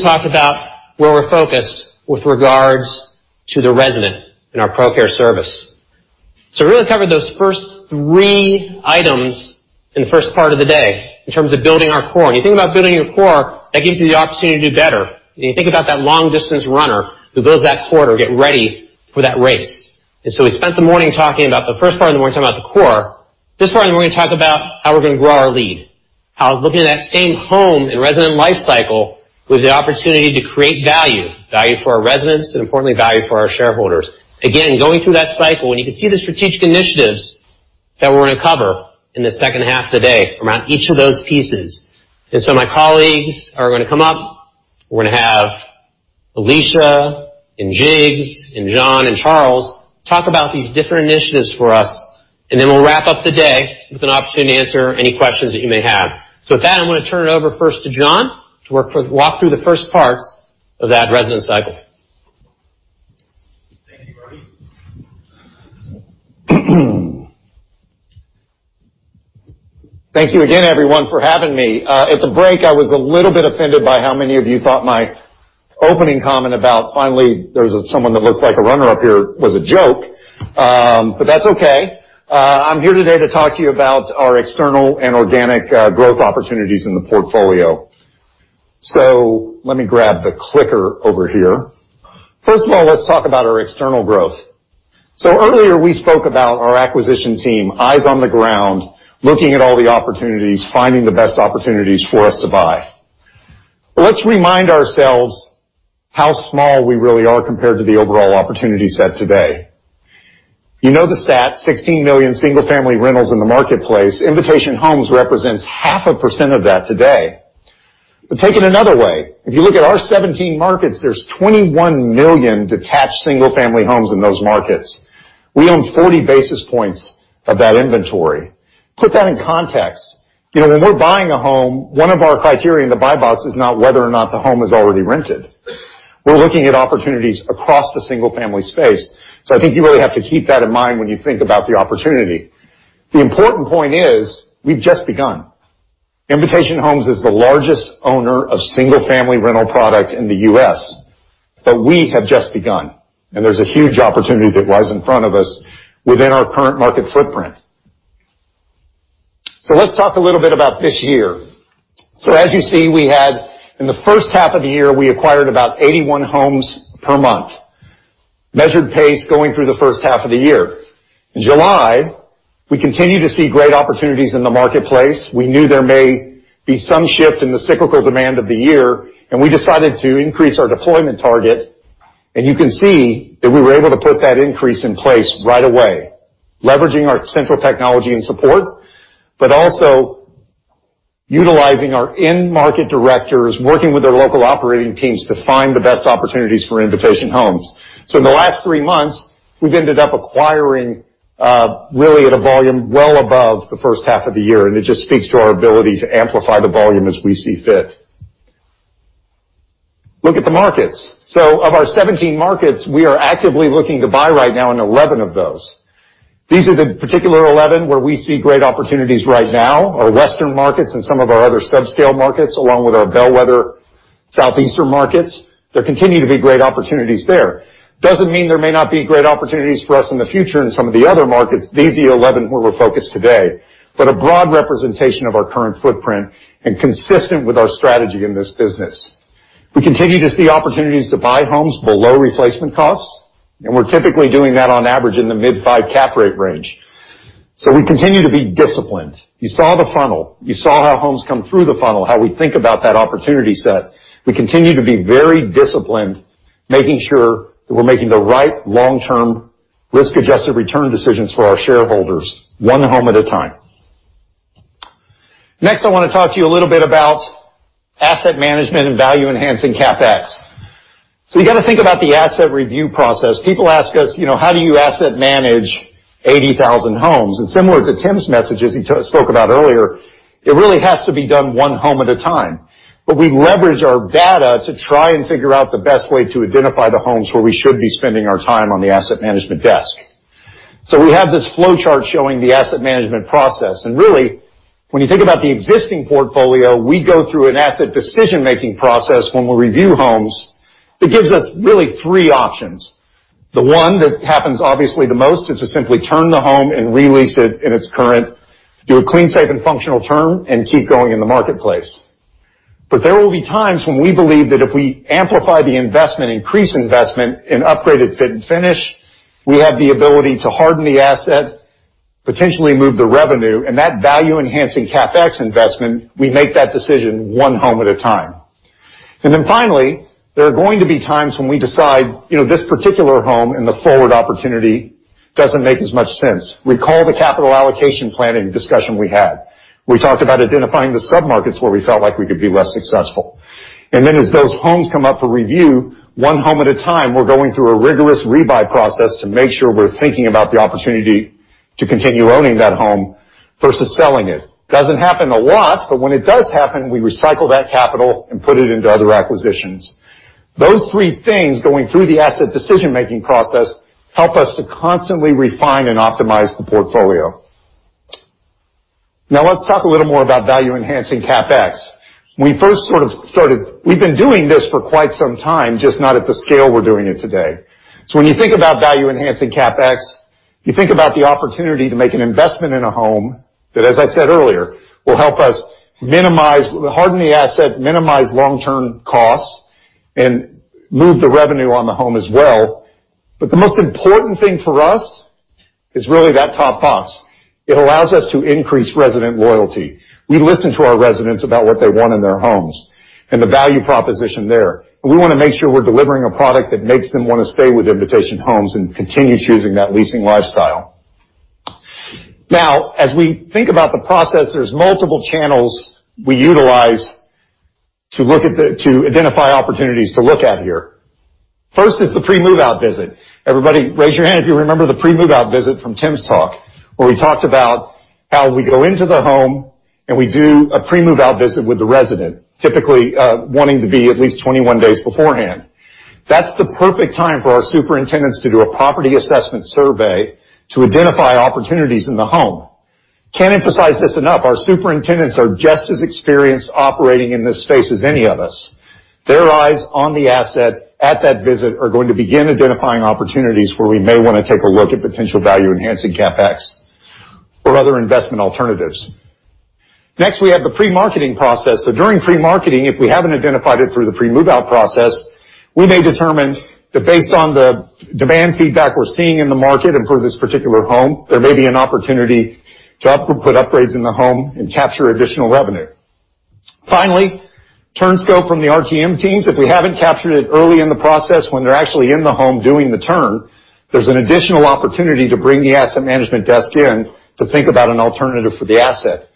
talked about where we're focused with regards to the resident in our ProCare service. We really covered those first three items in the first part of the day in terms of building our core. When you think about building your core, that gives you the opportunity to do better. When you think about that long-distance runner who builds that core to get ready for that race. We spent the morning talking about the first part, and we're talking about the core. This part, we're going to talk about how we're going to grow our lead, how looking at that same home and resident life cycle with the opportunity to create value for our residents, and importantly, value for our shareholders. Again, going through that cycle, and you can see the strategic initiatives that we're going to cover in the second half of the day around each of those pieces. My colleagues are going to come up. We're going to have Alicia, and Jiggs, and John, and Charles talk about these different initiatives for us, and then we'll wrap up the day with an opportunity to answer any questions that you may have. With that, I'm going to turn it over first to John to walk through the first parts of that resident cycle. Thank you, Brody. Thank you again, everyone, for having me. At the break, I was a little bit offended by how many of you thought my opening comment about finally there's someone that looks like a runner up here was a joke, but that's okay. I'm here today to talk to you about our external and organic growth opportunities in the portfolio. Let me grab the clicker over here. First of all, let's talk about our external growth. Earlier, we spoke about our acquisition team, eyes on the ground, looking at all the opportunities, finding the best opportunities for us to buy. Let's remind ourselves how small we really are compared to the overall opportunity set today. You know the stat, 16 million single-family rentals in the marketplace. Invitation Homes represents 0.5% of that today. Take it another way. If you look at our 17 markets, there's 21 million detached single-family homes in those markets. We own 40 basis points of that inventory. Put that in context. When we're buying a home, one of our criteria in the buy box is not whether or not the home is already rented. We're looking at opportunities across the single-family space. I think you really have to keep that in mind when you think about the opportunity. The important point is we've just begun. Invitation Homes is the largest owner of single-family rental product in the U.S., but we have just begun, and there's a huge opportunity that lies in front of us within our current market footprint. Let's talk a little bit about this year. As you see, we had in the first half of the year, we acquired about 81 homes per month. Measured pace going through the first half of the year. In July, we continued to see great opportunities in the marketplace. We knew there may be some shift in the cyclical demand of the year. We decided to increase our deployment target. You can see that we were able to put that increase in place right away, leveraging our central technology and support, also utilizing our in-market directors, working with their local operating teams to find the best opportunities for Invitation Homes. In the last three months, we've ended up acquiring really at a volume well above the first half of the year. It just speaks to our ability to amplify the volume as we see fit. Look at the markets. Of our 17 markets, we are actively looking to buy right now in 11 of those. These are the particular 11 where we see great opportunities right now, our Western markets and some of our other sub-scale markets, along with our bellwether Southeastern markets. There continue to be great opportunities there. Doesn't mean there may not be great opportunities for us in the future in some of the other markets. These are the 11 where we're focused today. A broad representation of our current footprint and consistent with our strategy in this business. We continue to see opportunities to buy homes below replacement costs, and we're typically doing that on average in the mid five cap rate range. We continue to be disciplined. You saw the funnel. You saw how homes come through the funnel, how we think about that opportunity set. We continue to be very disciplined, making sure that we're making the right long-term risk-adjusted return decisions for our shareholders, one home at a time. Next, I want to talk to you a little bit about asset management and value-enhancing CapEx. You got to think about the asset review process. People ask us, "How do you asset manage 80,000 homes?" Similar to Tim's message, as he spoke about earlier, it really has to be done one home at a time. We leverage our data to try and figure out the best way to identify the homes where we should be spending our time on the asset management desk. We have this flowchart showing the asset management process. Really, when you think about the existing portfolio, we go through an asset decision-making process when we review homes that gives us really three options. The one that happens obviously the most is to simply turn the home and re-lease it in its current, do a clean, safe, and functional turn, and keep going in the marketplace. There will be times when we believe that if we amplify the investment, increase investment in upgraded fit and finish, we have the ability to harden the asset, potentially move the revenue, and that value-enhancing CapEx investment, we make that decision one home at a time. Finally, there are going to be times when we decide, this particular home and the forward opportunity doesn't make as much sense. Recall the capital allocation planning discussion we had. We talked about identifying the sub-markets where we felt like we could be less successful. As those homes come up for review, one home at a time, we're going through a rigorous rebuy process to make sure we're thinking about the opportunity to continue owning that home versus selling it. Doesn't happen a lot, but when it does happen, we recycle that capital and put it into other acquisitions. Those three things going through the asset decision-making process help us to constantly refine and optimize the portfolio. Let's talk a little more about value-enhancing CapEx. We've been doing this for quite some time, just not at the scale we're doing it today. When you think about value-enhancing CapEx, you think about the opportunity to make an investment in a home that, as I said earlier, will help us harden the asset, minimize long-term costs, and move the revenue on the home as well. The most important thing for us is really that top box. It allows us to increase resident loyalty. We listen to our residents about what they want in their homes and the value proposition there. We want to make sure we're delivering a product that makes them want to stay with Invitation Homes and continue choosing that leasing lifestyle. Now, as we think about the process, there's multiple channels we utilize to identify opportunities to look at here. First is the pre-move-out visit. Everybody raise your hand if you remember the pre-move-out visit from Tim's talk, where we talked about how we go into the home and we do a pre-move-out visit with the resident, typically wanting to be at least 21 days beforehand. That's the perfect time for our superintendents to do a property assessment survey to identify opportunities in the home. Can't emphasize this enough. Our superintendents are just as experienced operating in this space as any of us. Their eyes on the asset at that visit are going to begin identifying opportunities where we may want to take a look at potential value-enhancing CapEx or other investment alternatives. Next, we have the pre-marketing process. During pre-marketing, if we haven't identified it through the pre-move-out process, we may determine that based on the demand feedback we're seeing in the market and for this particular home, there may be an opportunity to put upgrades in the home and capture additional revenue. Finally, turn scope from the RTM teams. If we haven't captured it early in the process when they're actually in the home doing the turn, there's an additional opportunity to bring the asset management desk in to think about an alternative for the asset.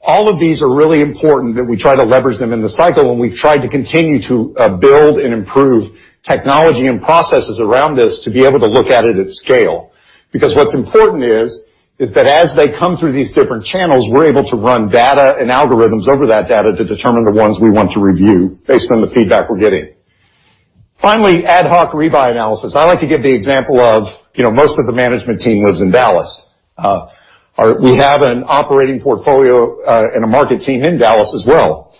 All of these are really important that we try to leverage them in the cycle, and we've tried to continue to build and improve technology and processes around this to be able to look at it at scale. Because what's important is that as they come through these different channels, we're able to run data and algorithms over that data to determine the ones we want to review based on the feedback we're getting. Finally, ad hoc rebuy analysis. I like to give the example of most of the management team lives in Dallas. We have an operating portfolio and a market team in Dallas as well.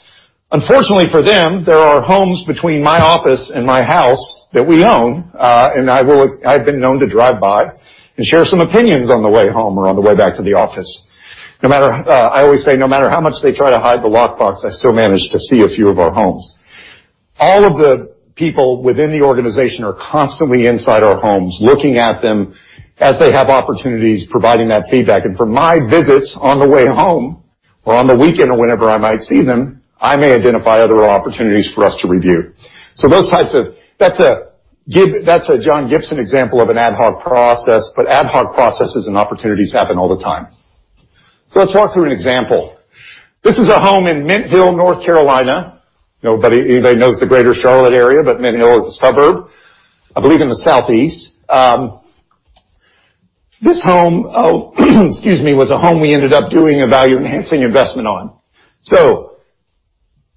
Unfortunately for them, there are homes between my office and my house that we own, and I've been known to drive by and share some opinions on the way home or on the way back to the office. I always say, no matter how much they try to hide the lockbox, I still manage to see a few of our homes. All of the people within the organization are constantly inside our homes, looking at them as they have opportunities, providing that feedback. From my visits on the way home or on the weekend or whenever I might see them, I may identify other opportunities for us to review. That's a John Gibson example of an ad hoc process, but ad hoc processes and opportunities happen all the time. Let's walk through an example. This is a home in Mint Hill, North Carolina. Nobody knows the greater Charlotte area, but Mint Hill is a suburb, I believe in the southeast. This home was a home we ended up doing a value-enhancing investment on.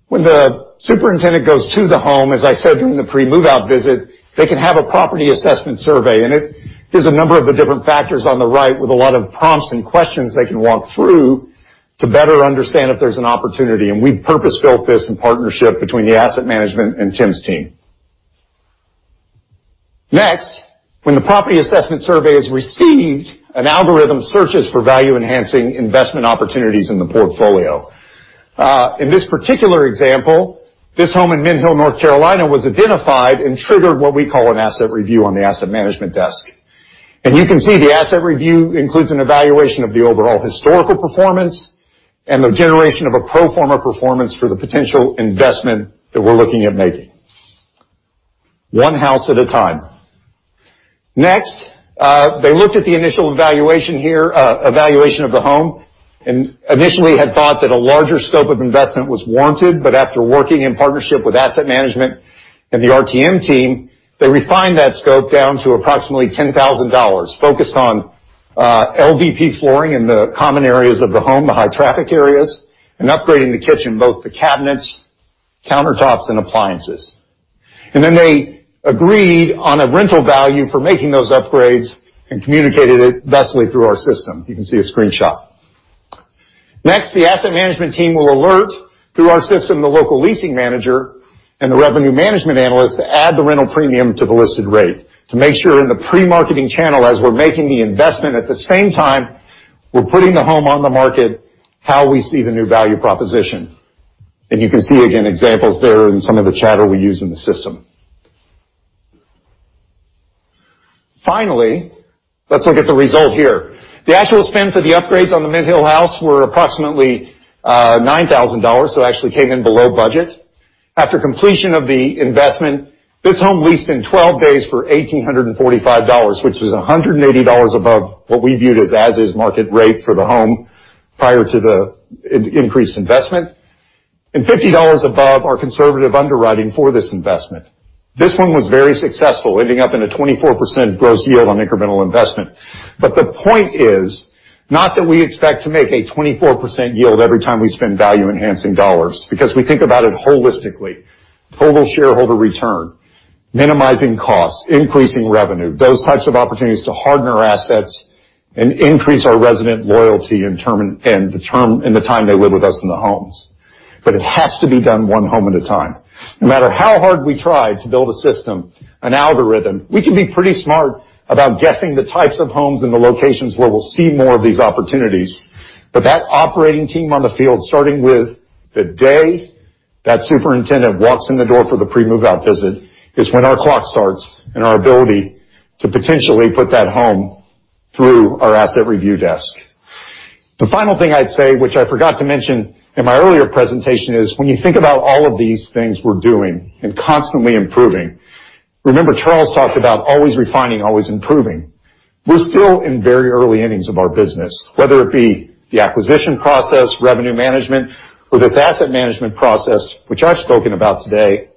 When the superintendent goes to the home, as I said, during the pre-move-out visit, they can have a property assessment survey, and there's a number of the different factors on the right with a lot of prompts and questions they can walk through to better understand if there's an opportunity. We purpose-built this in partnership between the asset management and Tim's team. Next, when the property assessment survey is received, an algorithm searches for value-enhancing investment opportunities in the portfolio. In this particular example, this home in Mint Hill, North Carolina, was identified and triggered what we call an asset review on the asset management desk. You can see the asset review includes an evaluation of the overall historical performance and the generation of a pro forma performance for the potential investment that we're looking at making. One house at a time. They looked at the initial evaluation of the home, and initially had thought that a larger scope of investment was wanted, but after working in partnership with Asset Management and the RTM team, they refined that scope down to approximately $10,000, focused on LVP flooring in the common areas of the home, the high traffic areas, and upgrading the kitchen, both the cabinets, countertops, and appliances. They agreed on a rental value for making those upgrades and communicated it thusly through our system. You can see a screenshot. The Asset Management team will alert through our system the local leasing manager and the revenue management analyst to add the rental premium to the listed rate to make sure in the pre-marketing channel, as we're making the investment at the same time we're putting the home on the market, how we see the new value proposition. You can see again examples there in some of the chatter we use in the system. Finally, let's look at the result here. The actual spend for the upgrades on the Mint Hill house were approximately $9,000, so it actually came in below budget. After completion of the investment, this home leased in 12 days for $1,845, which was $180 above what we viewed as as-is market rate for the home prior to the increased investment, and $50 above our conservative underwriting for this investment. This one was very successful, ending up in a 24% gross yield on incremental investment. The point is not that we expect to make a 24% yield every time we spend value-enhancing dollars, because we think about it holistically. Total shareholder return, minimizing costs, increasing revenue, those types of opportunities to harden our assets and increase our resident loyalty and the time they live with us in the homes. It has to be done one home at a time. No matter how hard we try to build a system, an algorithm, we can be pretty smart about guessing the types of homes and the locations where we'll see more of these opportunities. That operating team on the field, starting with the day that superintendent walks in the door for the pre-move-out visit, is when our clock starts and our ability to potentially put that home through our asset review desk. The final thing I'd say, which I forgot to mention in my earlier presentation, is when you think about all of these things we're doing and constantly improving, remember Charles talked about always refining, always improving. We're still in very early innings of our business, whether it be the acquisition process, revenue management, or this asset management process, which I've spoken about today.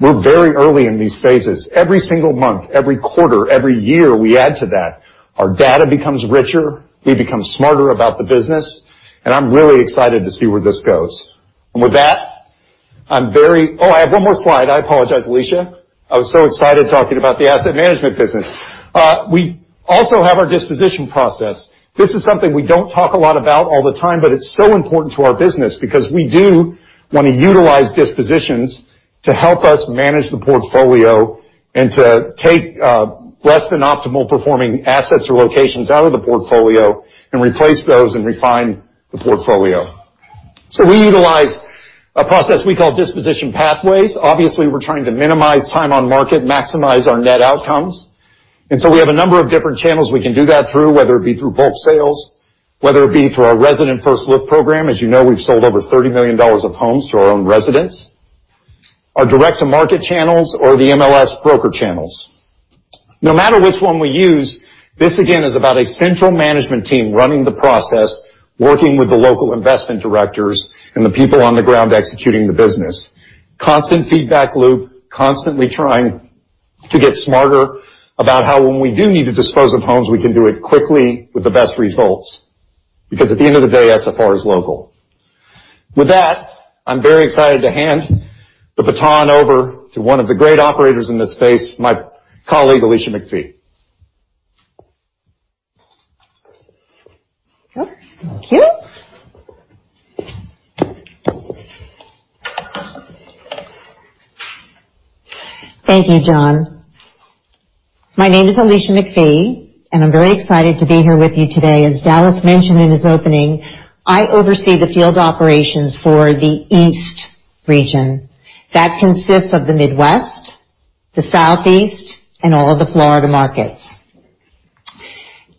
We're very early in these phases. Every single month, every quarter, every year, we add to that. Our data becomes richer. We become smarter about the business. I'm really excited to see where this goes. With that, I have one more slide. I apologize, Alicia. I was so excited talking about the asset management business. We also have our disposition process. This is something we don't talk a lot about all the time, but it's so important to our business because we do want to utilize dispositions to help us manage the portfolio and to take less than optimal performing assets or locations out of the portfolio and replace those and refine the portfolio. We utilize a process we call disposition pathways. Obviously, we're trying to minimize time on market, maximize our net outcomes. We have a number of different channels we can do that through, whether it be through bulk sales, whether it be through our Resident First Look program. As you know, we've sold over $30 million of homes to our own residents, our direct-to-market channels or the MLS broker channels. No matter which one we use, this, again, is about a central management team running the process, working with the local investment directors and the people on the ground executing the business. Constant feedback loop, constantly trying to get smarter about how when we do need to dispose of homes, we can do it quickly with the best results, because at the end of the day, SFR is local. With that, I'm very excited to hand the baton over to one of the great operators in this space, my colleague, Alicia MacPhee. Thank you. Thank you, John. My name is Alicia MacPhee, and I'm very excited to be here with you today. As Dallas mentioned in his opening, I oversee the field operations for the East Region. That consists of the Midwest, the Southeast, and all of the Florida markets.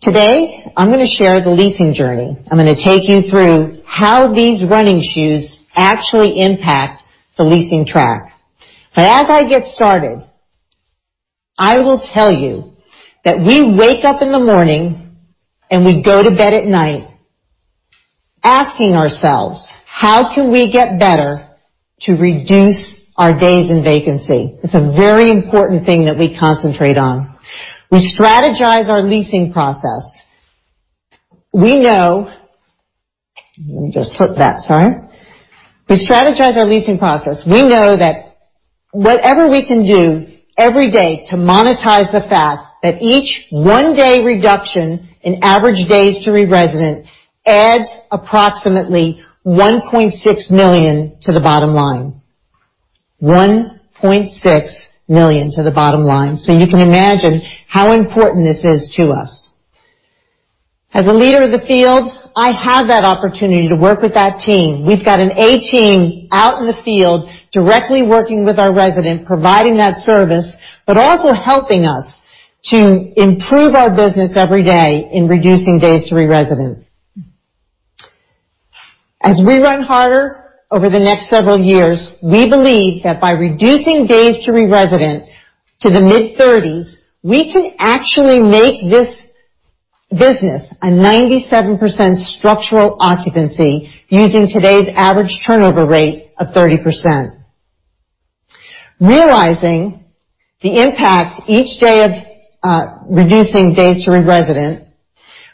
Today, I'm going to share the leasing journey. I'm going to take you through how these running shoes actually impact the leasing track. As I get started, I will tell you that we wake up in the morning and we go to bed at night asking ourselves, "How can we get better to reduce our days in vacancy?" It's a very important thing that we concentrate on. We strategize our leasing process. We know that whatever we can do every day to monetize the fact that each one-day reduction in average days to re-resident adds approximately $1.6 million to the bottom line. $1.6 million to the bottom line. You can imagine how important this is to us. As a leader of the field, I have that opportunity to work with that team. We've got an A team out in the field directly working with our resident, providing that service, but also helping us to improve our business every day in reducing days to re-resident. As we run harder over the next several years, we believe that by reducing days to re-resident to the mid-thirties, we can actually make this business a 97% structural occupancy using today's average turnover rate of 30%. Realizing the impact each day of reducing days to re-resident,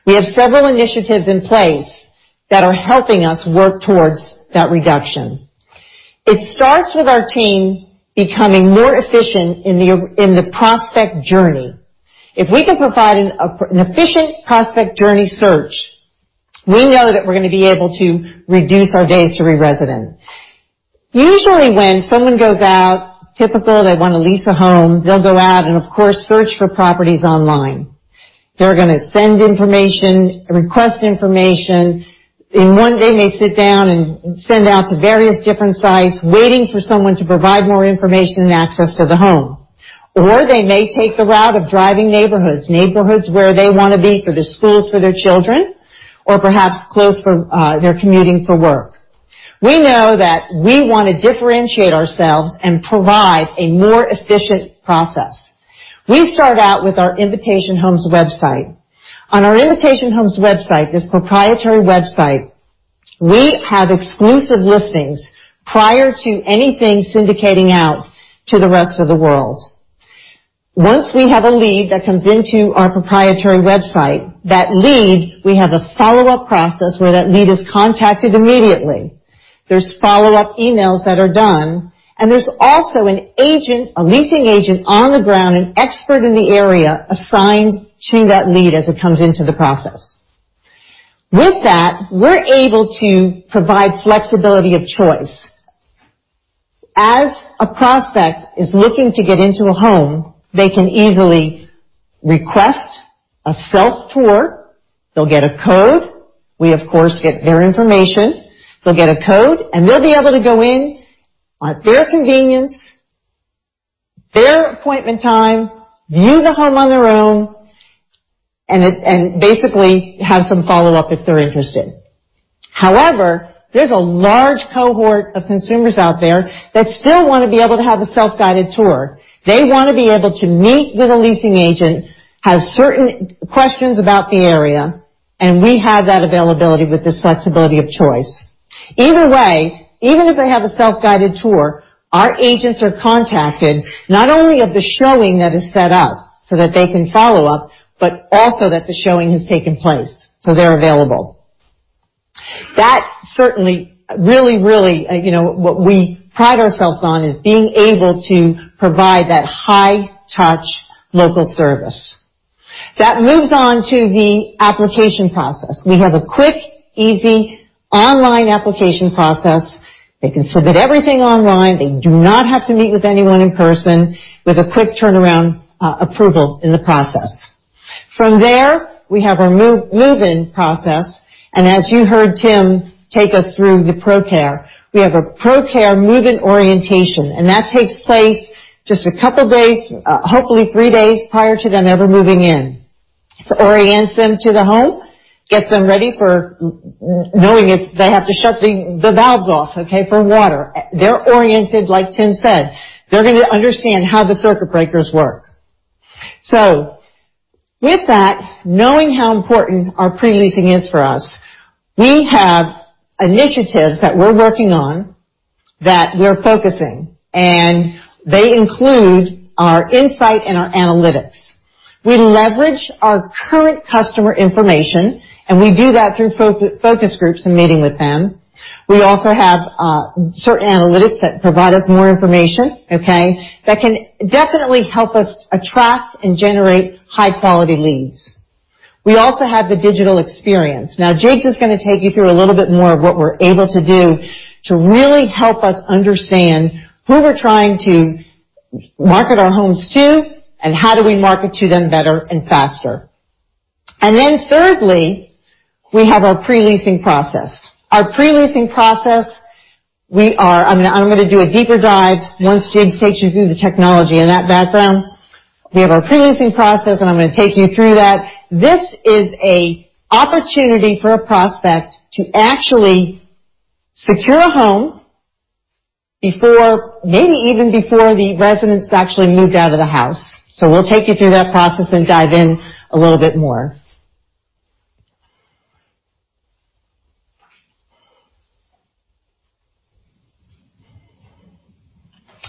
we have several initiatives in place that are helping us work towards that reduction. It starts with our team becoming more efficient in the prospect journey. If we can provide an efficient prospect journey search, we know that we're going to be able to reduce our days to re-resident. Usually, when someone goes out, typical, they want to lease a home, they'll go out and, of course, search for properties online. They're going to send information, request information. In one day, they may sit down and send out to various different sites, waiting for someone to provide more information and access to the home. They may take the route of driving neighborhoods where they want to be for the schools for their children, or perhaps close for their commuting for work. We know that we want to differentiate ourselves and provide a more efficient process. We start out with our Invitation Homes website. On our Invitation Homes website, this proprietary website, we have exclusive listings prior to anything syndicating out to the rest of the world. Once we have a lead that comes into our proprietary website, that lead, we have a follow-up process where that lead is contacted immediately. There's follow-up emails that are done, there's also an agent, a leasing agent on the ground, an expert in the area, assigned to that lead as it comes into the process. With that, we're able to provide flexibility of choice. As a prospect is looking to get into a home, they can easily request a self-tour. They'll get a code. We, of course, get their information. They'll get a code, they'll be able to go in at their convenience, their appointment time, view the home on their own, and basically have some follow-up if they're interested. However, there's a large cohort of consumers out there that still want to be able to have a self-guided tour. They want to be able to meet with a leasing agent, have certain questions about the area, we have that availability with this flexibility of choice. Either way, even if they have a self-guided tour, our agents are contacted not only of the showing that is set up so that they can follow up, but also that the showing has taken place. They're available. That certainly, really, what we pride ourselves on is being able to provide that high-touch local service. That moves on to the application process. We have a quick, easy online application process. They can submit everything online. They do not have to meet with anyone in person, with a quick turnaround approval in the process. From there, we have our move-in process, and as you heard Tim take us through the ProCare, we have a ProCare move-in orientation, and that takes place just a couple of days, hopefully three days prior to them ever moving in to orient them to the home, get them ready for knowing if they have to shut the valves off for water. They're oriented, like Tim said. They're going to understand how the circuit breakers work. With that, knowing how important our pre-leasing is for us, we have initiatives that we're working on, that we're focusing, and they include our insight and our analytics. We leverage our current customer information, and we do that through focus groups and meeting with them. We also have certain analytics that provide us more information, okay, that can definitely help us attract and generate high-quality leads. We also have the digital experience. Jiggs is going to take you through a little bit more of what we're able to do to really help us understand who we're trying to market our homes to and how do we market to them better and faster. Thirdly, we have our pre-leasing process. Our pre-leasing process, I'm going to do a deeper dive once Jiggs takes you through the technology and that background. We have our pre-leasing process, and I'm going to take you through that. This is an opportunity for a prospect to actually secure a home maybe even before the resident's actually moved out of the house. We'll take you through that process and dive in a little bit more.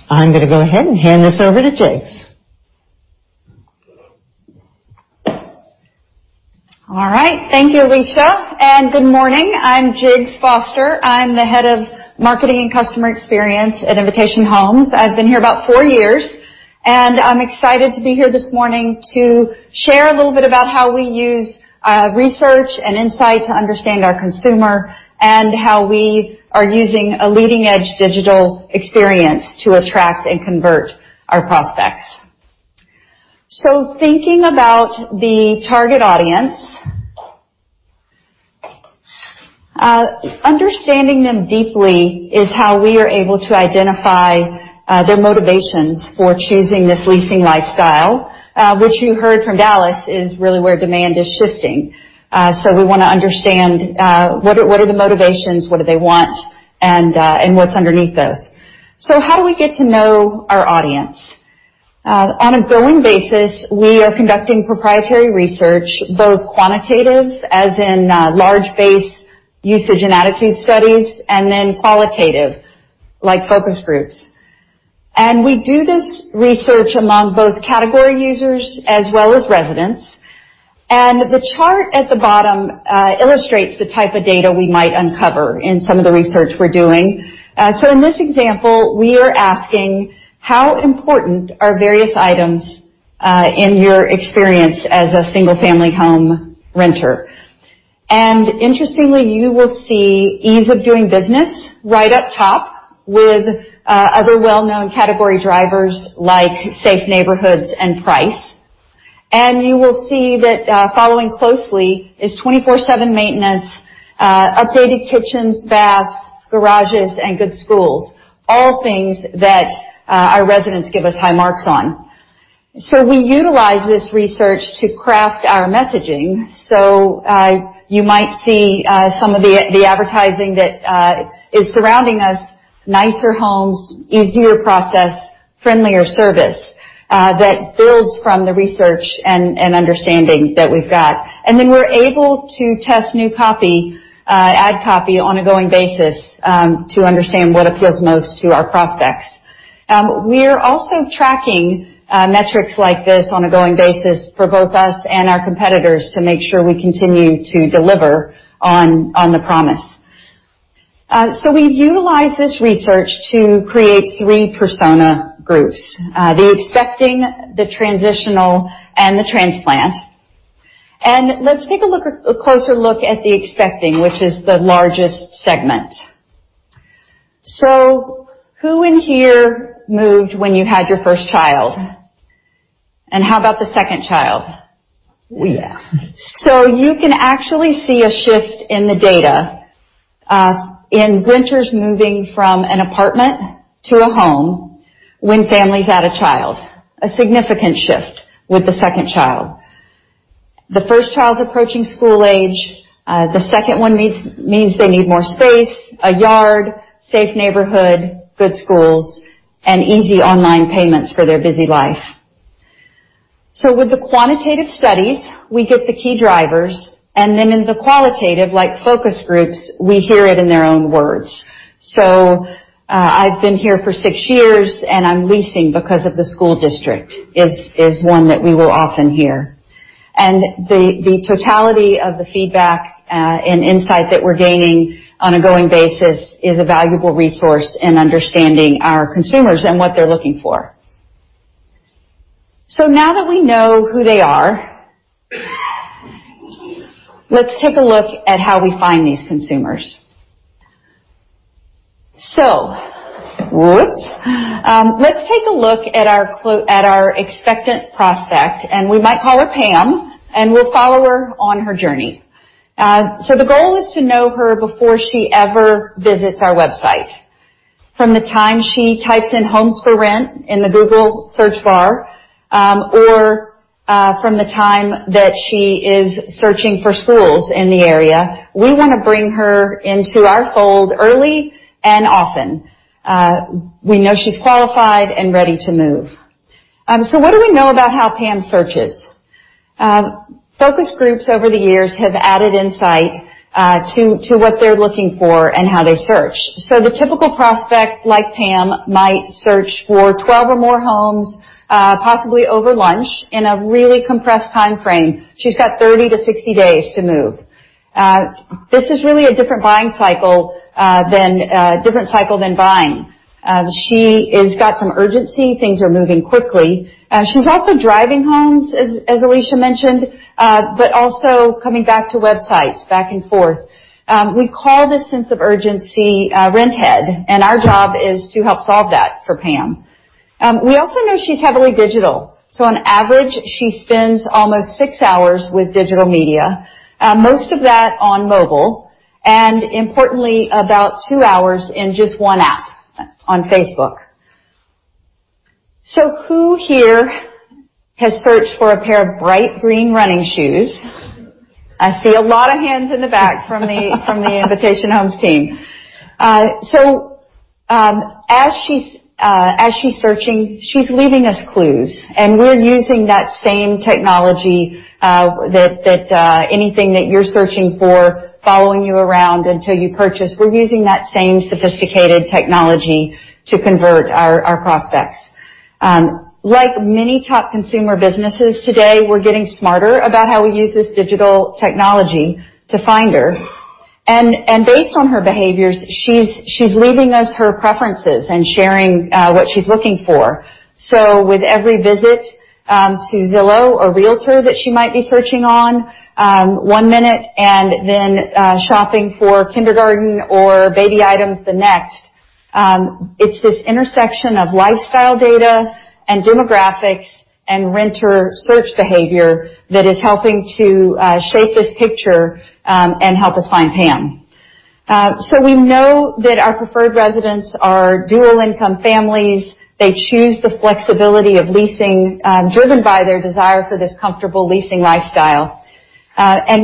I'm going to go ahead and hand this over to Jiggs. All right. Thank you, Alicia, and good morning. I'm Jiggs Foster. I'm the Head of Marketing and Customer Experience at Invitation Homes. I've been here about four years, and I'm excited to be here this morning to share a little bit about how we use research and insight to understand our consumer, and how we are using a leading-edge digital experience to attract and convert our prospects. Thinking about the target audience, understanding them deeply is how we are able to identify their motivations for choosing this leasing lifestyle, which you heard from Dallas is really where demand is shifting. We want to understand what are the motivations, what do they want, and what's underneath this. How do we get to know our audience? On a going basis, we are conducting proprietary research, both quantitative as in large base usage and attitude studies, then qualitative, like focus groups. We do this research among both category users as well as residents. The chart at the bottom illustrates the type of data we might uncover in some of the research we're doing. In this example, we are asking how important are various items in your experience as a single-family home renter. Interestingly, you will see ease of doing business right up top with other well-known category drivers like safe neighborhoods and price. You will see that following closely is 24/7 maintenance, updated kitchens, baths, garages, and good schools. All things that our residents give us high marks on. We utilize this research to craft our messaging. You might see some of the advertising that is surrounding us, nicer homes, easier process, friendlier service, that builds from the research and understanding that we've got. Then we're able to test new ad copy on a going basis to understand what appeals most to our prospects. We're also tracking metrics like this on a going basis for both us and our competitors to make sure we continue to deliver on the promise. We've utilized this research to create three persona groups, the expecting, the transitional, and the transplant. Let's take a closer look at the expecting, which is the largest segment. Who in here moved when you had your first child? How about the second child? Yeah. You can actually see a shift in the data in renters moving from an apartment to a home when families had a child, a significant shift with the second child. The first child's approaching school age, the second one means they need more space, a yard, safe neighborhood, good schools, and easy online payments for their busy life. With the quantitative studies, we get the key drivers, and then in the qualitative, like focus groups, we hear it in their own words. "I've been here for six years, and I'm leasing because of the school district," is one that we will often hear. The totality of the feedback, and insight that we're gaining on a going basis is a valuable resource in understanding our consumers and what they're looking for. Now that we know who they are, let's take a look at how we find these consumers. Let's take a look at our expectant prospect, and we might call her Pam, and we'll follow her on her journey. The goal is to know her before she ever visits our website. From the time she types in homes for rent in the Google search bar, or from the time that she is searching for schools in the area, we want to bring her into our fold early and often. We know she's qualified and ready to move. What do we know about how Pam searches? Focus groups over the years have added insight to what they're looking for and how they search. The typical prospect like Pam might search for 12 or more homes, possibly over lunch, in a really compressed timeframe. She's got 30 to 60 days to move. This is really a different cycle than buying. She has got some urgency. Things are moving quickly. She's also driving homes, as Alicia mentioned, but also coming back to websites, back and forth. We call this sense of urgency rent-head, and our job is to help solve that for Pam. We also know she's heavily digital. On average, she spends almost six hours with digital media, most of that on mobile, and importantly, about two hours in just one app, on Facebook. Who here has searched for a pair of bright green running shoes? I see a lot of hands in the back from the Invitation Homes team. As she's searching, she's leaving us clues, and we're using that same technology that anything that you're searching for, following you around until you purchase. We're using that same sophisticated technology to convert our prospects. Like many top consumer businesses today, we're getting smarter about how we use this digital technology to find her. Based on her behaviors, she's leaving us her preferences and sharing what she's looking for. With every visit to Zillow or Realtor.com that she might be searching on one minute and then shopping for kindergarten or baby items the next, it's this intersection of lifestyle data and demographics and renter search behavior that is helping to shape this picture, and help us find Pam. We know that our preferred residents are dual income families. They choose the flexibility of leasing, driven by their desire for this comfortable leasing lifestyle.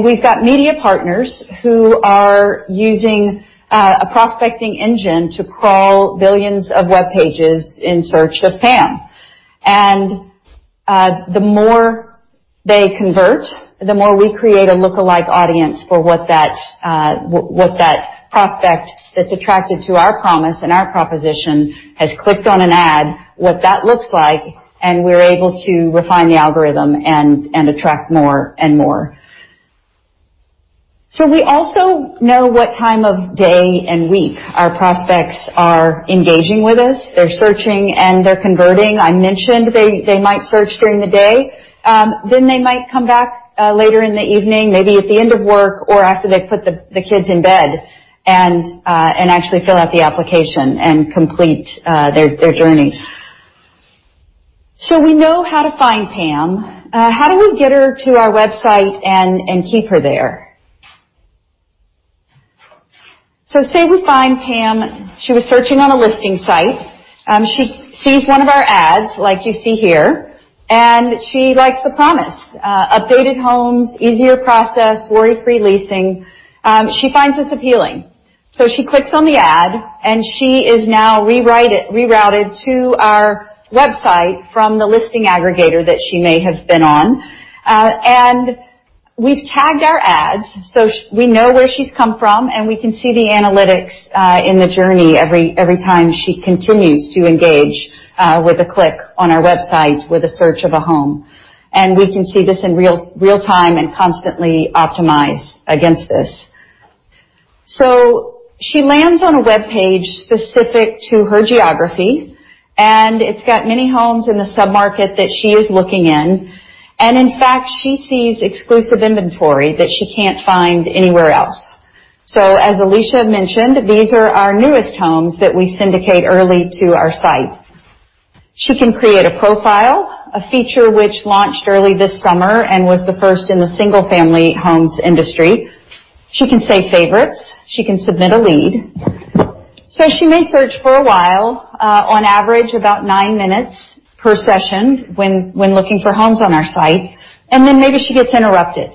We've got media partners who are using a prospecting engine to crawl billions of web pages in search of Pam. The more they convert, the more we create a lookalike audience for what that prospect that's attracted to our promise and our proposition has clicked on an ad, what that looks like, and we're able to refine the algorithm and attract more and more. We also know what time of day and week our prospects are engaging with us. They're searching, and they're converting. I mentioned they might search during the day. They might come back later in the evening, maybe at the end of work or after they've put the kids in bed, and actually fill out the application and complete their journey. We know how to find Pam. How do we get her to our website and keep her there? Say we find Pam. She was searching on a listing site. She sees one of our ads, like you see here, and she likes the promise. Updated homes, easier process, worry-free leasing. She finds this appealing. She clicks on the ad, and she is now rerouted to our website from the listing aggregator that she may have been on. We've tagged our ads, so we know where she's come from, and we can see the analytics in the journey every time she continues to engage with a click on our website with a search of a home. We can see this in real-time and constantly optimize against this. She lands on a webpage specific to her geography, and it's got many homes in the sub-market that she is looking in. In fact, she sees exclusive inventory that she can't find anywhere else. As Alicia mentioned, these are our newest homes that we syndicate early to our site. She can create a profile, a feature which launched early this summer and was the first in the single-family homes industry. She can save favorites. She can submit a lead. She may search for a while, on average, about nine minutes per session when looking for homes on our site, and then maybe she gets interrupted.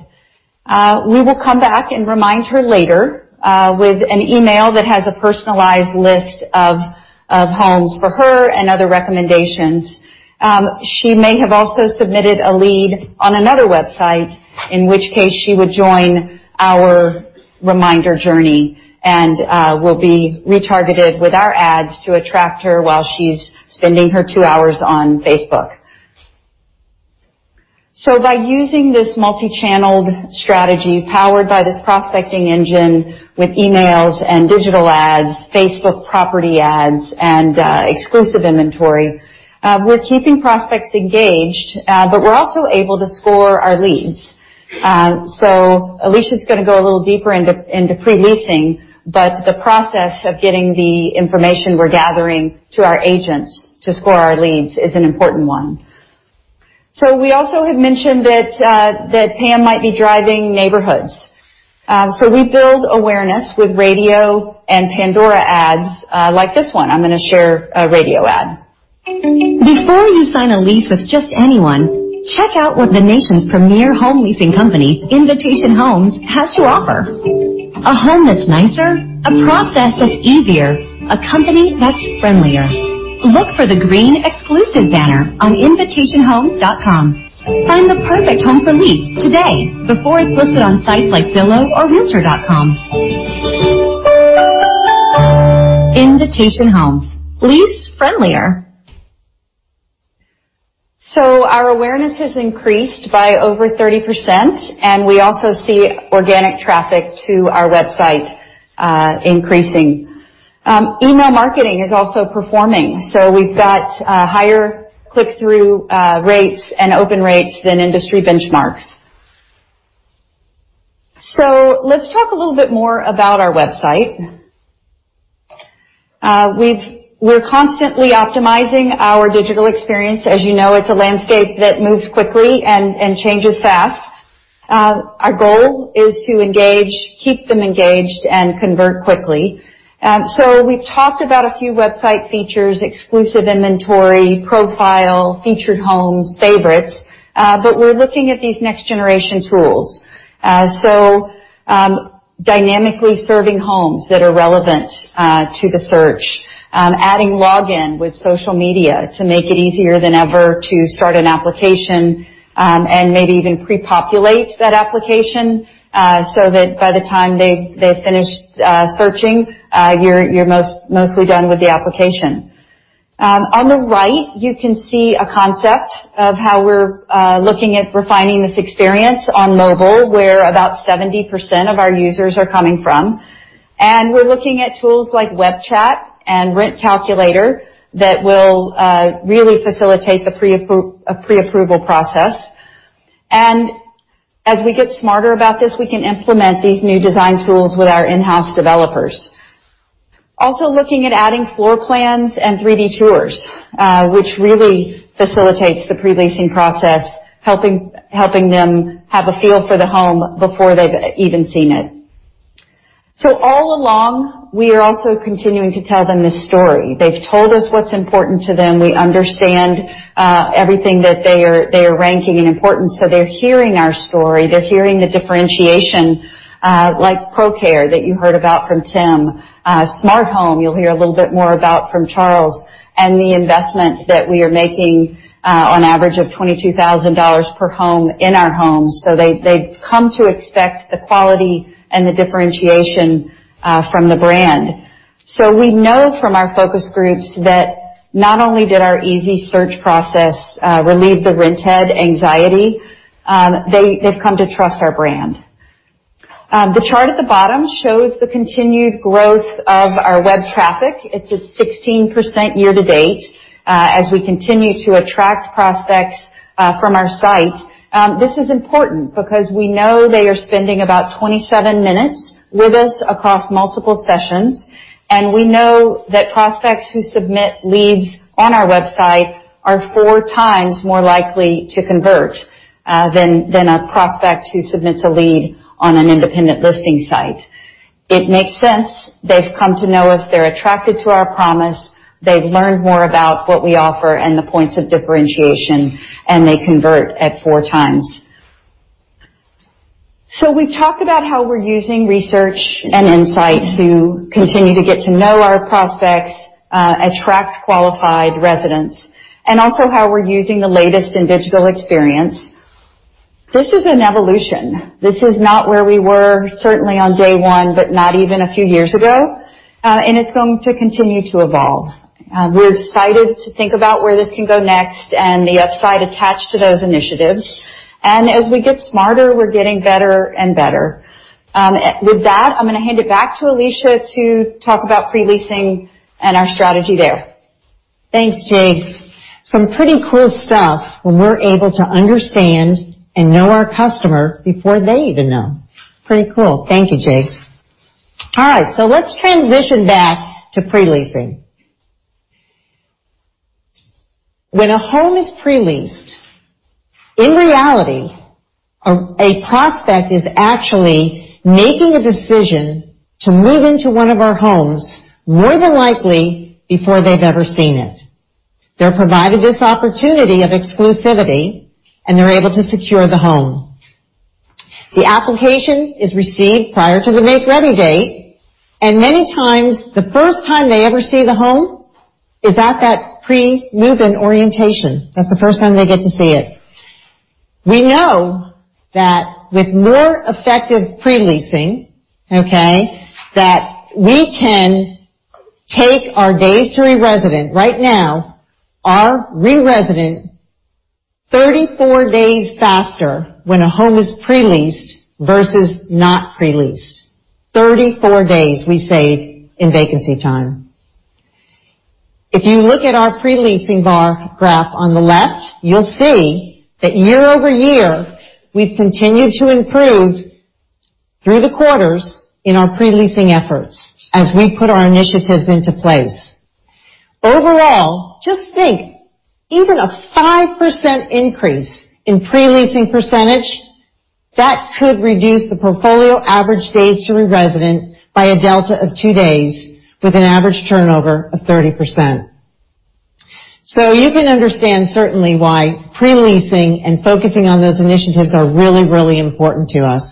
We will come back and remind her later with an email that has a personalized list of homes for her and other recommendations. She may have also submitted a lead on another website, in which case, she would join our reminder journey and will be retargeted with our ads to attract her while she's spending her two hours on Facebook. By using this multi-channeled strategy powered by this prospecting engine with emails and digital ads, Facebook property ads, and exclusive inventory, we're keeping prospects engaged, but we're also able to score our leads. Alicia's going to go a little deeper into pre-leasing, but the process of getting the information we're gathering to our agents to score our leads is an important one. We also had mentioned that Pam might be driving neighborhoods. We build awareness with radio and Pandora ads, like this one. I'm going to share a radio ad. Before you sign a lease with just anyone, check out what the nation's premier home leasing company, Invitation Homes, has to offer. A home that's nicer, a process that's easier, a company that's friendlier. Look for the green exclusive banner on invitationhomes.com. Find the perfect home for lease today before it's listed on sites like Zillow or realtor.com. Invitation Homes, lease friendlier. Our awareness has increased by over 30%, and we also see organic traffic to our website increasing. Email marketing is also performing. We've got higher click-through rates and open rates than industry benchmarks. Let's talk a little bit more about our website. We're constantly optimizing our digital experience. As you know, it's a landscape that moves quickly and changes fast. Our goal is to engage, keep them engaged, and convert quickly. We've talked about a few website features, exclusive inventory, profile, featured homes, favorites, but we're looking at these next-generation tools. Dynamically serving homes that are relevant to the search, adding login with social media to make it easier than ever to start an application, and maybe even pre-populate that application, so that by the time they've finished searching, you're mostly done with the application. On the right, you can see a concept of how we're looking at refining this experience on mobile, where about 70% of our users are coming from. We're looking at tools like web chat and rent calculator that will really facilitate the pre-approval process. As we get smarter about this, we can implement these new design tools with our in-house developers. Also looking at adding floor plans and 3D tours, which really facilitates the pre-leasing process, helping them have a feel for the home before they've even seen it. All along, we are also continuing to tell them this story. They've told us what's important to them. We understand everything that they are ranking in importance. They're hearing our story. They're hearing the differentiation, like ProCare that you heard about from Tim, Smart Home, you'll hear a little bit more about from Charles, and the investment that we are making on average of $22,000 per home in our homes. They've come to expect the quality and the differentiation from the brand. We know from our focus groups that not only did our easy search process relieve the rent head anxiety, they've come to trust our brand. The chart at the bottom shows the continued growth of our web traffic. It's at 16% year-to-date as we continue to attract prospects from our site. This is important because we know they are spending about 27 minutes with us across multiple sessions. We know that prospects who submit leads on our website are four times more likely to convert than a prospect who submits a lead on an independent listing site. It makes sense. They've come to know us, they're attracted to our promise. They've learned more about what we offer and the points of differentiation. They convert at four times. We've talked about how we're using research and insight to continue to get to know our prospects, attract qualified residents, and also how we're using the latest in digital experience. This is an evolution. This is not where we were, certainly on day one, but not even a few years ago. It's going to continue to evolve. We're excited to think about where this can go next and the upside attached to those initiatives. As we get smarter, we're getting better and better. With that, I'm going to hand it back to Alicia to talk about pre-leasing and our strategy there. Thanks, Jiggs. Some pretty cool stuff when we're able to understand and know our customer before they even know. Pretty cool. Thank you, Jiggs. Let's transition back to pre-leasing. When a home is pre-leased, in reality, a prospect is actually making a decision to move into one of our homes more than likely before they've ever seen it. They're provided this opportunity of exclusivity, and they're able to secure the home. The application is received prior to the make-ready date. Many times, the first time they ever see the home is at that pre-move-in orientation. That's the first time they get to see it. We know that with more effective pre-leasing, that we can take our days to re-resident. Right now, our re-resident, 34 days faster when a home is pre-leased versus not pre-leased. 34 days we save in vacancy time. If you look at our pre-leasing bar graph on the left, you'll see that year-over-year we've continued to improve through the quarters in our pre-leasing efforts as we put our initiatives into place. Overall, just think, even a 5% increase in pre-leasing percentage, that could reduce the portfolio average days to re-resident by a delta of two days with an average turnover of 30%. You can understand certainly why pre-leasing and focusing on those initiatives are really, really important to us.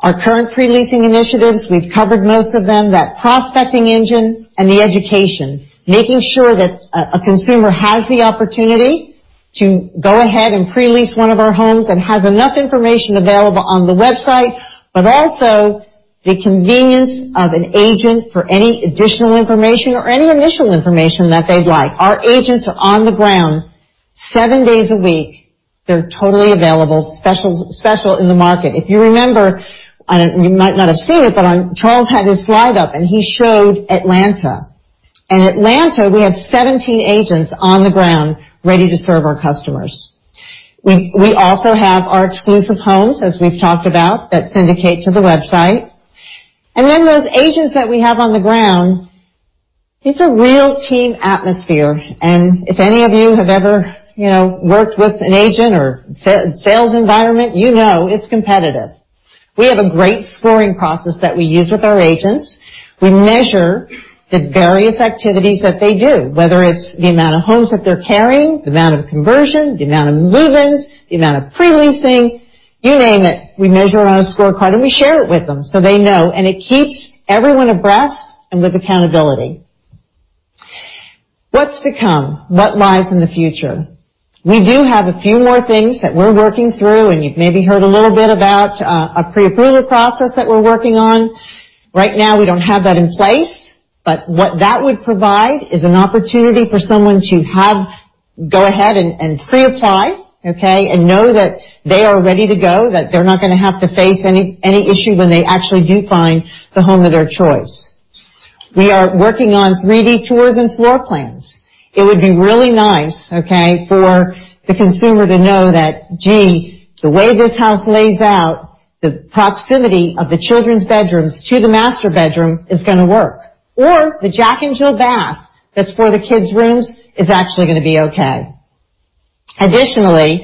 Our current pre-leasing initiatives, we've covered most of them. That prospecting engine and the education, making sure that a consumer has the opportunity to go ahead and pre-lease one of our homes and has enough information available on the website, but also the convenience of an agent for any additional information or any initial information that they'd like. Our agents are on the ground seven days a week. They're totally available, special in the market. If you remember, you might not have seen it, but Charles had his slide up and he showed Atlanta. In Atlanta, we have 17 agents on the ground ready to serve our customers. We also have our exclusive homes, as we've talked about, that syndicate to the website. Those agents that we have on the ground, it's a real team atmosphere, and if any of you have ever worked with an agent or sales environment, you know it's competitive. We have a great scoring process that we use with our agents. We measure the various activities that they do, whether it's the amount of homes that they're carrying, the amount of conversion, the amount of move-ins, the amount of pre-leasing, you name it. We measure it on a scorecard, and we share it with them so they know, and it keeps everyone abreast and with accountability. What's to come? What lies in the future? We do have a few more things that we're working through. You've maybe heard a little bit about our pre-approval process that we're working on. Right now, we don't have that in place. What that would provide is an opportunity for someone to go ahead and pre-apply, okay, and know that they are ready to go, that they're not going to have to face any issue when they actually do find the home of their choice. We are working on 3D tours and floor plans. It would be really nice, okay, for the consumer to know that, gee, the way this house lays out, the proximity of the children's bedrooms to the master bedroom is going to work. The Jack and Jill bath that's for the kids' rooms is actually going to be okay. Additionally,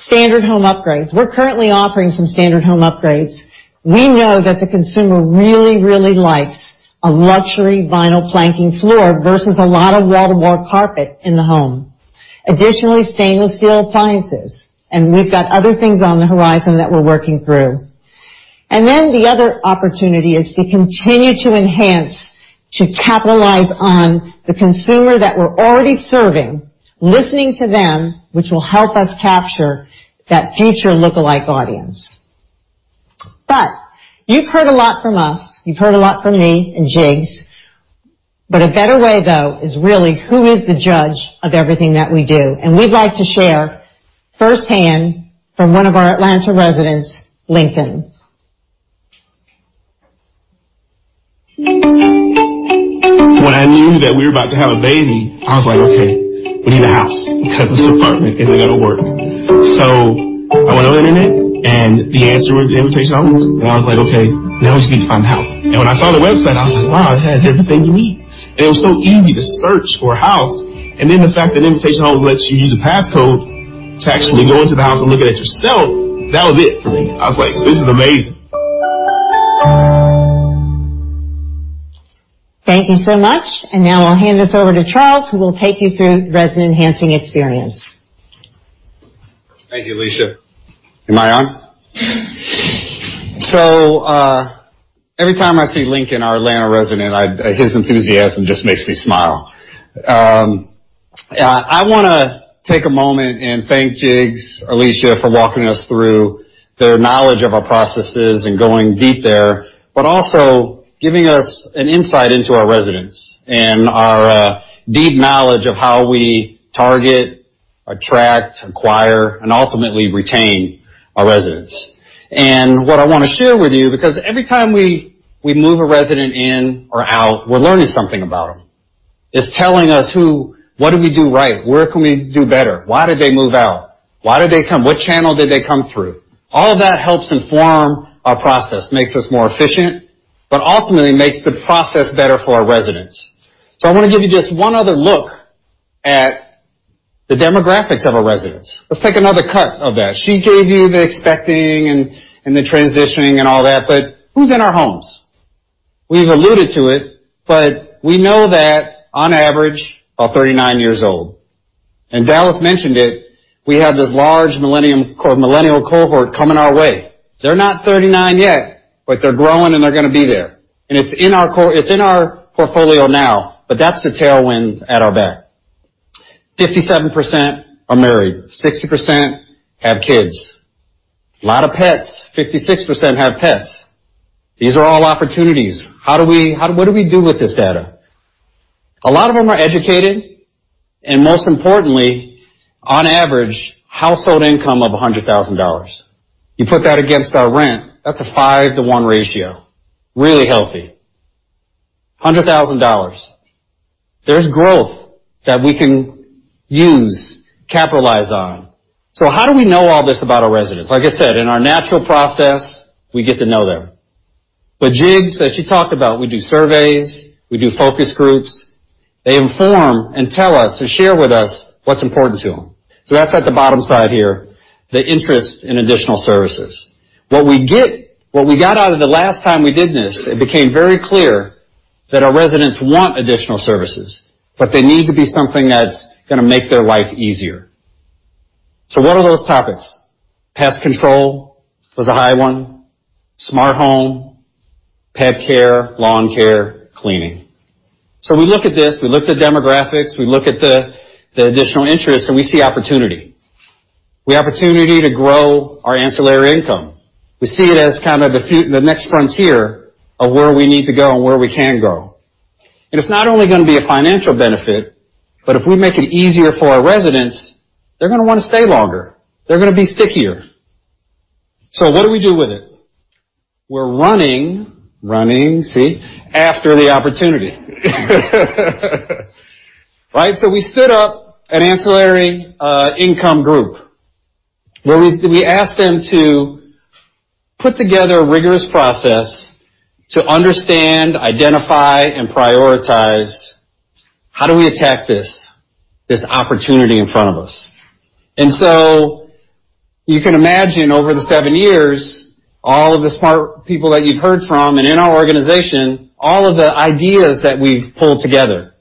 standard home upgrades. We're currently offering some standard home upgrades. We know that the consumer really, really likes a luxury vinyl planking floor versus a lot of wall-to-wall carpet in the home. Additionally, stainless steel appliances, and we've got other things on the horizon that we're working through. The other opportunity is to continue to enhance, to capitalize on the consumer that we're already serving, listening to them, which will help us capture that future lookalike audience. You've heard a lot from us. You've heard a lot from me and Jiggs. A better way, though, is really who is the judge of everything that we do, and we'd like to share firsthand from one of our Atlanta residents, Lincoln. When I knew that we were about to have a baby, I was like, "Okay, we need a house because this apartment isn't going to work." I went on the internet, and the answer was Invitation Homes. I was like, "Okay, now we just need to find a house." When I saw the website, I was like, "Wow, it has everything you need." It was so easy to search for a house, the fact that Invitation Homes lets you use a passcode to actually go into the house and look at it yourself, that was it for me. I was like, "This is amazing. Thank you so much. Now I'll hand this over to Charles, who will take you through the resident enhancing experience. Thank you, Alicia. Am I on? Every time I see Lincoln, our Atlanta resident, his enthusiasm just makes me smile. I want to take a moment and thank Jiggs, Alicia, for walking us through their knowledge of our processes and going deep there, but also giving us an insight into our residents and our deep knowledge of how we target, attract, acquire, and ultimately retain our residents. What I want to share with you, because every time we move a resident in or out, we're learning something about them. It's telling us, what did we do right? Where can we do better? Why did they move out? Why did they come? What channel did they come through? All of that helps inform our process, makes us more efficient, but ultimately makes the process better for our residents. I want to give you just one other look at the demographics of our residents. Let's take another cut of that. She gave you the expecting and the transitioning and all that, but who's in our homes? We've alluded to it, but we know that on average, about 39 years old. Dallas mentioned it, we have this large millennial cohort coming our way. They're not 39 yet, but they're growing, and they're going to be there. It's in our portfolio now, but that's the tailwind at our back. 57% are married, 60% have kids. A lot of pets. 56% have pets. These are all opportunities. What do we do with this data? A lot of them are educated, and most importantly, on average, household income of $100,000. You put that against our rent, that's a five to one ratio. Really healthy. $100,000. There's growth that we can use, capitalize on. How do we know all this about our residents? Like I said, in our natural process, we get to know them. Jiggs, as she talked about, we do surveys, we do focus groups. They inform and tell us to share with us what's important to them. That's at the bottom side here, the interest in additional services. What we got out of the last time we did this, it became very clear that our residents want additional services, but they need to be something that's going to make their life easier. What are those topics? Pest control was a high one, Smart Home, pet care, lawn care, cleaning. We look at this, we look at the demographics, we look at the additional interest, and we see opportunity. We have opportunity to grow our ancillary income. We see it as kind of the next frontier of where we need to go and where we can go. It's not only going to be a financial benefit, but if we make it easier for our residents, they're going to want to stay longer. They're going to be stickier. What do we do with it? We're running, see? After the opportunity. Right. We stood up an ancillary income group where we asked them to put together a rigorous process to understand, identify, and prioritize how do we attack this opportunity in front of us. So you can imagine over the seven years, all of the smart people that you've heard from and in our organization, all of the ideas that we've pulled together.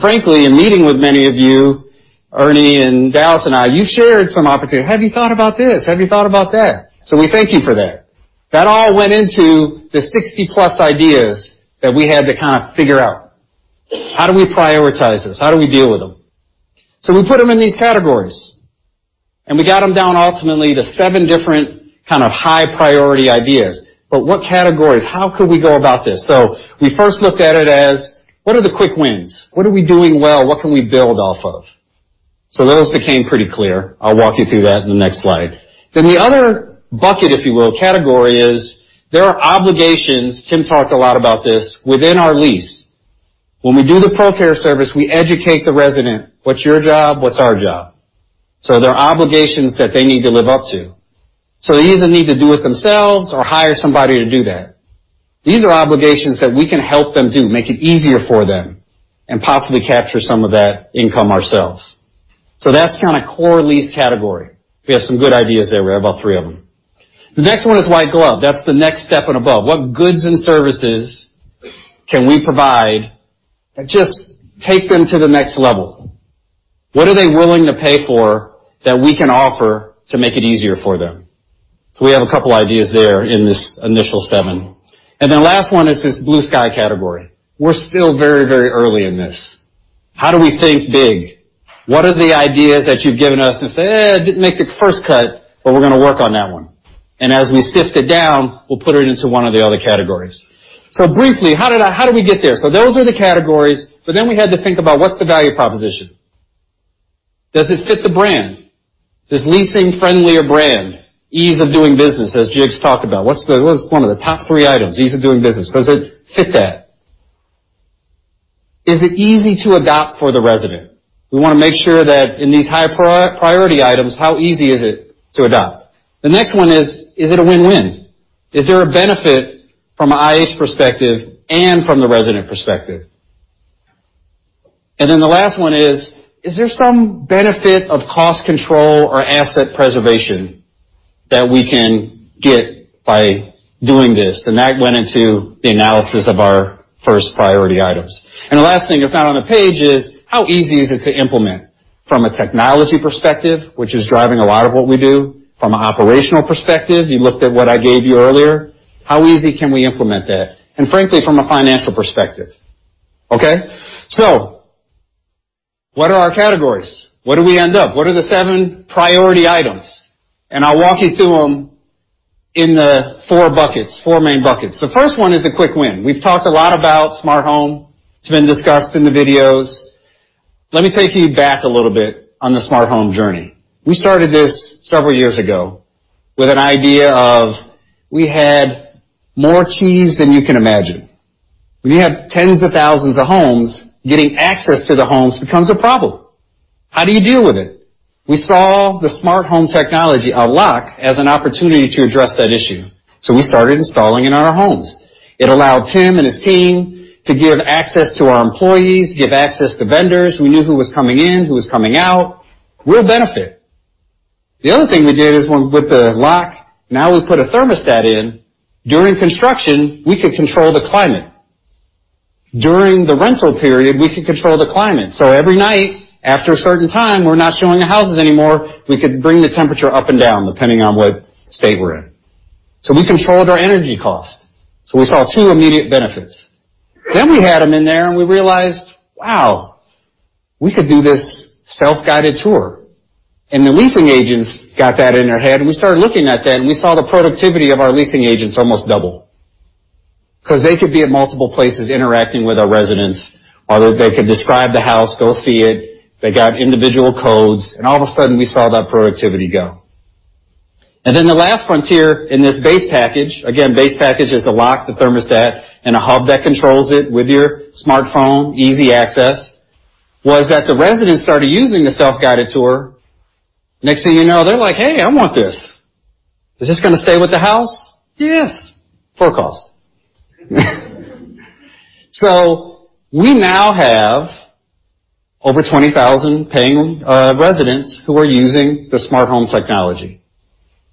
Frankly, in meeting with many of you, Ernie and Dallas and I, you shared some opportunities. Have you thought about this? Have you thought about that? We thank you for that. That all went into the 60 plus ideas that we had to kind of figure out. How do we prioritize this? How do we deal with them? We put them in these categories, and we got them down ultimately to seven different kind of high priority ideas. What categories? How could we go about this? We first looked at it as what are the quick wins? What are we doing well? What can we build off of? Those became pretty clear. I'll walk you through that in the next slide. The other bucket, if you will, category is there are obligations, Tim talked a lot about this, within our lease. When we do the ProCare service, we educate the resident, what's your job? What's our job? There are obligations that they need to live up to. They either need to do it themselves or hire somebody to do that. These are obligations that we can help them do, make it easier for them, and possibly capture some of that income ourselves. That's kind of core lease category. We have some good ideas there. We have about three of them. The next one is white glove. That's the next step and above. What goods and services can we provide that just take them to the next level? What are they willing to pay for that we can offer to make it easier for them? We have a couple ideas there in this initial seven. Last one is this blue sky category. We're still very early in this. How do we think big? What are the ideas that you've given us and said, "Eh, didn't make the first cut, but we're going to work on that one." As we sift it down, we'll put it into one of the other categories. Briefly, how did we get there? Those are the categories, but then we had to think about what's the value proposition? Does it fit the brand? Does leasing friendly a brand, ease of doing business, as Jiggs talked about. What's one of the top three items? Ease of doing business. Does it fit that? Is it easy to adopt for the resident? We want to make sure that in these high priority items, how easy is it to adopt? The next one is it a win-win? Is there a benefit from an IH perspective and from the resident perspective? The last one is there some benefit of cost control or asset preservation that we can get by doing this? That went into the analysis of our first priority items. The last thing that's not on the page is how easy is it to implement from a technology perspective, which is driving a lot of what we do. From an operational perspective, you looked at what I gave you earlier. How easy can we implement that? Frankly, from a financial perspective. Okay. What are our categories? What do we end up? What are the 7 priority items? I'll walk you through them in the 4 buckets, 4 main buckets. The first one is the quick win. We've talked a lot about Smart Home. It's been discussed in the videos. Let me take you back a little bit on the Smart Home journey. We started this several years ago with an idea of we had more keys than you can imagine. When you have tens of thousands of homes, getting access to the homes becomes a problem. How do you deal with it? We saw the Smart Home technology, a lock, as an opportunity to address that issue. We started installing it in our homes. It allowed Tim and his team to give access to our employees, give access to vendors. We knew who was coming in, who was coming out. Real benefit. The other thing we did is with the lock, now we put a thermostat in. During construction, we could control the climate. During the rental period, we could control the climate. Every night, after a certain time, we're not showing the houses anymore, we could bring the temperature up and down depending on what state we're in. We controlled our energy cost. We saw two immediate benefits. We had them in there, and we realized, wow, we could do this self-guided tour. The leasing agents got that in their head, and we started looking at that, and we saw the productivity of our leasing agents almost double. Because they could be at multiple places interacting with our residents, or they could describe the house, go see it. They got individual codes, and all of a sudden, we saw that productivity go. The last frontier in this base package, again, base package is the lock, the thermostat, and a hub that controls it with your smartphone, easy access, was that the residents started using the self-guided tour. Next thing you know, they're like, "Hey, I want this. Is this going to stay with the house?" Yes, for a cost. We now have over 20,000 paying residents who are using the Smart Home technology.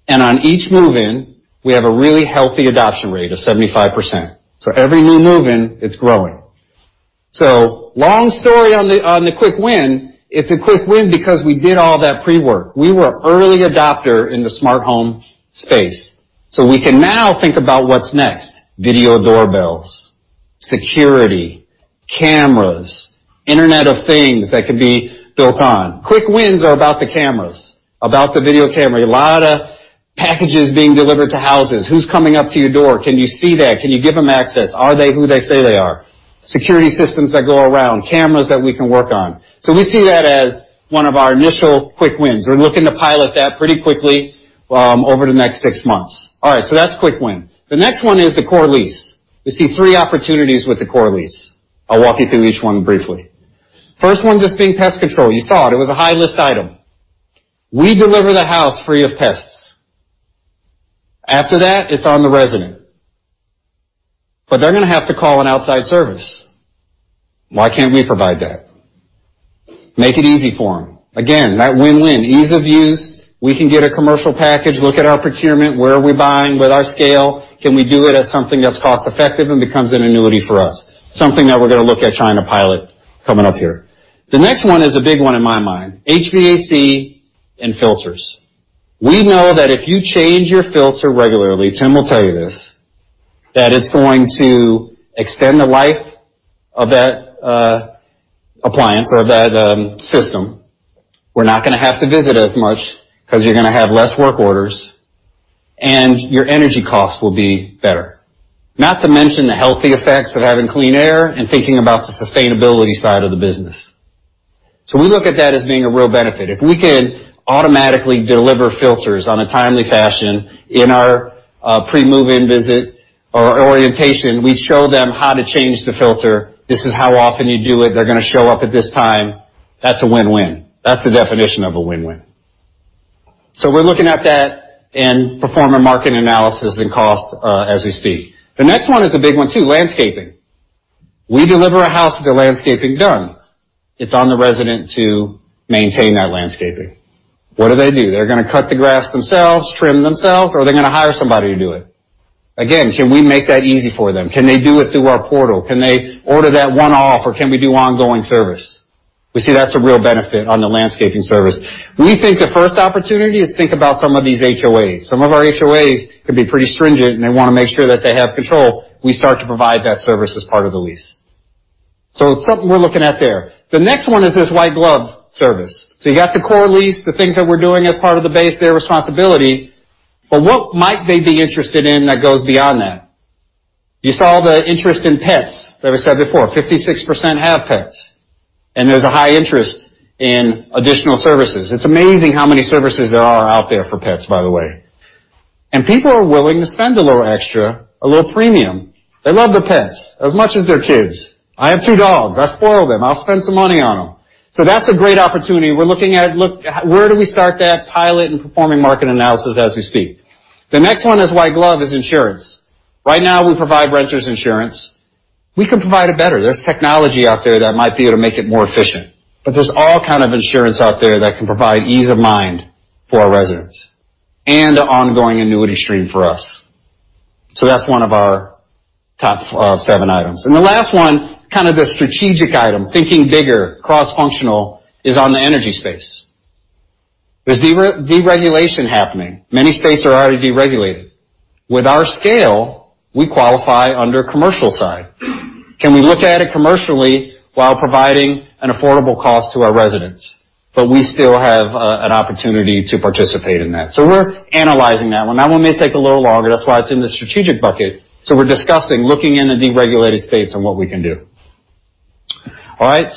On each move-in, we have a really healthy adoption rate of 75%. Every new move-in, it's growing. Long story on the quick win, it's a quick win because we did all that pre-work. We were early adopter in the Smart Home space. We can now think about what's next. Video doorbells, security, cameras, Internet of things that could be built on. Quick wins are about the cameras, about the video camera. A lot of packages being delivered to houses. Who's coming up to your door? Can you see that? Can you give them access? Are they who they say they are? Security systems that go around, cameras that we can work on. We see that as one of our initial quick wins. We're looking to pilot that pretty quickly over the next 6 months. That's quick win. The next one is the core lease. We see three opportunities with the core lease. I'll walk you through each one briefly. First one just being pest control. You saw it. It was a high list item. We deliver the house free of pests. After that, it's on the resident. They're going to have to call an outside service. Why can't we provide that? Make it easy for them. Again, that win-win. Ease of use. We can get a commercial package, look at our procurement. Where are we buying with our scale? Can we do it at something that's cost effective and becomes an annuity for us? Something that we're going to look at trying to pilot coming up here. The next one is a big one in my mind, HVAC and filters. We know that if you change your filter regularly, Tim will tell you this, that it's going to extend the life of that appliance or of that system. We're not going to have to visit as much because you're going to have less work orders, and your energy cost will be better. Not to mention the healthy effects of having clean air and thinking about the sustainability side of the business. We look at that as being a real benefit. If we can automatically deliver filters on a timely fashion in our pre-move-in visit or orientation, we show them how to change the filter. This is how often you do it. They're going to show up at this time. That's a win-win. That's the definition of a win-win. We're looking at that and performing market analysis and cost as we speak. The next one is a big one, too, landscaping. We deliver a house with the landscaping done. It's on the resident to maintain that landscaping. What do they do? They're going to cut the grass themselves, trim themselves, or are they going to hire somebody to do it? Again, can we make that easy for them? Can they do it through our portal? Can they order that one-off, or can we do ongoing service? We see that's a real benefit on the landscaping service. We think the first opportunity is think about some of these HOAs. Some of our HOAs can be pretty stringent, and they want to make sure that they have control. We start to provide that service as part of the lease. It's something we're looking at there. The next one is this white glove service. You have the core lease, the things that we're doing as part of the base, their responsibility, but what might they be interested in that goes beyond that? You saw the interest in pets that I said before. 56% have pets, and there's a high interest in additional services. It's amazing how many services there are out there for pets, by the way. People are willing to spend a little extra, a little premium. They love their pets as much as their kids. I have two dogs. I spoil them. I'll spend some money on them. That's a great opportunity. We're looking at where do we start that pilot and performing market analysis as we speak. The next one is white glove is insurance. Right now, we provide renters insurance. We can provide it better. There's technology out there that might be able to make it more efficient. There's all kind of insurance out there that can provide ease of mind for our residents and an ongoing annuity stream for us. That's one of our top seven items. The last one, kind of the strategic item, thinking bigger, cross-functional, is on the energy space. There's deregulation happening. Many states are already deregulated. With our scale, we qualify under commercial side. Can we look at it commercially while providing an affordable cost to our residents? We still have an opportunity to participate in that. We're analyzing that one. That one may take a little longer, that's why it's in the strategic bucket. We're discussing looking into deregulated states and what we can do. All right.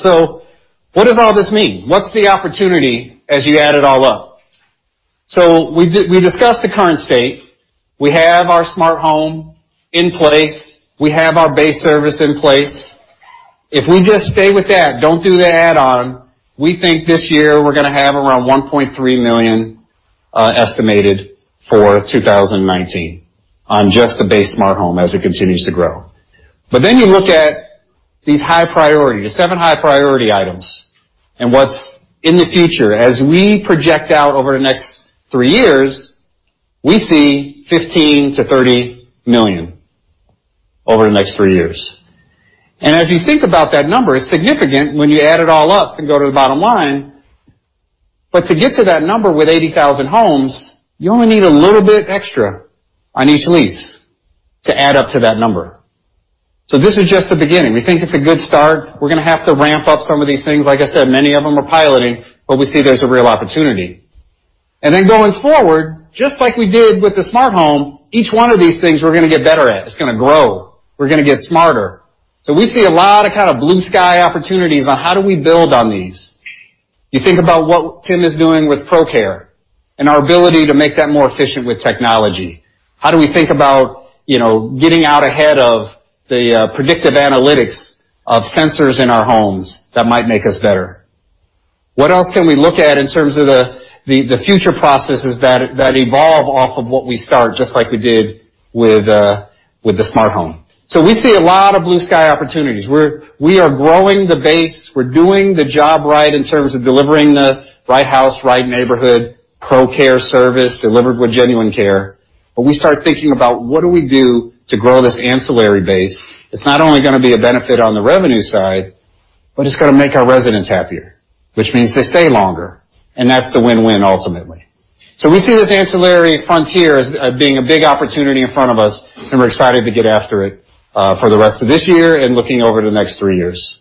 What does all this mean? What's the opportunity as you add it all up? We discussed the current state. We have our Smart Home in place. We have our base service in place. If we just stay with that, don't do the add-on, we think this year we're going to have around $1.3 million estimated for 2019 on just the base Smart Home as it continues to grow. You look at these high priority, the seven high priority items, and what's in the future. As we project out over the next three years, we see $15 million-$30 million over the next three years. As you think about that number, it's significant when you add it all up and go to the bottom line. To get to that number with 80,000 homes, you only need a little bit extra on each lease to add up to that number. This is just the beginning. We think it's a good start. We're going to have to ramp up some of these things. Like I said, many of them are piloting, but we see there's a real opportunity. Going forward, just like we did with the Smart Home, each one of these things we're going to get better at. It's going to grow. We're going to get smarter. We see a lot of kind of blue sky opportunities on how do we build on these. You think about what Tim is doing with ProCare and our ability to make that more efficient with technology. How do we think about getting out ahead of the predictive analytics of sensors in our homes that might make us better? What else can we look at in terms of the future processes that evolve off of what we start, just like we did with the Smart Home? We see a lot of blue sky opportunities, we are growing the base. We're doing the job right in terms of delivering the right house, right neighborhood, ProCare service delivered with genuine care. We start thinking about what do we do to grow this ancillary base. It's not only going to be a benefit on the revenue side, but it's going to make our residents happier, which means they stay longer, and that's the win-win ultimately. We see this ancillary frontier as being a big opportunity in front of us, and we're excited to get after it for the rest of this year and looking over the next three years.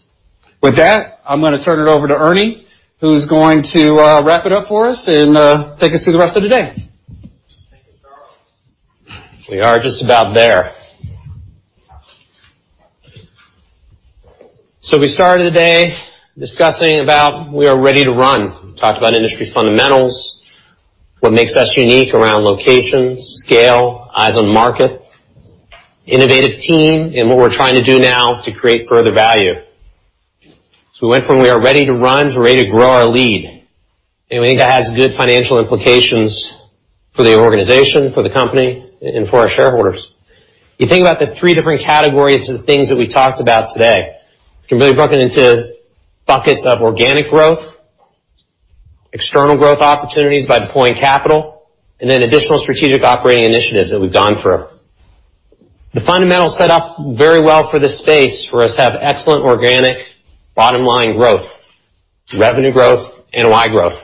With that, I'm going to turn it over to Ernie, who's going to wrap it up for us and take us through the rest of the day. Thank you, Charles. We are just about there. We started today discussing about we are ready to run. We talked about industry fundamentals, what makes us unique around location, scale, eyes on market, innovative team, and what we're trying to do now to create further value. We went from we are ready to run to ready to grow our lead, and we think that has good financial implications for the organization, for the company, and for our shareholders. You think about the three different categories of things that we talked about today, can really be broken into buckets of organic growth, external growth opportunities by deploying capital, and then additional strategic operating initiatives that we've gone through. The fundamentals set up very well for this space for us to have excellent organic bottom line growth, revenue growth, NOI growth,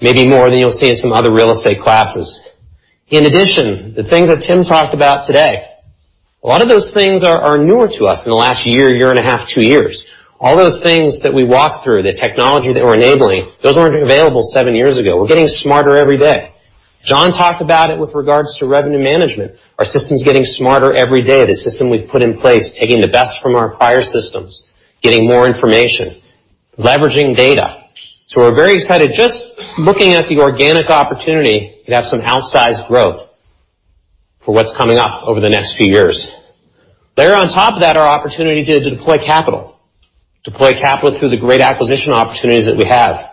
maybe more than you'll see in some other real estate classes. In addition, the things that Tim talked about today, a lot of those things are newer to us in the last year and a half, two years. All those things that we walked through, the technology that we're enabling, those weren't available seven years ago. We're getting smarter every day. John talked about it with regards to revenue management. Our system's getting smarter every day, the system we've put in place, taking the best from our prior systems, getting more information, leveraging data. We're very excited just looking at the organic opportunity to have some outsized growth for what's coming up over the next few years. Layer on top of that our opportunity to deploy capital. Deploy capital through the great acquisition opportunities that we have,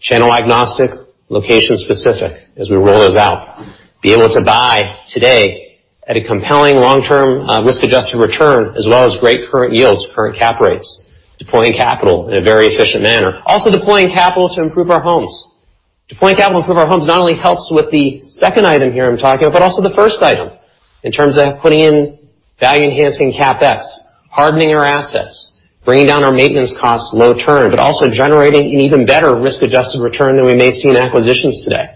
channel agnostic, location specific, as we roll those out. Be able to buy today at a compelling long-term, risk-adjusted return, as well as great current yields, current cap rates, deploying capital in a very efficient manner. Also deploying capital to improve our homes. Deploying capital to improve our homes not only helps with the second item here I'm talking about, but also the first item in terms of putting in value-enhancing CapEx, hardening our assets, bringing down our maintenance costs long-term, but also generating an even better risk-adjusted return than we may see in acquisitions today.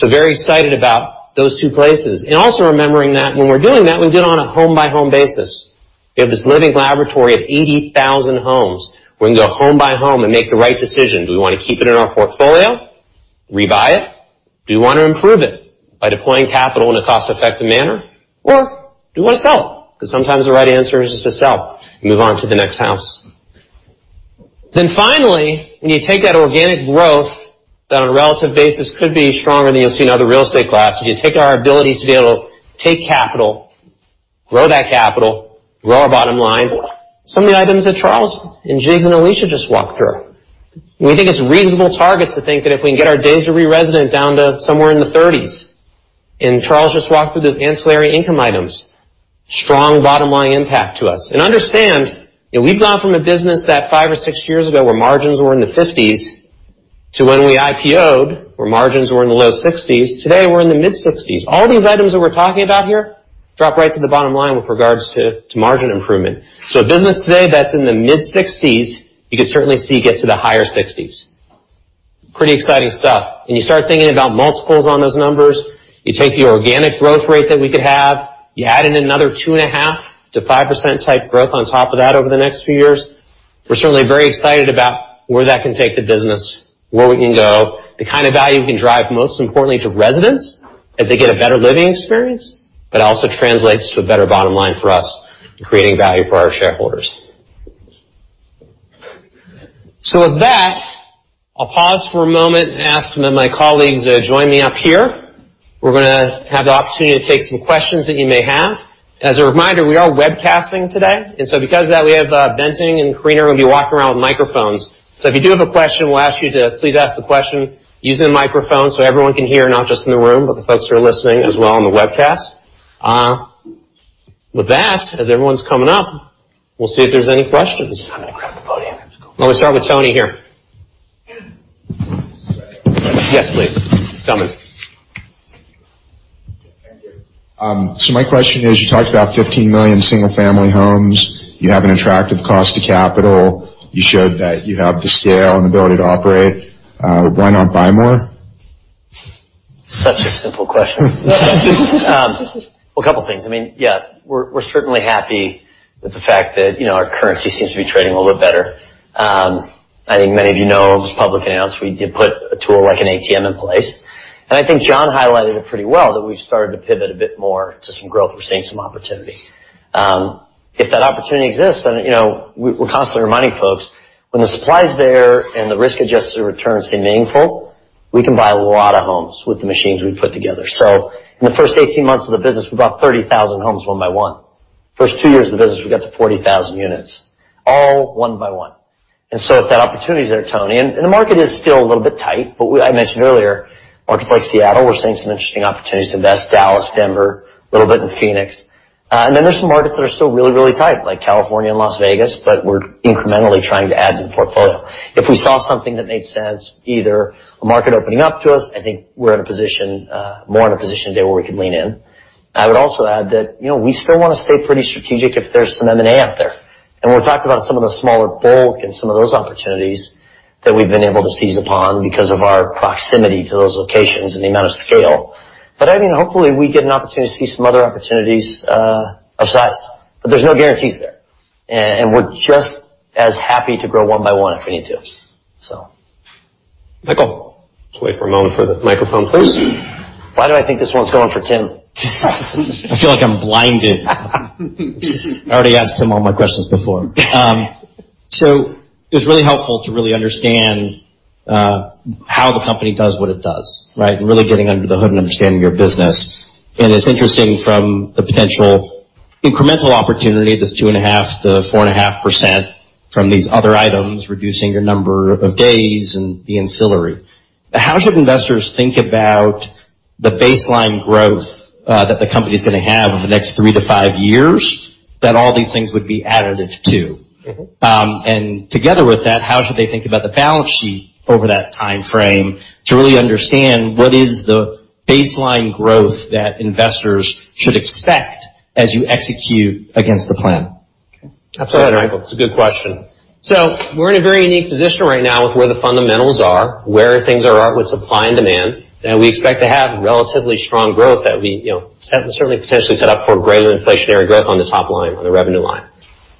Very excited about those two places. Also remembering that when we're doing that, we do it on a home-by-home basis. We have this living laboratory of 80,000 homes. We're going to go home by home and make the right decision. Do we want to keep it in our portfolio, revive it? Do we want to improve it by deploying capital in a cost-effective manner? Do we want to sell it? Sometimes the right answer is just to sell and move on to the next house. Finally, when you take that organic growth that on a relative basis could be stronger than you'll see in other real estate classes. You take our ability to be able to take capital, grow that capital, grow our bottom line. Some of the items that Charles and Jiggs and Alicia just walked through. We think it's reasonable targets to think that if we can get our days to re-resident down to somewhere in the 30s, and Charles just walked through those ancillary income items, strong bottom-line impact to us. Understand, we've gone from a business that five or six years ago, where margins were in the 50s to when we IPO'd, where margins were in the low 60s. Today, we're in the mid 60s. All these items that we're talking about here drop right to the bottom line with regards to margin improvement. A business today that's in the mid 60s, you could certainly see get to the higher 60s. Pretty exciting stuff. You start thinking about multiples on those numbers. You take the organic growth rate that we could have, you add in another 2.5% to 5% type growth on top of that over the next few years. We're certainly very excited about where that can take the business, where we can go, the kind of value we can drive, most importantly, to residents as they get a better living experience, but also translates to a better bottom line for us in creating value for our shareholders. With that, I'll pause for a moment and ask some of my colleagues to join me up here. We're going to have the opportunity to take some questions that you may have. As a reminder, we are webcasting today. Because of that, we have Bensing and Karina, who will be walking around with microphones. If you do have a question, we'll ask you to please ask the question using the microphone so everyone can hear, not just in the room, but the folks who are listening as well on the webcast. With that, as everyone's coming up, we'll see if there's any questions. I'm going to grab the podium. Why don't we start with Tony here? Right up. Yes, please. It's coming. Thank you. My question is, you talked about 15 million single-family homes. You have an attractive cost to capital. You showed that you have the scale and the ability to operate. Why not buy more? Such a simple question. Well, a couple of things. We're certainly happy with the fact that our currency seems to be trading a little bit better. I think many of you know, it was publicly announced, we did put a tool like an ATM in place. I think John highlighted it pretty well that we've started to pivot a bit more to some growth. We're seeing some opportunity. If that opportunity exists, and we're constantly reminding folks, when the supply is there and the risk-adjusted returns stay meaningful, we can buy a lot of homes with the machines we put together. In the first 18 months of the business, we bought 30,000 homes one by one. First two years of the business, we got to 40,000 units, all one by one. If that opportunity is there, Tony, and the market is still a little bit tight, but I mentioned earlier, markets like Seattle, we're seeing some interesting opportunities to invest. Dallas, Denver, a little bit in Phoenix. There's some markets that are still really tight, like California and Las Vegas, but we're incrementally trying to add to the portfolio. If we saw something that made sense, either a market opening up to us, I think we're more in a position today where we could lean in. I would also add that we still want to stay pretty strategic if there's some M&A out there. We've talked about some of the smaller bulk and some of those opportunities that we've been able to seize upon because of our proximity to those locations and the amount of scale. I think hopefully we get an opportunity to see some other opportunities of size. There's no guarantees there, and we're just as happy to grow one by one if we need to. Michael. Just wait for a moment for the microphone, please. Why do I think this one's going for Tim? I feel like I'm blinded. I already asked him all my questions before. It's really helpful to really understand how the company does what it does, right? Really getting under the hood and understanding your business. It's interesting from the potential incremental opportunity, this 2.5%-4.5% from these other items, reducing your number of days and the ancillary. How should investors think about the baseline growth that the company's going to have over the next three to five years that all these things would be additive to? Together with that, how should they think about the balance sheet over that time frame to really understand what is the baseline growth that investors should expect as you execute against the plan? Absolutely. It's a good question. We're in a very unique position right now with where the fundamentals are, where things are at with supply and demand, that we expect to have relatively strong growth that we certainly potentially set up for greater inflationary growth on the top line, on the revenue line.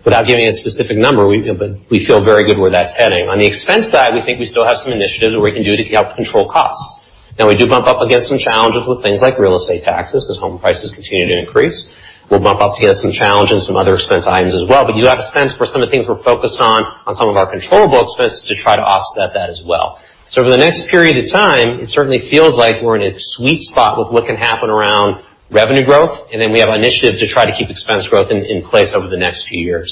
Without giving a specific number, we feel very good where that's heading. On the expense side, we think we still have some initiatives where we can do to help control costs. Now, we do bump up against some challenges with things like real estate taxes, as home prices continue to increase. We'll bump up against some challenges in some other expense items as well. You have expense for some of the things we're focused on some of our controllable expenses to try to offset that as well. Over the next period of time, it certainly feels like we're in a sweet spot with what can happen around revenue growth, then we have initiatives to try to keep expense growth in place over the next few years.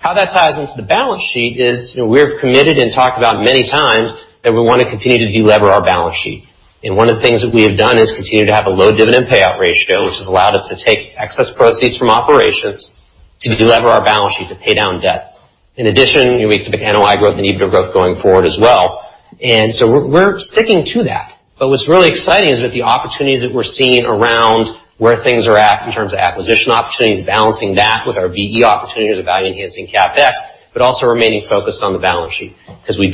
How that ties into the balance sheet is, we're committed and talked about many times that we want to continue to delever our balance sheet. One of the things that we have done is continue to have a low dividend payout ratio, which has allowed us to take excess proceeds from operations to delever our balance sheet to pay down debt. In addition, we need specific NOI growth and EBITDA growth going forward as well. We're sticking to that. What's really exciting is with the opportunities that we're seeing around where things are at in terms of acquisition opportunities, balancing that with our VE opportunities of value enhancing CapEx, also remaining focused on the balance sheet. We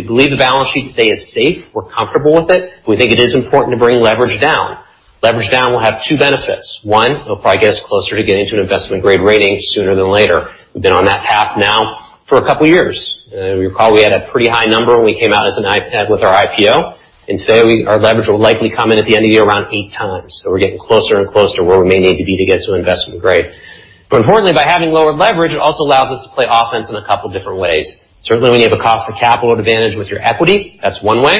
believe the balance sheet to stay as safe. We're comfortable with it. We think it is important to bring leverage down. Leverage down will have two benefits. One, it'll probably get us closer to getting to an investment-grade rating sooner than later. We've been on that path now for a couple of years. You'll recall we had a pretty high number when we came out with our IPO, and today our leverage will likely come in at the end of the year around eight times. We're getting closer and closer to where we may need to be to get to an investment grade. Importantly, by having lower leverage, it also allows us to play offense in a couple of different ways. Certainly, when you have a cost of capital advantage with your equity, that's one way.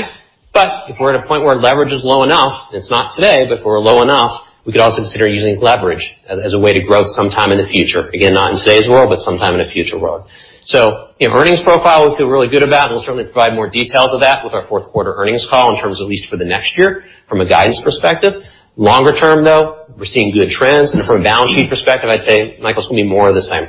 If we're at a point where leverage is low enough, and it's not today, but if we're low enough, we could also consider using leverage as a way to grow sometime in the future. Again, not in today's world, but sometime in a future world. Earnings profile, we feel really good about, and we'll certainly provide more details of that with our fourth quarter earnings call in terms of at least for the next year from a guidance perspective. Longer term, though, we're seeing good trends. From a balance sheet perspective, I'd say Michael's going to be more of the same.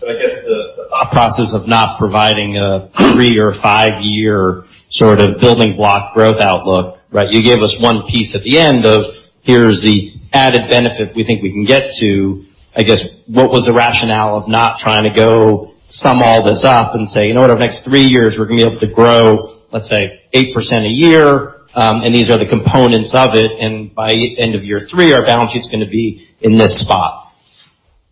I guess the thought process of not providing a three or five-year sort of building block growth outlook. You gave us one piece at the end of, here's the added benefit we think we can get to. I guess, what was the rationale of not trying to go sum all this up and say, in order for the next three years, we're going to be able to grow, let's say, 8% a year, and these are the components of it, and by end of year three, our balance sheet's going to be in this spot.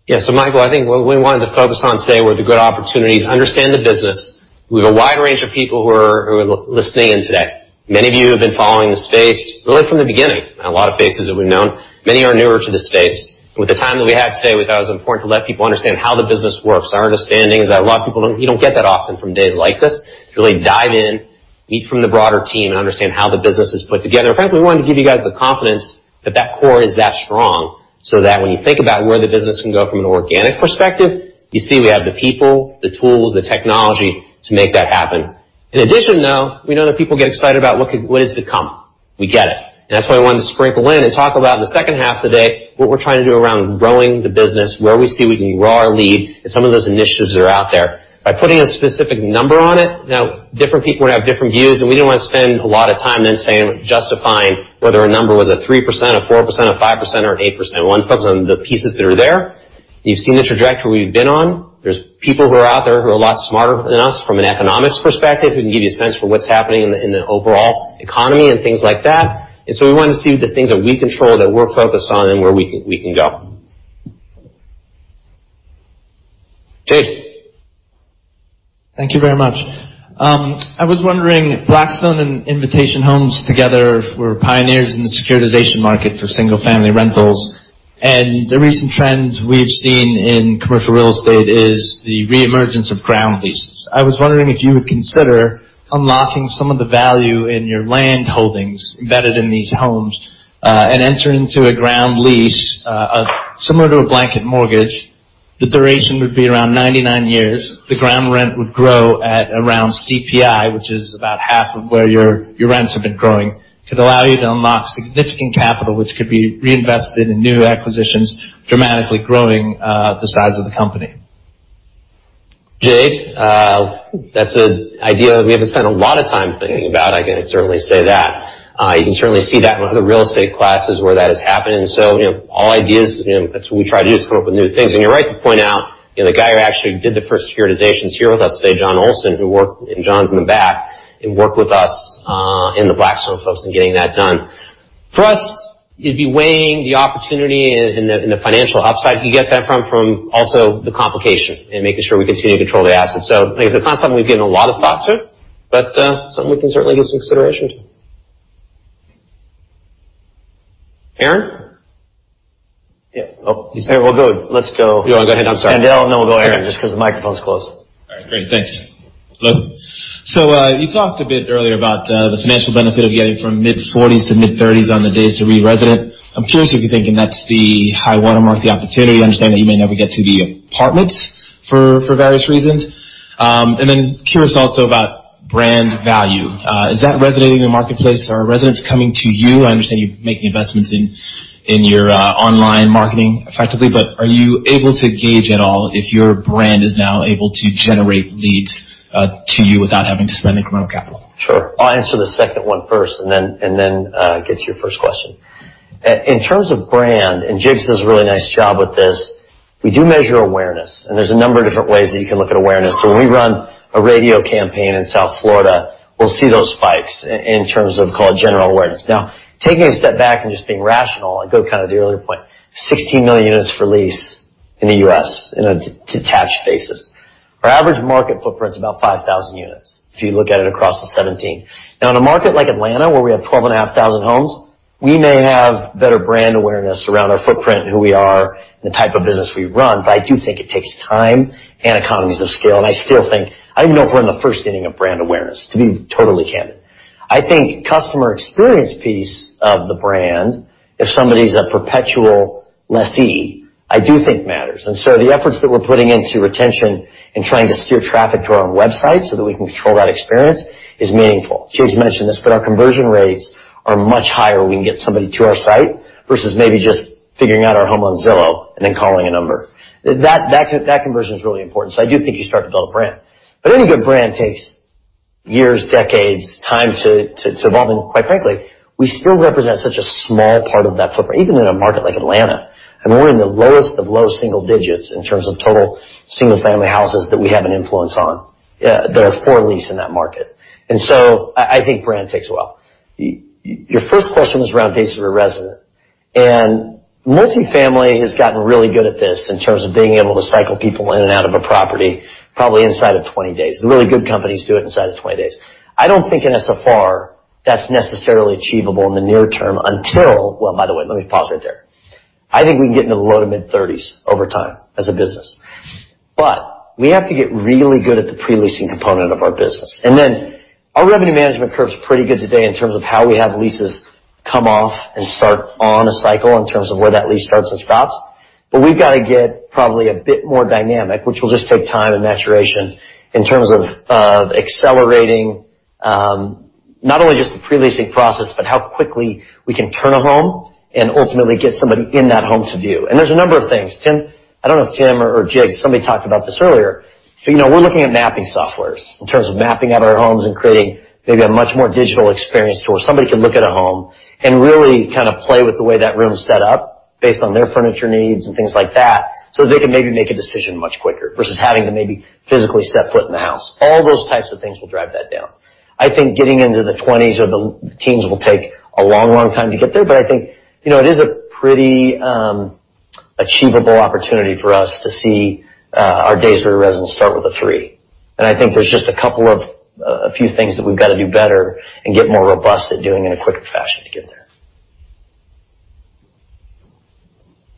Yeah. Michael, I think what we wanted to focus on today were the good opportunities, understand the business. We have a wide range of people who are listening in today. Many of you have been following the space, really from the beginning. A lot of faces that we've known. Many are newer to the space. With the time that we have today, we thought it was important to let people understand how the business works. Our understanding is that a lot of people don't get that often from days like this, to really dive in, meet from the broader team, and understand how the business is put together. Frankly, we wanted to give you guys the confidence that that core is that strong, so that when you think about where the business can go from an organic perspective, you see we have the people, the tools, the technology to make that happen. In addition, though, we know that people get excited about what is to come. We get it, and that's why I wanted to sprinkle in and talk about in the second half of the day, what we're trying to do around growing the business, where we see we can grow our lead, and some of those initiatives that are out there. By putting a specific number on it, now, different people are going to have different views, and we didn't want to spend a lot of time then justifying whether a number was a 3%, a 4%, a 5%, or an 8%. We want to focus on the pieces that are there. You've seen the trajectory we've been on. There's people who are out there who are a lot smarter than us from an economics perspective, who can give you a sense for what's happening in the overall economy and things like that. We wanted to see the things that we control, that we're focused on, and where we can go. Jake. Thank you very much. I was wondering, Blackstone and Invitation Homes together were pioneers in the securitization market for single-family rentals, and the recent trends we've seen in commercial real estate is the re-emergence of ground leases. I was wondering if you would consider unlocking some of the value in your land holdings embedded in these homes, and enter into a ground lease, similar to a blanket mortgage. The duration would be around 99 years. The ground rent would grow at around CPI, which is about half of where your rents have been growing. It could allow you to unlock significant capital, which could be reinvested in new acquisitions, dramatically growing the size of the company. Jake, that's an idea that we haven't spent a lot of time thinking about, I can certainly say that. You can certainly see that in the real estate classes where that is happening. All ideas, that's what we try to do, is come up with new things. You're right to point out, the guy who actually did the first securitizations here with us today, John Olsen, and John's in the back, and worked with us and the Blackstone folks in getting that done. For us, it'd be weighing the opportunity and the financial upside you get that from also the complication and making sure we continue to control the assets. Like I said, it's not something we've given a lot of thought to, but something we can certainly give some consideration to. Aaron? Yeah. Oh, he's here. Well, good. You want to go ahead? I'm sorry. No, we'll go Aaron, just because the microphone's close. All right, great. Thanks. Hello. You talked a bit earlier about the financial benefit of getting from mid-40s to mid-30s on the days to re-resident. I'm curious if you're thinking that's the high watermark, the opportunity. I understand that you may never get to the apartments for various reasons. Then curious also about brand value. Is that resonating in the marketplace? Are residents coming to you? I understand you're making investments in your online marketing effectively, but are you able to gauge at all if your brand is now able to generate leads to you without having to spend incremental capital? Sure. I'll answer the second one first, then get to your first question. In terms of brand, Jake does a really nice job with this, we do measure awareness, there's a number of different ways that you can look at awareness. When we run a radio campaign in South Florida, we'll see those spikes in terms of, call it, general awareness. Taking a step back, just being rational, go kind of to the earlier point, 16 million units for lease in the U.S. in a detached basis. Our average market footprint's about 5,000 units, if you look at it across the 17. In a market like Atlanta, where we have 12,500 homes, we may have better brand awareness around our footprint and who we are and the type of business we run. I do think it takes time and economies of scale, and I still think, I don't even know if we're in the first inning of brand awareness, to be totally candid. I think customer experience piece of the brand, if somebody's a perpetual lessee, I do think matters. The efforts that we're putting into retention and trying to steer traffic to our own website so that we can control that experience is meaningful. Jake's mentioned this, but our conversion rates are much higher when we can get somebody to our site versus maybe just figuring out our home on Zillow and then calling a number. That conversion is really important. I do think you start to build a brand. Any good brand takes years, decades, time to evolve, and quite frankly, we still represent such a small part of that footprint, even in a market like Atlanta. We're in the lowest of low single digits in terms of total single-family houses that we have an influence on that are for lease in that market. I think brand takes a while. Your first question was around days to re-resident. Multifamily has gotten really good at this in terms of being able to cycle people in and out of a property probably inside of 20 days. The really good companies do it inside of 20 days. I don't think in SFR that's necessarily achievable in the near term. By the way, let me pause right there. I think we can get into the low to mid-30s over time as a business. We have to get really good at the pre-leasing component of our business. Our revenue management curve's pretty good today in terms of how we have leases come off and start on a cycle in terms of where that lease starts and stops. We've got to get probably a bit more dynamic, which will just take time and maturation in terms of accelerating Not only just the pre-leasing process, but how quickly we can turn a home and ultimately get somebody in that home to view. There's a number of things. I don't know if Tim or Jig, somebody talked about this earlier, but we're looking at mapping softwares in terms of mapping out our homes and creating maybe a much more digital experience to where somebody can look at a home and really kind of play with the way that room's set up based on their furniture needs and things like that, so they can maybe make a decision much quicker versus having to maybe physically set foot in the house. All those types of things will drive that down. I think getting into the 20s or the teens will take a long, long time to get there, but I think it is a pretty achievable opportunity for us to see our days where residents start with a three. I think there's just a few things that we've got to do better and get more robust at doing in a quicker fashion to get there.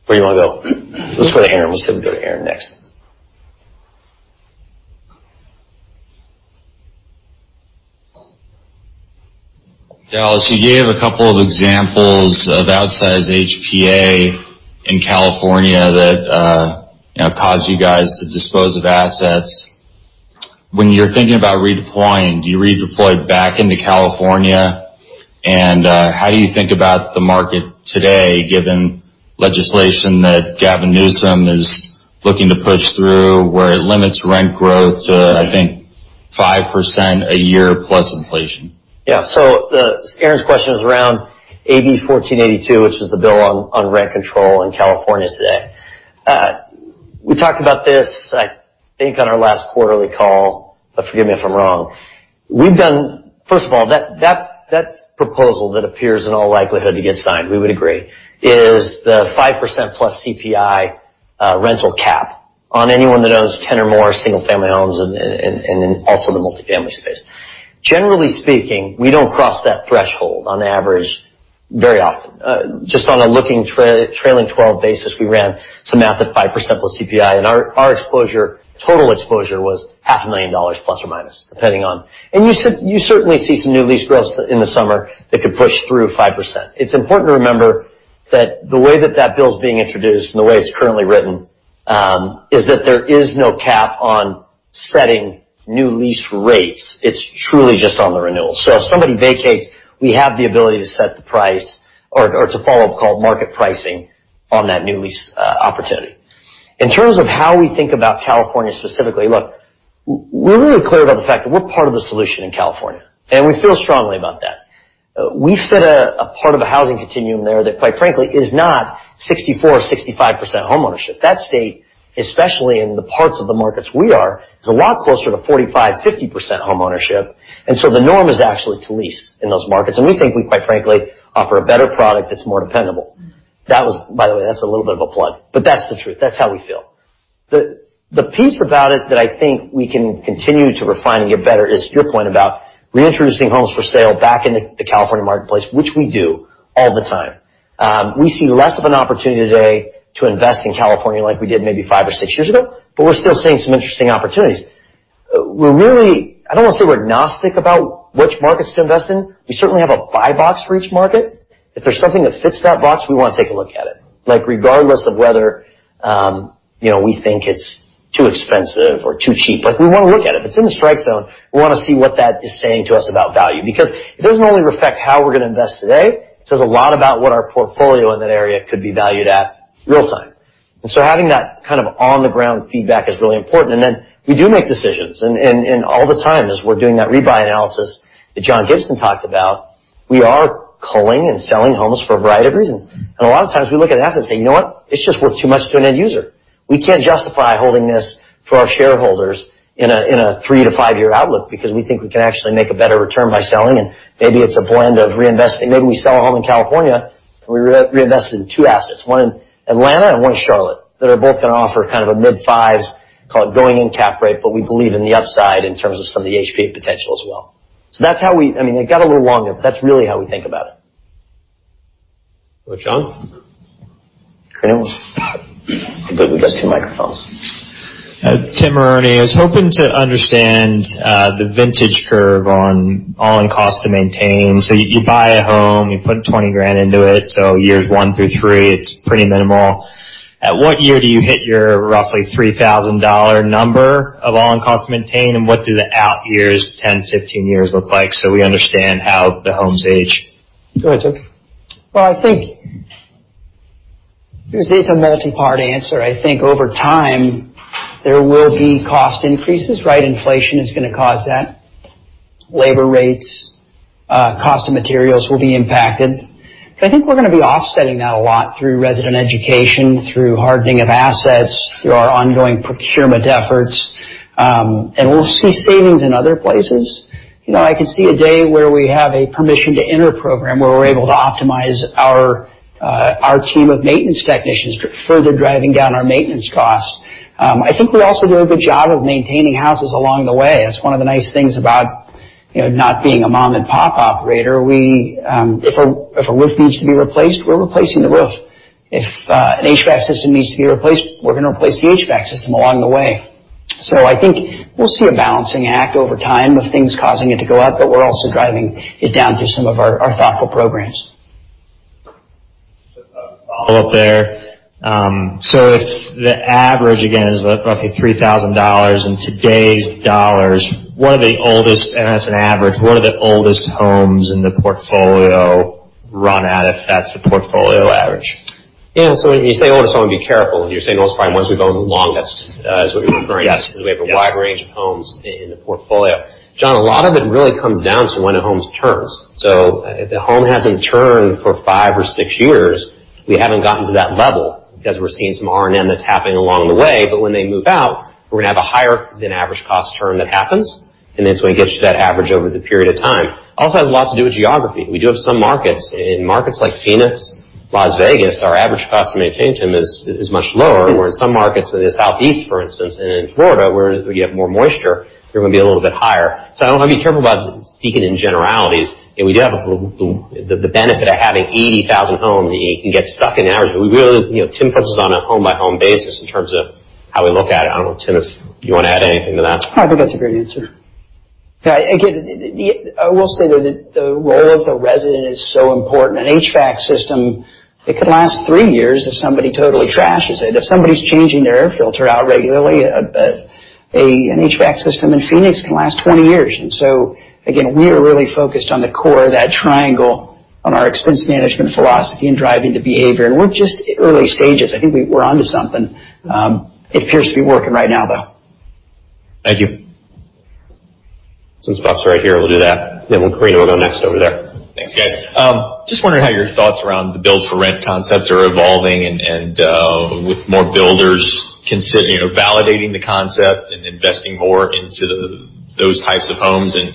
Where do you want to go? Let's go to Aaron. We said we'd go to Aaron next. Dallas, you gave a couple of examples of outsized HPA in California that caused you guys to dispose of assets. When you're thinking about redeploying, do you redeploy back into California? How do you think about the market today, given legislation that Gavin Newsom is looking to push through, where it limits rent growth to, I think 5% a year plus inflation? Aaron's question is around AB 1482, which is the bill on rent control in California today. We talked about this, I think on our last quarterly call, but forgive me if I'm wrong. First of all, that proposal that appears in all likelihood to get signed, we would agree, is the 5% plus CPI rental cap on anyone that owns 10 or more single-family homes, and also the multifamily space. Generally speaking, we don't cross that threshold on average very often. Just on a looking trailing 12 basis, we ran some math at 5% plus CPI, and our total exposure was half a million dollars plus or minus. You certainly see some new lease growth in the summer that could push through 5%. It's important to remember that the way that that bill's being introduced and the way it's currently written is that there is no cap on setting new lease rates. It's truly just on the renewal. If somebody vacates, we have the ability to set the price, or it's a follow-up called market pricing on that new lease opportunity. In terms of how we think about California specifically, look, we're really clear about the fact that we're part of the solution in California, and we feel strongly about that. We fit a part of a housing continuum there that, quite frankly, is not 64% or 65% homeownership. That state, especially in the parts of the markets we are, is a lot closer to 45% or 50% homeownership. The norm is actually to lease in those markets. We think we, quite frankly, offer a better product that's more dependable. By the way, that's a little bit of a plug, but that's the truth. That's how we feel. The piece about it that I think we can continue to refine and get better is your point about reintroducing homes for sale back into the California marketplace, which we do all the time. We see less of an opportunity today to invest in California like we did maybe five or six years ago, but we're still seeing some interesting opportunities. We're really, I don't want to say we're agnostic about which markets to invest in. We certainly have a buy box for each market. If there's something that fits that box, we want to take a look at it. Regardless of whether we think it's too expensive or too cheap, we want to look at it. If it's in the strike zone, we want to see what that is saying to us about value, because it doesn't only reflect how we're going to invest today, it says a lot about what our portfolio in that area could be valued at real-time. Having that kind of on-the-ground feedback is really important. We do make decisions. All the time as we're doing that rebuy analysis that John Gibson talked about, we are culling and selling homes for a variety of reasons. A lot of times we look at assets and say, "You know what? It's just worth too much to an end user." We can't justify holding this for our shareholders in a 3 to 5-year outlook because we think we can actually make a better return by selling, and maybe it's a blend of reinvesting. Maybe we sell a home in California, and we reinvest it in two assets, one in Atlanta and one in Charlotte, that are both going to offer kind of a mid-fives call it going-in cap rate, but we believe in the upside in terms of some of the HPA potential as well. That's really how we think about it. John? I completely forgot two microphones. I was hoping to understand the vintage curve on all-in cost to maintain. You buy a home, you put $20,000 into it. Years one through three, it's pretty minimal. At what year do you hit your roughly $3,000 number of all-in cost to maintain, and what do the out years, 10, 15 years look like so we understand how the homes age? Go ahead, Tim. Well, I think this is a multi-part answer. I think over time, there will be cost increases, right? Inflation is going to cause that. Labor rates, cost of materials will be impacted. I think we're going to be offsetting that a lot through resident education, through hardening of assets, through our ongoing procurement efforts. We'll see savings in other places. I can see a day where we have a permission to enter program where we're able to optimize our team of maintenance technicians, further driving down our maintenance costs. I think we also do a good job of maintaining houses along the way. That's one of the nice things about not being a mom-and-pop operator. If a roof needs to be replaced, we're replacing the roof. If an HVAC system needs to be replaced, we're going to replace the HVAC system along the way. I think we'll see a balancing act over time of things causing it to go up, but we're also driving it down through some of our thoughtful programs. Follow up there. If the average, again, is roughly $3,000 in today's dollars, and that's an average, what are the oldest homes in the portfolio run at if that's the portfolio average? Yeah. When you say oldest home, be careful. You're saying those are probably the ones that have gone the longest, is what you're referring to. Yes. We have a wide range of homes in the portfolio. John, a lot of it really comes down to when a home turns. If the home hasn't turned for five or six years, we haven't gotten to that level because we're seeing some R&M that's happening along the way. When they move out, we're going to have a higher than average cost turn that happens, and that's what gets you that average over the period of time. Also, it has a lot to do with geography. We do have some markets. In markets like Phoenix, Las Vegas, our average cost to maintain a home is much lower, where in some markets in the Southeast, for instance, and in Florida, where you have more moisture, they're going to be a little bit higher. I'd be careful about speaking in generalities. We do have the benefit of having 80,000 homes, and you can get stuck in the average. Tim puts us on a home-by-home basis in terms of how we look at it. I don't know, Tim, if you want to add anything to that. I think that's a great answer. Again, I will say that the role of the resident is so important. An HVAC system, it could last three years if somebody totally trashes it. If somebody's changing their air filter out regularly, an HVAC system in Phoenix can last 20 years. Again, we are really focused on the core of that triangle on our expense management philosophy and driving the behavior. We're just early stages. I think we're onto something. It appears to be working right now, though. Thank you. Since Scott's right here, we'll do that. Karina will go next over there. Thanks, guys. Just wondering how your thoughts around the build for rent concepts are evolving, with more builders validating the concept and investing more into those types of homes and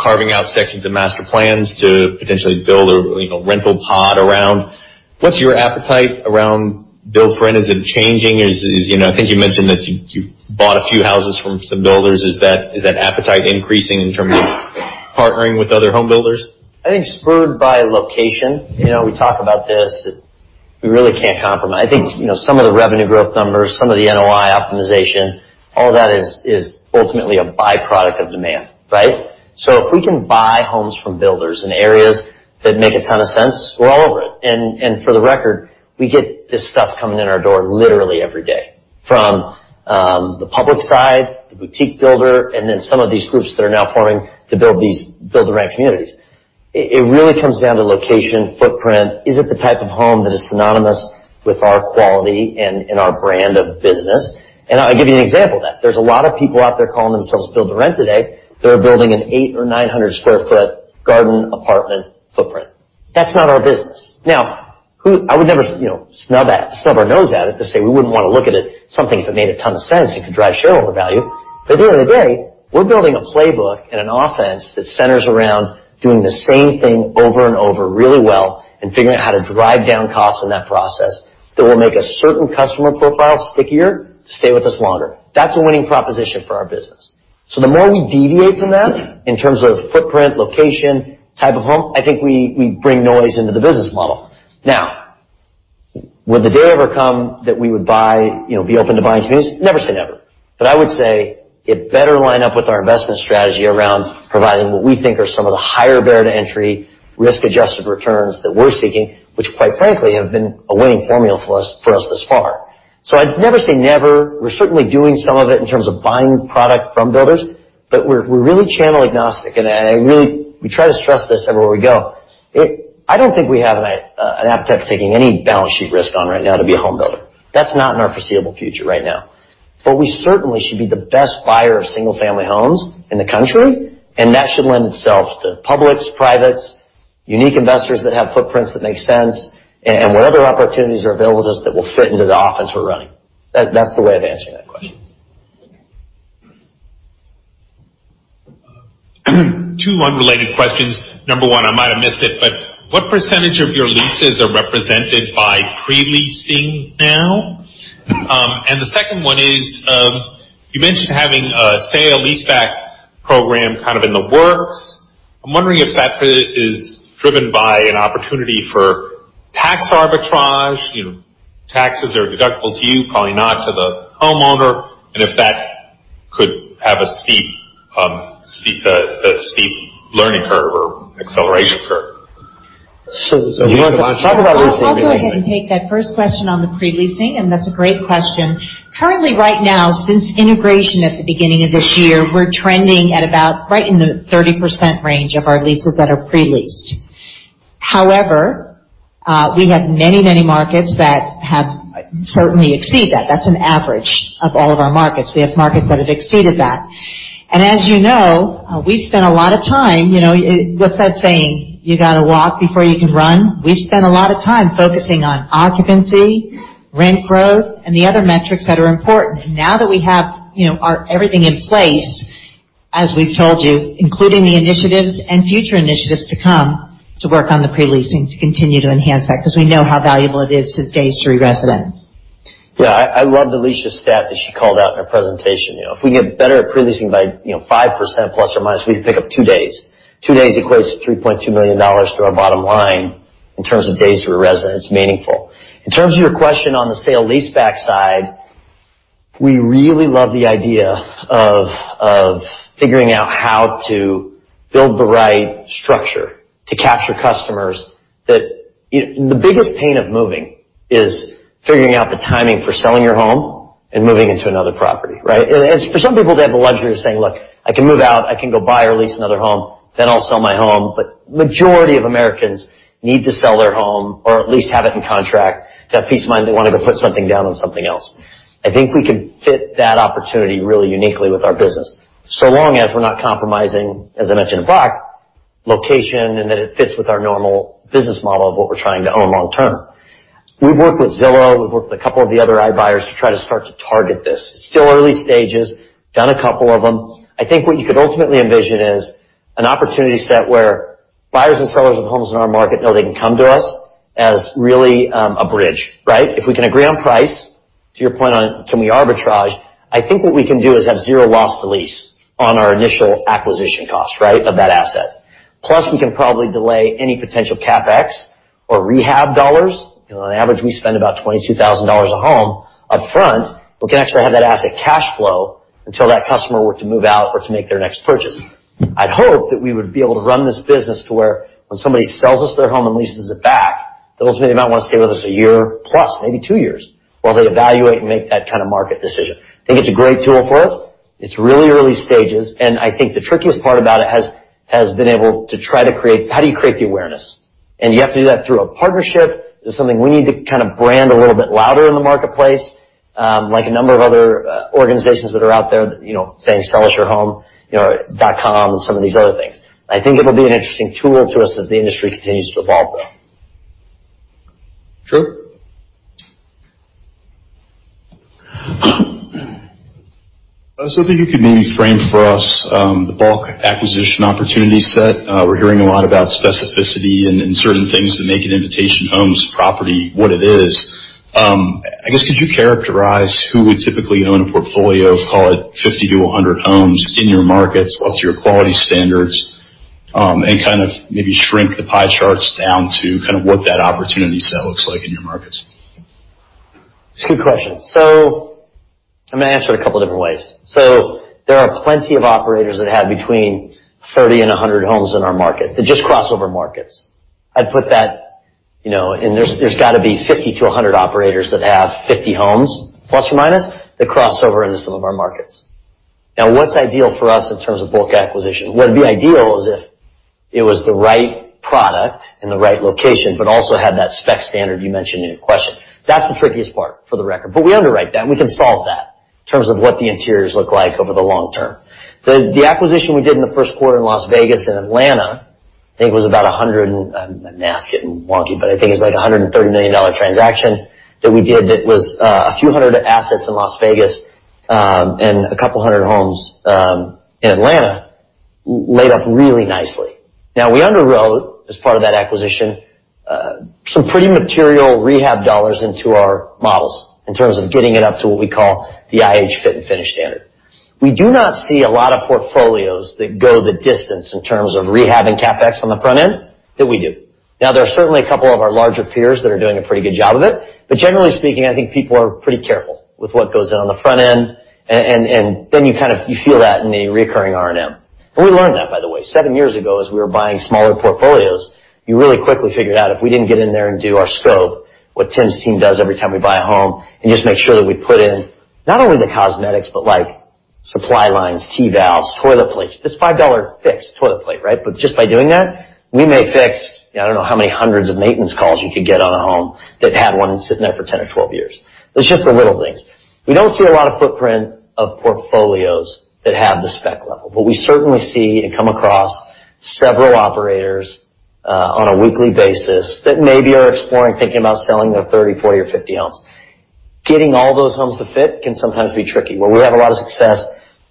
carving out sections of master plans to potentially build a rental pod around. What's your appetite around build for rent? Is it changing? I think you mentioned that you bought a few houses from some builders. Is that appetite increasing in terms of partnering with other home builders? I think spurred by location. We talk about this, that we really can't compromise. I think, some of the revenue growth numbers, some of the NOI optimization, all of that is ultimately a byproduct of demand. Right? If we can buy homes from builders in areas that make a ton of sense, we're all over it. For the record, we get this stuff coming in our door literally every day. From the public side, the boutique builder, and then some of these groups that are now forming to build the rent communities. It really comes down to location, footprint. Is it the type of home that is synonymous with our quality and our brand of business? I'll give you an example of that. There's a lot of people out there calling themselves build to rent today that are building an 800 or 900 sq ft garden apartment footprint. That's not our business. I would never snub our nose at it to say we wouldn't want to look at it, something if it made a ton of sense, it could drive shareholder value. At the end of the day, we're building a playbook and an offense that centers around doing the same thing over and over really well and figuring out how to drive down costs in that process that will make a certain customer profile stickier to stay with us longer. That's a winning proposition for our business. The more we deviate from that in terms of footprint, location, type of home, I think we bring noise into the business model. Will the day ever come that we would be open to buying communities? Never say never. I would say it better line up with our investment strategy around providing what we think are some of the higher barrier to entry risk-adjusted returns that we're seeking, which quite frankly, have been a winning formula for us thus far. I'd never say never. We're certainly doing some of it in terms of buying product from builders, but we're really channel agnostic, and we try to stress this everywhere we go. I don't think we have an appetite for taking any balance sheet risk on right now to be a home builder. That's not in our foreseeable future right now. We certainly should be the best buyer of single-family homes in the country, and that should lend itself to publics, privates, unique investors that have footprints that make sense, and what other opportunities are available to us that will fit into the offense we're running. That's the way of answering that question. Two unrelated questions. Number one, I might have missed it, but what % of your leases are represented by pre-leasing now? The second one is, you mentioned having a sale leaseback program kind of in the works. I'm wondering if that is driven by an opportunity for tax arbitrage. Taxes are deductible to you, probably not to the homeowner, and if that could have a steep learning curve or acceleration curve. You want to talk about leasing? I'll go ahead and take that first question on the pre-leasing, that's a great question. Currently right now, since integration at the beginning of this year, we're trending at about right in the 30% range of our leases that are pre-leased. However, we have many markets that certainly exceed that. That's an average of all of our markets. We have markets that have exceeded that. As you know, we've spent a lot of time. What's that saying? You got to walk before you can run. We've spent a lot of time focusing on occupancy, rent growth, and the other metrics that are important. Now that we have everything in place, as we've told you, including the initiatives and future initiatives to come to work on the pre-leasing to continue to enhance that because we know how valuable it is to days to re-lease. Yeah. I loved Alicia's stat that she called out in her presentation. If we get better at pre-leasing by 5% plus or minus, we can pick up two days. Two days equates to $3.2 million to our bottom line in terms of days to a resident. It's meaningful. In terms of your question on the sale leaseback side We really love the idea of figuring out how to build the right structure to capture customers that The biggest pain of moving is figuring out the timing for selling your home and moving into another property, right? For some people, they have the luxury of saying, Look, I can move out. I can go buy or lease another home, then I'll sell my home. Majority of Americans need to sell their home, or at least have it in contract, to have peace of mind they want to go put something down on something else. I think we can fit that opportunity really uniquely with our business, so long as we're not compromising, as I mentioned to Brock, location and that it fits with our normal business model of what we're trying to own long term. We've worked with Zillow, we've worked with a couple of the other iBuyers to try to start to target this. Still early stages, done a couple of them. I think what you could ultimately envision is an opportunity set where buyers and sellers of homes in our market know they can come to us as really a bridge, right? If we can agree on price, to your point on can we arbitrage, I think what we can do is have zero loss to lease on our initial acquisition cost of that asset. Plus, we can probably delay any potential CapEx or rehab dollars. On average, we spend about $22,000 a home up front. We can actually have that asset cash flow until that customer were to move out or to make their next purchase. I'd hope that we would be able to run this business to where when somebody sells us their home and leases it back, they'll ultimately not want to stay with us a year plus, maybe 2 years, while they evaluate and make that kind of market decision. I think it's a great tool for us. It's really early stages, and I think the trickiest part about it has been able to try to create how do you create the awareness? You have to do that through a partnership. This is something we need to kind of brand a little bit louder in the marketplace, like a number of other organizations that are out there saying, "sellusyourhome.com" and some of these other things. I think it'll be an interesting tool to us as the industry continues to evolve, though. Drew? I was hoping you could maybe frame for us the bulk acquisition opportunity set. We're hearing a lot about specificity and certain things that make an Invitation Homes property what it is. I guess, could you characterize who would typically own a portfolio of, call it 50-100 homes in your markets, up to your quality standards, and kind of maybe shrink the pie charts down to kind of what that opportunity set looks like in your markets? It's a good question. I'm going to answer it a couple different ways. There are plenty of operators that have between 30 and 100 homes in our market. They're just crossover markets. I'd put that. There's got to be 50 to 100 operators that have 50 homes, plus or minus, that crossover into some of our markets. Now, what's ideal for us in terms of bulk acquisition? What would be ideal is if it was the right product in the right location, but also had that spec standard you mentioned in your question. That's the trickiest part, for the record. We underwrite that, and we can solve that in terms of what the interiors look like over the long term. The acquisition we did in the first quarter in Las Vegas and Atlanta, I think it was about 100 and-- now it's getting wonky, but I think it's like $130 million transaction that we did that was a few hundred assets in Las Vegas and a couple hundred homes in Atlanta laid up really nicely. Now, we underwrote, as part of that acquisition, some pretty material rehab dollars into our models in terms of getting it up to what we call the IH fit and finish standard. We do not see a lot of portfolios that go the distance in terms of rehab and CapEx on the front end that we do. Now, there are certainly a couple of our larger peers that are doing a pretty good job of it. Generally speaking, I think people are pretty careful with what goes in on the front end, and then you feel that in the recurring R&M. We learned that, by the way. Seven years ago, as we were buying smaller portfolios, you really quickly figured out if we didn't get in there and do our scope, what Tim's team does every time we buy a home and just make sure that we put in not only the cosmetics, but like supply lines, T valves, toilet plates. This $5 fix toilet plate. Just by doing that, we may fix, I don't know how many hundreds of maintenance calls you could get on a home that had one sitting there for 10 or 12 years. It's just the little things. We don't see a lot of footprint of portfolios that have the spec level. We certainly see and come across several operators on a weekly basis that maybe are exploring thinking about selling their 30, 40, or 50 homes. Getting all those homes to fit can sometimes be tricky. Where we have a lot of success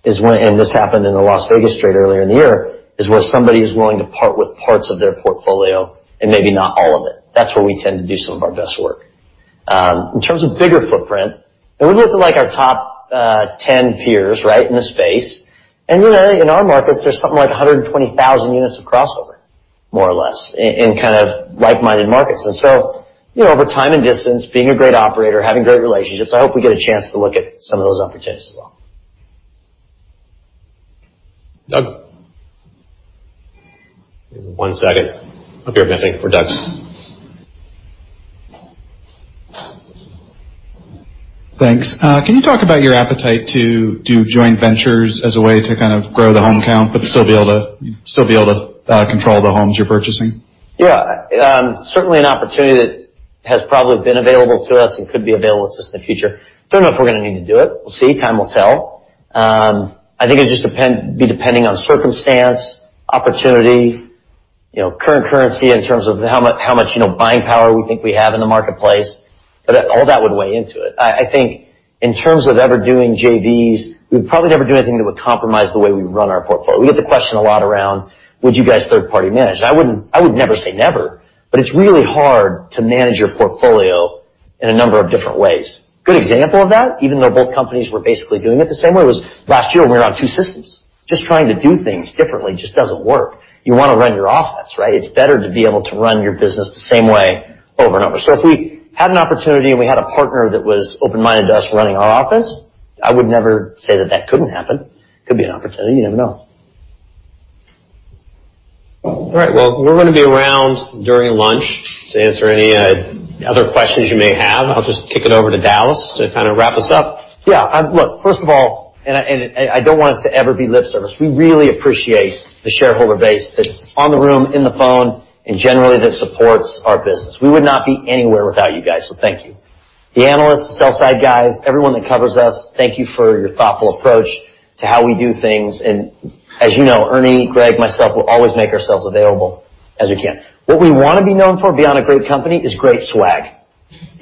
is when, and this happened in the Las Vegas trade earlier in the year, is where somebody is willing to part with parts of their portfolio and maybe not all of it. That's where we tend to do some of our best work. In terms of bigger footprint, and we look at like our top 10 peers in the space, and really in our markets, there's something like 120,000 units of crossover, more or less, in kind of like-minded markets. Over time and distance, being a great operator, having great relationships, I hope we get a chance to look at some of those opportunities as well. Doug? Give me one second up here, nothing for Doug. Thanks. Can you talk about your appetite to do joint ventures as a way to kind of grow the home count, but still be able to control the homes you're purchasing? Yeah. Certainly an opportunity that has probably been available to us and could be available to us in the future. Don't know if we're going to need to do it. We'll see. Time will tell. I think it'd just be depending on circumstance, opportunity, current currency in terms of how much buying power we think we have in the marketplace. All that would weigh into it. I think in terms of ever doing JVs, we would probably never do anything that would compromise the way we run our portfolio. We get the question a lot around, would you guys third-party manage? I would never say never, but it's really hard to manage your portfolio in a number of different ways. Good example of that, even though both companies were basically doing it the same way, was last year when we were on two systems. Just trying to do things differently just doesn't work. You want to run your office, right? It's better to be able to run your business the same way over and over. If we had an opportunity and we had a partner that was open-minded to us running our office, I would never say that that couldn't happen. Could be an opportunity. You never know. All right. Well, we're going to be around during lunch to answer any other questions you may have. I'll just kick it over to Dallas to kind of wrap us up. Yeah. Look, first of all, I don't want it to ever be lip service. We really appreciate the shareholder base that's on the room, in the phone, and generally that supports our business. We would not be anywhere without you guys. Thank you. The analysts, sell-side guys, everyone that covers us, thank you for your thoughtful approach to how we do things. As you know, Ernie, Greg, myself will always make ourselves available as we can. What we want to be known for beyond a great company is great swag.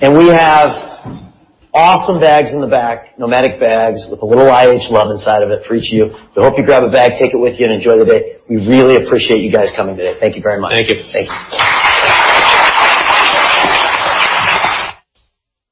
We have awesome bags in the back, Nomatic bags with a little IH love inside of it for each of you. We hope you grab a bag, take it with you, and enjoy the day. We really appreciate you guys coming today. Thank you very much. Thank you. Thanks.